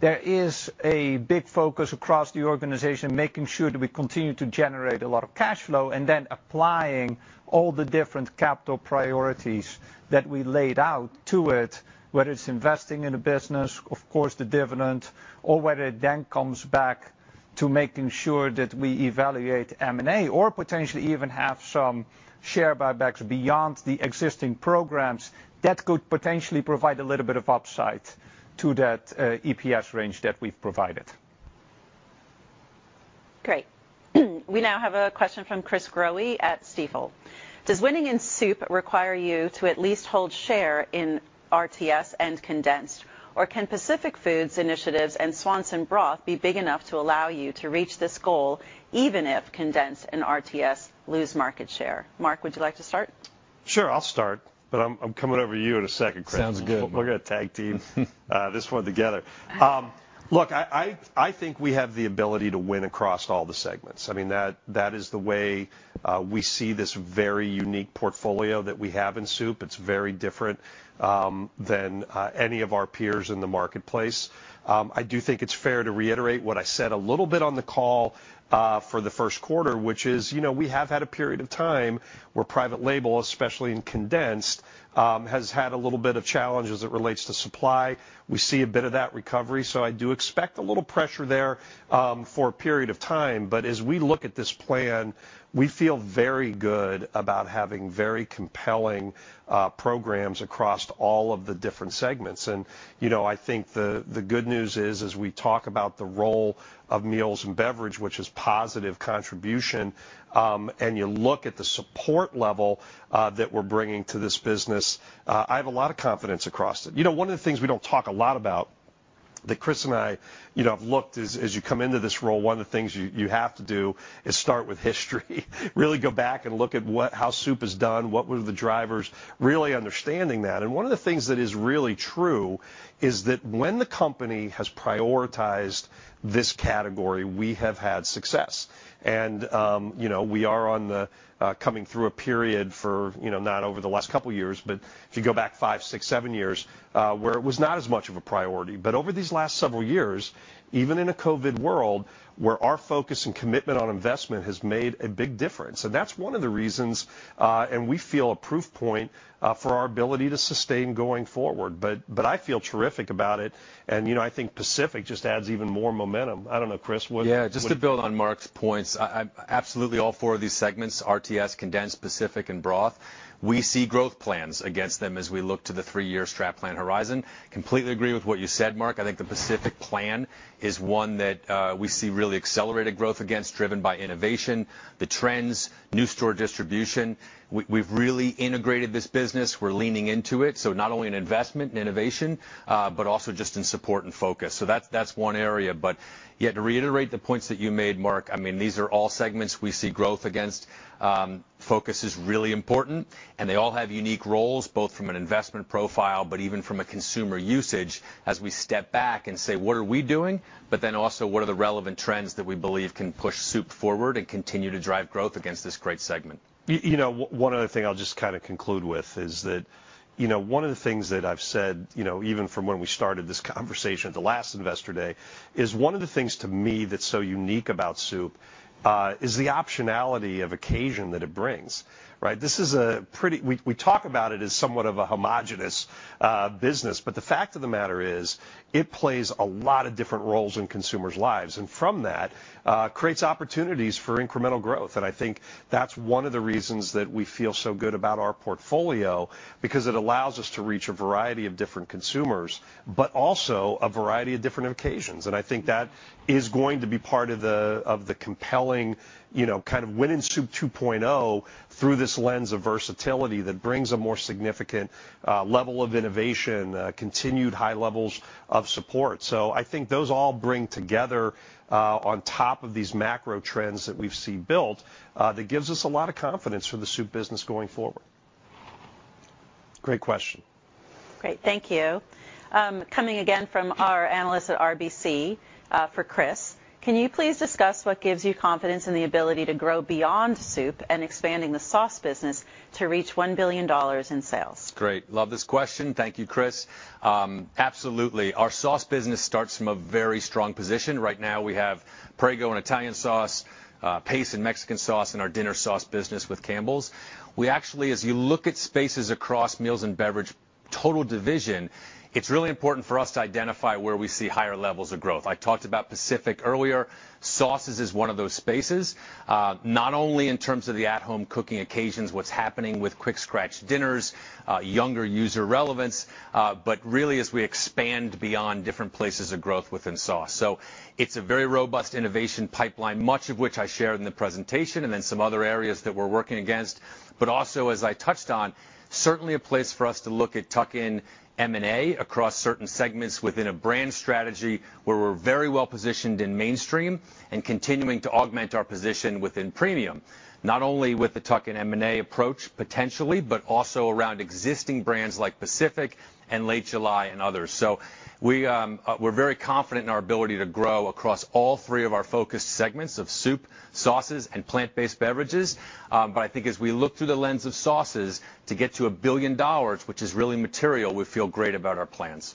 there is a big focus across the organization, making sure that we continue to generate a lot of cash flow and then applying all the different capital priorities that we laid out to it, whether it's investing in a business, of course, the dividend, or whether it then comes back to making sure that we evaluate M&A or potentially even have some share buybacks beyond the existing programs. That could potentially provide a little bit of upside to that, EPS range that we've provided. Great. We now have a question from Chris Growe at Stifel. Does winning in soup require you to at least hold share in RTS and condensed? Or can Pacific Foods initiatives and Swanson broth be big enough to allow you to reach this goal, even if condensed and RTS lose market share? Mark, would you like to start? Sure, I'll start, but I'm coming over to you in a second, Chris. Sounds good. We're gonna tag team this one together. Look, I think we have the ability to win across all the segments. I mean, that is the way we see this very unique portfolio that we have in soup. It's very different than any of our peers in the marketplace. I do think it's fair to reiterate what I said a little bit on the call for the Q1, which is, you know, we have had a period of time where private label, especially in condensed, has had a little bit of challenge as it relates to supply. We see a bit of that recovery, so I do expect a little pressure there for a period of time. As we look at this plan, we feel very good about having very compelling programs across all of the different segments. You know, I think the good news is, as we talk about the role of Meals and Beverages, which is positive contribution, and you look at the support level that we're bringing to this business, I have a lot of confidence across it. You know, one of the things we don't talk a lot about that Chris and I have looked at, as you come into this role, one of the things you have to do is start with history. Really go back and look at what soup has done, what were the drivers, really understanding that. One of the things that is really true is that when the company has prioritized this category, we have had success. You know, we are coming through a period, you know, not over the last couple of years, but if you go back five, six, seven years, where it was not as much of a priority. Over these last several years, even in a COVID world, where our focus and commitment on investment has made a big difference. That's one of the reasons, and we feel a proof point, for our ability to sustain going forward. I feel terrific about it. You know, I think Pacific just adds even more momentum. I don't know, Chris, what- Yeah, just to build on Mark's points, I absolutely all four of these segments, RTS, condensed, Pacific and broth, we see growth plans against them as we look to the three-year strat plan horizon. Completely agree with what you said, Mark. I think the Pacific plan is one that we see really accelerated growth against, driven by innovation, the trends, new store distribution. We've really integrated this business. We're leaning into it. Not only in investment and innovation, but also just in support and focus. That's one area. Yeah, to reiterate the points that you made, Mark, I mean, these are all segments we see growth against. Focus is really important, and they all have unique roles, both from an investment profile, but even from a consumer usage, as we step back and say, "What are we doing?" What are the relevant trends that we believe can push soup forward and continue to drive growth against this great segment? You know, one other thing I'll just kinda conclude with is that. You know, one of the things that I've said, you know, even from when we started this conversation at the last Investor Day, is one of the things to me that's so unique about soup is the optionality of occasion that it brings, right? We talk about it as somewhat of a homogeneous business, but the fact of the matter is, it plays a lot of different roles in consumers' lives, and from that creates opportunities for incremental growth. I think that's one of the reasons that we feel so good about our portfolio, because it allows us to reach a variety of different consumers, but also a variety of different occasions. I think that is going to be part of the compelling, you know, kind of winning soup 2.0 through this lens of versatility that brings a more significant level of innovation, continued high levels of support. I think those all bring together, on top of these macro trends that we've seen built, that gives us a lot of confidence for the soup business going forward. Great question. Great. Thank you. Coming again from our analyst at RBC, for Chris, can you please discuss what gives you confidence in the ability to grow beyond soup and expanding the sauce business to reach $1 billion in sales? Great. Love this question. Thank you, Chris. Absolutely. Our sauce business starts from a very strong position. Right now we have Prego in Italian sauce, Pace in Mexican sauce, and our dinner sauce business with Campbell's. We actually, as you look at spaces across Meals and Beverages total division, it's really important for us to identify where we see higher levels of growth. I talked about Pacific earlier. Sauces is one of those spaces, not only in terms of the at-home cooking occasions, what's happening with quick scratch dinners, younger user relevance, but really as we expand beyond different places of growth within sauce. It's a very robust innovation pipeline, much of which I shared in the presentation, and then some other areas that we're working against. Also, as I touched on, certainly a place for us to look at tuck-in M&A across certain segments within a brand strategy where we're very well positioned in mainstream and continuing to augment our position within premium, not only with the tuck-in M&A approach potentially, but also around existing brands like Pacific and Late July and others. We're very confident in our ability to grow across all three of our focused segments of soup, sauces, and plant-based beverages. I think as we look through the lens of sauces to get to $1 billion, which is really material, we feel great about our plans.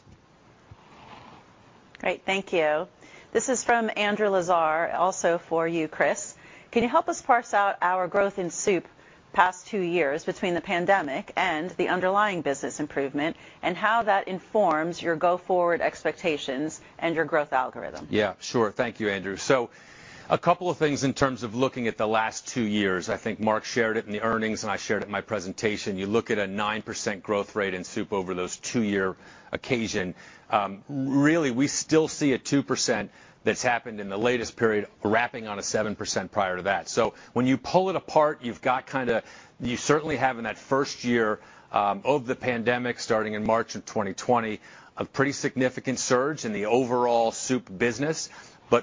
Great. Thank you. This is from Andrew Lazar, also for you, Chris. Can you help us parse out our growth in soup past two years between the pandemic and the underlying business improvement, and how that informs your go-forward expectations and your growth algorithm? Yeah, sure. Thank you, Andrew. A couple of things in terms of looking at the last two years, I think Mark shared it in the earnings, and I shared it in my presentation. You look at a 9% growth rate in soup over those two-year period, really we still see a 2% that's happened in the latest period, on top of a 7% prior to that. When you pull it apart, you've got. You certainly have in that first year of the pandemic, starting in March 2020, a pretty significant surge in the overall soup business.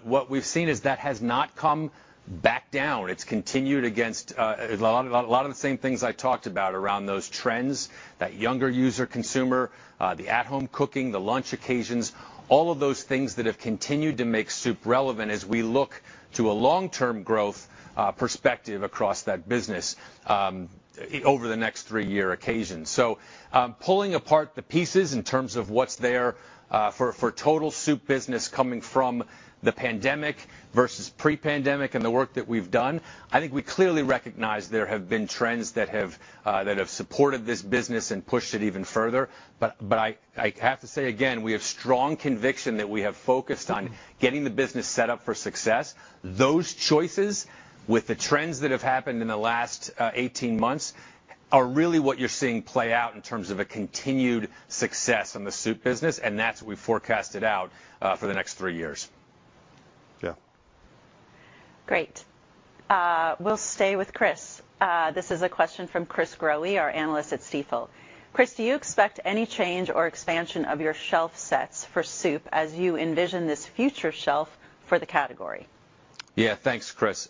What we've seen is that has not come back down. It's continued against a lot of the same things I talked about around those trends, that younger user consumer, the at-home cooking, the lunch occasions, all of those things that have continued to make soup relevant as we look to a long-term growth perspective across that business over the next three-year occasion. Pulling apart the pieces in terms of what's there for total soup business coming from the pandemic versus pre-pandemic and the work that we've done, I think we clearly recognize there have been trends that have supported this business and pushed it even further, but I have to say again, we have strong conviction that we have focused on getting the business set up for success. Those choices, with the trends that have happened in the last 18 months, are really what you're seeing play out in terms of a continued success in the soup business, and that's what we forecasted out for the next three years. Yeah. Great. We'll stay with Chris. This is a question from Chris Growe, our analyst at Stifel. Chris, do you expect any change or expansion of your shelf sets for soup as you envision this future shelf for the category? Yeah. Thanks, Chris.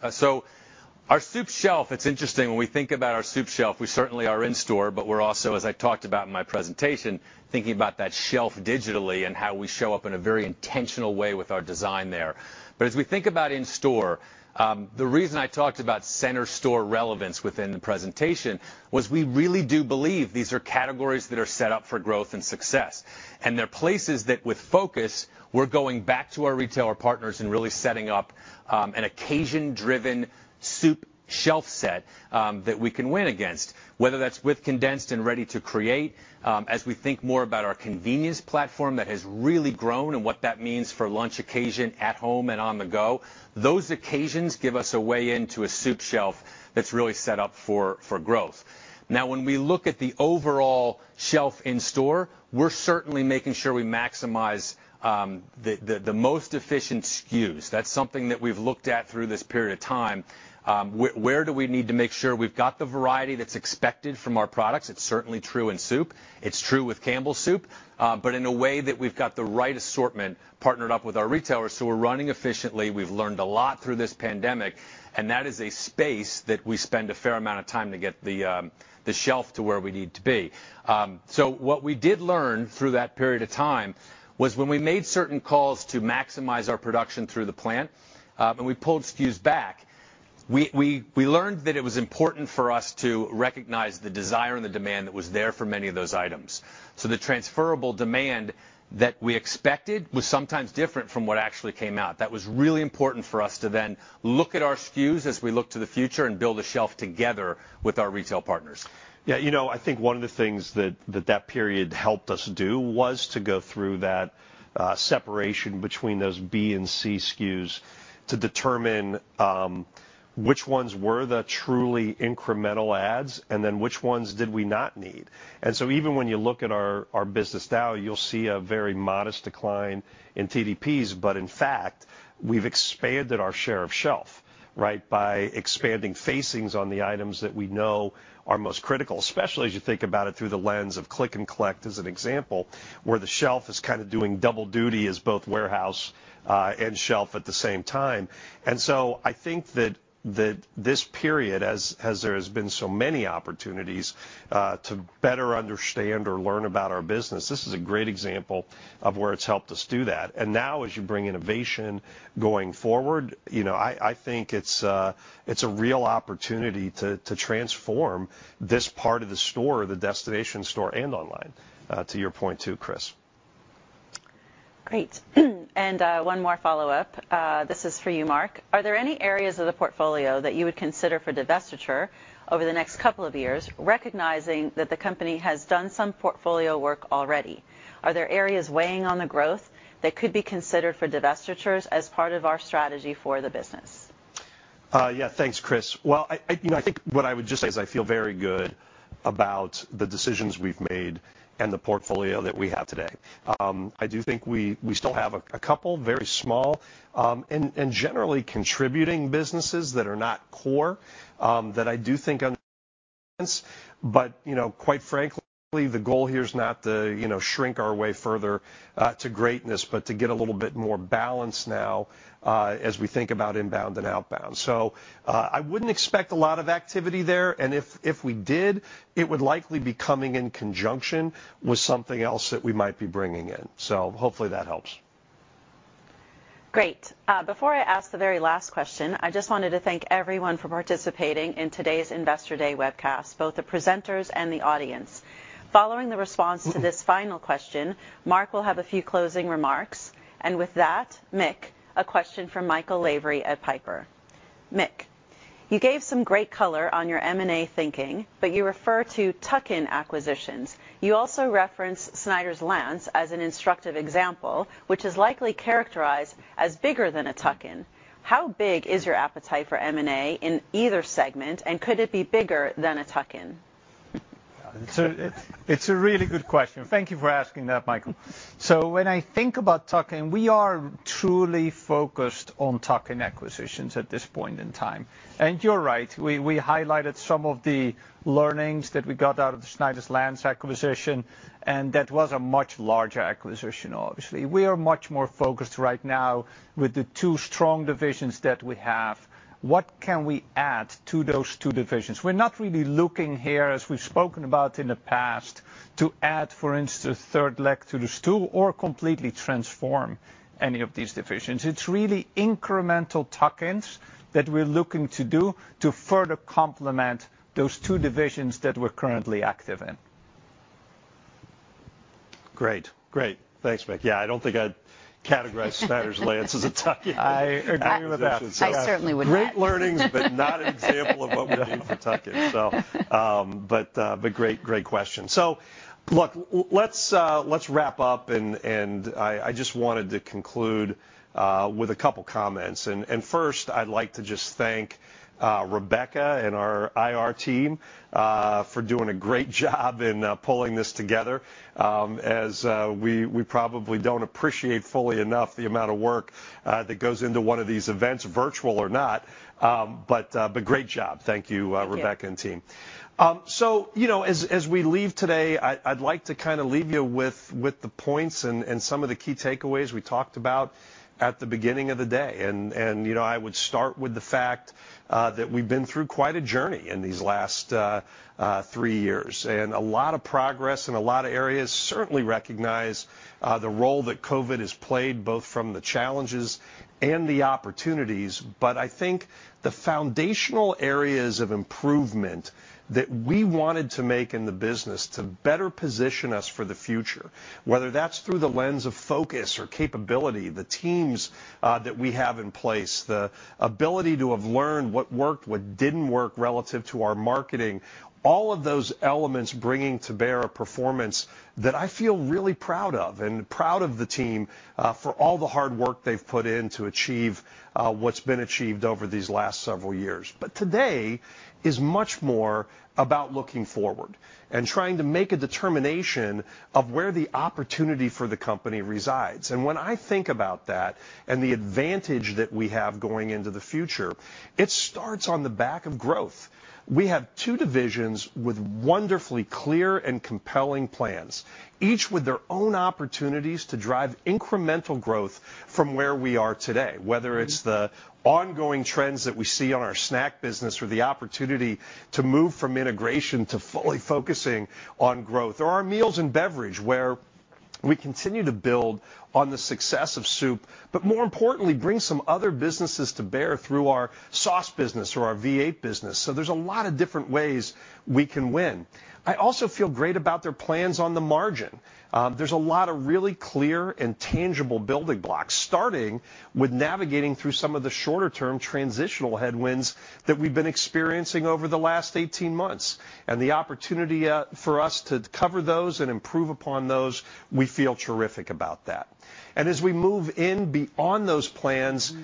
Our soup shelf, it's interesting, when we think about our soup shelf, we certainly are in store, but we're also, as I talked about in my presentation, thinking about that shelf digitally and how we show up in a very intentional way with our design there. As we think about in store, the reason I talked about center store relevance within the presentation was we really do believe these are categories that are set up for growth and success, and they're places that, with focus, we're going back to our retailer partners and really setting up an occasion-driven soup shelf set that we can win against, whether that's with condensed and ready to create, as we think more about our convenience platform that has really grown and what that means for lunch occasion at home and on the go. Those occasions give us a way into a soup shelf that's really set up for growth. Now, when we look at the overall shelf in store, we're certainly making sure we maximize the most efficient SKUs. That's something that we've looked at through this period of time. Where do we need to make sure we've got the variety that's expected from our products? It's certainly true in soup. It's true with Campbell's Soup, but in a way that we've got the right assortment partnered up with our retailers, so we're running efficiently. We've learned a lot through this pandemic, and that is a space that we spend a fair amount of time to get the shelf to where we need to be. What we did learn through that period of time was when we made certain calls to maximize our production through the plant, and we pulled SKUs back. We learned that it was important for us to recognize the desire and the demand that was there for many of those items. The transferable demand that we expected was sometimes different from what actually came out. That was really important for us to then look at our SKUs as we look to the future and build a shelf together with our retail partners. Yeah, you know, I think one of the things that period helped us do was to go through that separation between those B and C SKUs to determine which ones were the truly incremental adds, and then which ones did we not need. Even when you look at our business now, you'll see a very modest decline in TDPs, but in fact, we've expanded our share of shelf, right? By expanding facings on the items that we know are most critical, especially as you think about it through the lens of click and collect as an example, where the shelf is kind of doing double duty as both warehouse and shelf at the same time. I think that this period, as there has been so many opportunities to better understand or learn about our business, this is a great example of where it's helped us do that. Now as you bring innovation going forward, you know, I think it's a real opportunity to transform this part of the store, the destination store and online, to your point too, Chris. Great. One more follow-up. This is for you, Mark. Are there any areas of the portfolio that you would consider for divestiture over the next couple of years, recognizing that the company has done some portfolio work already? Are there areas weighing on the growth that could be considered for divestitures as part of our strategy for the business? Yeah. Thanks, Chris. Well, you know, I think what I would just say is I feel very good about the decisions we've made and the portfolio that we have today. I do think we still have a couple very small, and generally contributing businesses that are not core, that I do think on balance. You know, quite frankly, the goal here is not to, you know, shrink our way further, to greatness, but to get a little bit more balance now, as we think about inbound and outbound. I wouldn't expect a lot of activity there, and if we did, it would likely be coming in conjunction with something else that we might be bringing in. Hopefully that helps. Great. Before I ask the very last question, I just wanted to thank everyone for participating in today's Investor Day webcast, both the presenters and the audience. Following the response to this final question, Mark will have a few closing remarks, and with that, Mick, a question from Michael Lavery at Piper. Mick, you gave some great color on your M&A thinking, but you refer to tuck-in acquisitions. You also reference Snyder's-Lance as an instructive example, which is likely characterized as bigger than a tuck-in. How big is your appetite for M&A in either segment, and could it be bigger than a tuck-in? It's a really good question. Thank you for asking that, Michael. When I think about tuck-in, we are truly focused on tuck-in acquisitions at this point in time. You're right, we highlighted some of the learnings that we got out of the Snyder's-Lance acquisition, and that was a much larger acquisition, obviously. We are much more focused right now with the two strong divisions that we have. What can we add to those two divisions? We're not really looking here, as we've spoken about in the past, to add, for instance, a third leg to the stool or completely transform any of these divisions. It's really incremental tuck-ins that we're looking to do to further complement those two divisions that we're currently active in. Great. Thanks, Mick. Yeah, I don't think I'd categorize Snyder's-Lance as a tuck-in acquisition, so. I agree with that. I certainly would not. Great learnings, but not an example of what we mean for tuck-in. Great question. Look, let's wrap up and I just wanted to conclude with a couple comments. First I'd like to just thank Rebecca and our IR team for doing a great job in pulling this together, as we probably don't appreciate fully enough the amount of work that goes into one of these events, virtual or not. Great job. Thank you, Rebecca and team. Thank you. You know, as we leave today, I'd like to kind of leave you with the points and some of the key takeaways we talked about at the beginning of the day. You know, I would start with the fact that we've been through quite a journey in these last three years and a lot of progress in a lot of areas. We certainly recognize the role that COVID has played, both from the challenges and the opportunities. I think the foundational areas of improvement that we wanted to make in the business to better position us for the future, whether that's through the lens of focus or capability, the teams that we have in place, the ability to have learned what worked, what didn't work relative to our marketing, all of those elements bringing to bear a performance that I feel really proud of and proud of the team for all the hard work they've put in to achieve what's been achieved over these last several years. Today is much more about looking forward and trying to make a determination of where the opportunity for the company resides. When I think about that and the advantage that we have going into the future, it starts on the back of growth. We have two divisions with wonderfully clear and compelling plans, each with their own opportunities to drive incremental growth from where we are today, whether it's the ongoing trends that we see on our Snacks business or the opportunity to move from integration to fully focusing on growth or our Meals and Beverages, where we continue to build on the success of soup, but more importantly, bring some other businesses to bear through our sauce business or our V8 business. There's a lot of different ways we can win. I also feel great about their plans on the margin. There's a lot of really clear and tangible building blocks, starting with navigating through some of the shorter term transitional headwinds that we've been experiencing over the last 18 months, and the opportunity, for us to cover those and improve upon those, we feel terrific about that. As we move in beyond those plans,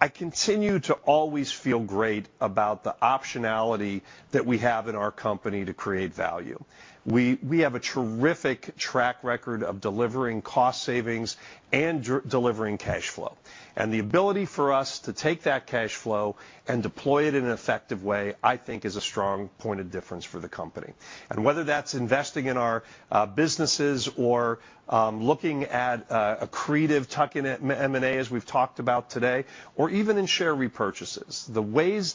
I continue to always feel great about the optionality that we have in our company to create value. We have a terrific track record of delivering cost savings and delivering cash flow. The ability for us to take that cash flow and deploy it in an effective way, I think is a strong point of difference for the company. Whether that's investing in our businesses or looking at accretive tuck-in M&A, as we've talked about today, or even in share repurchases,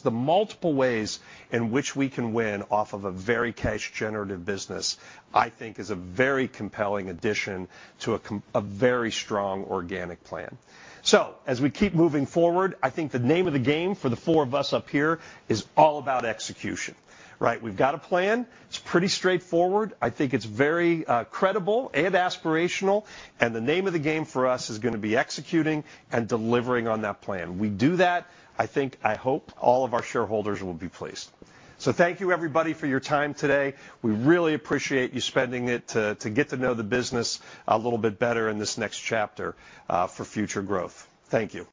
the multiple ways in which we can win off of a very cash generative business, I think is a very compelling addition to a very strong organic plan. As we keep moving forward, I think the name of the game for the four of us up here is all about execution, right? We've got a plan. It's pretty straightforward. I think it's very credible and aspirational, and the name of the game for us is gonna be executing and delivering on that plan. We do that, I think, I hope all of our shareholders will be pleased. Thank you everybody for your time today. We really appreciate you spending it to get to know the business a little bit better in this next chapter, for future growth. Thank you.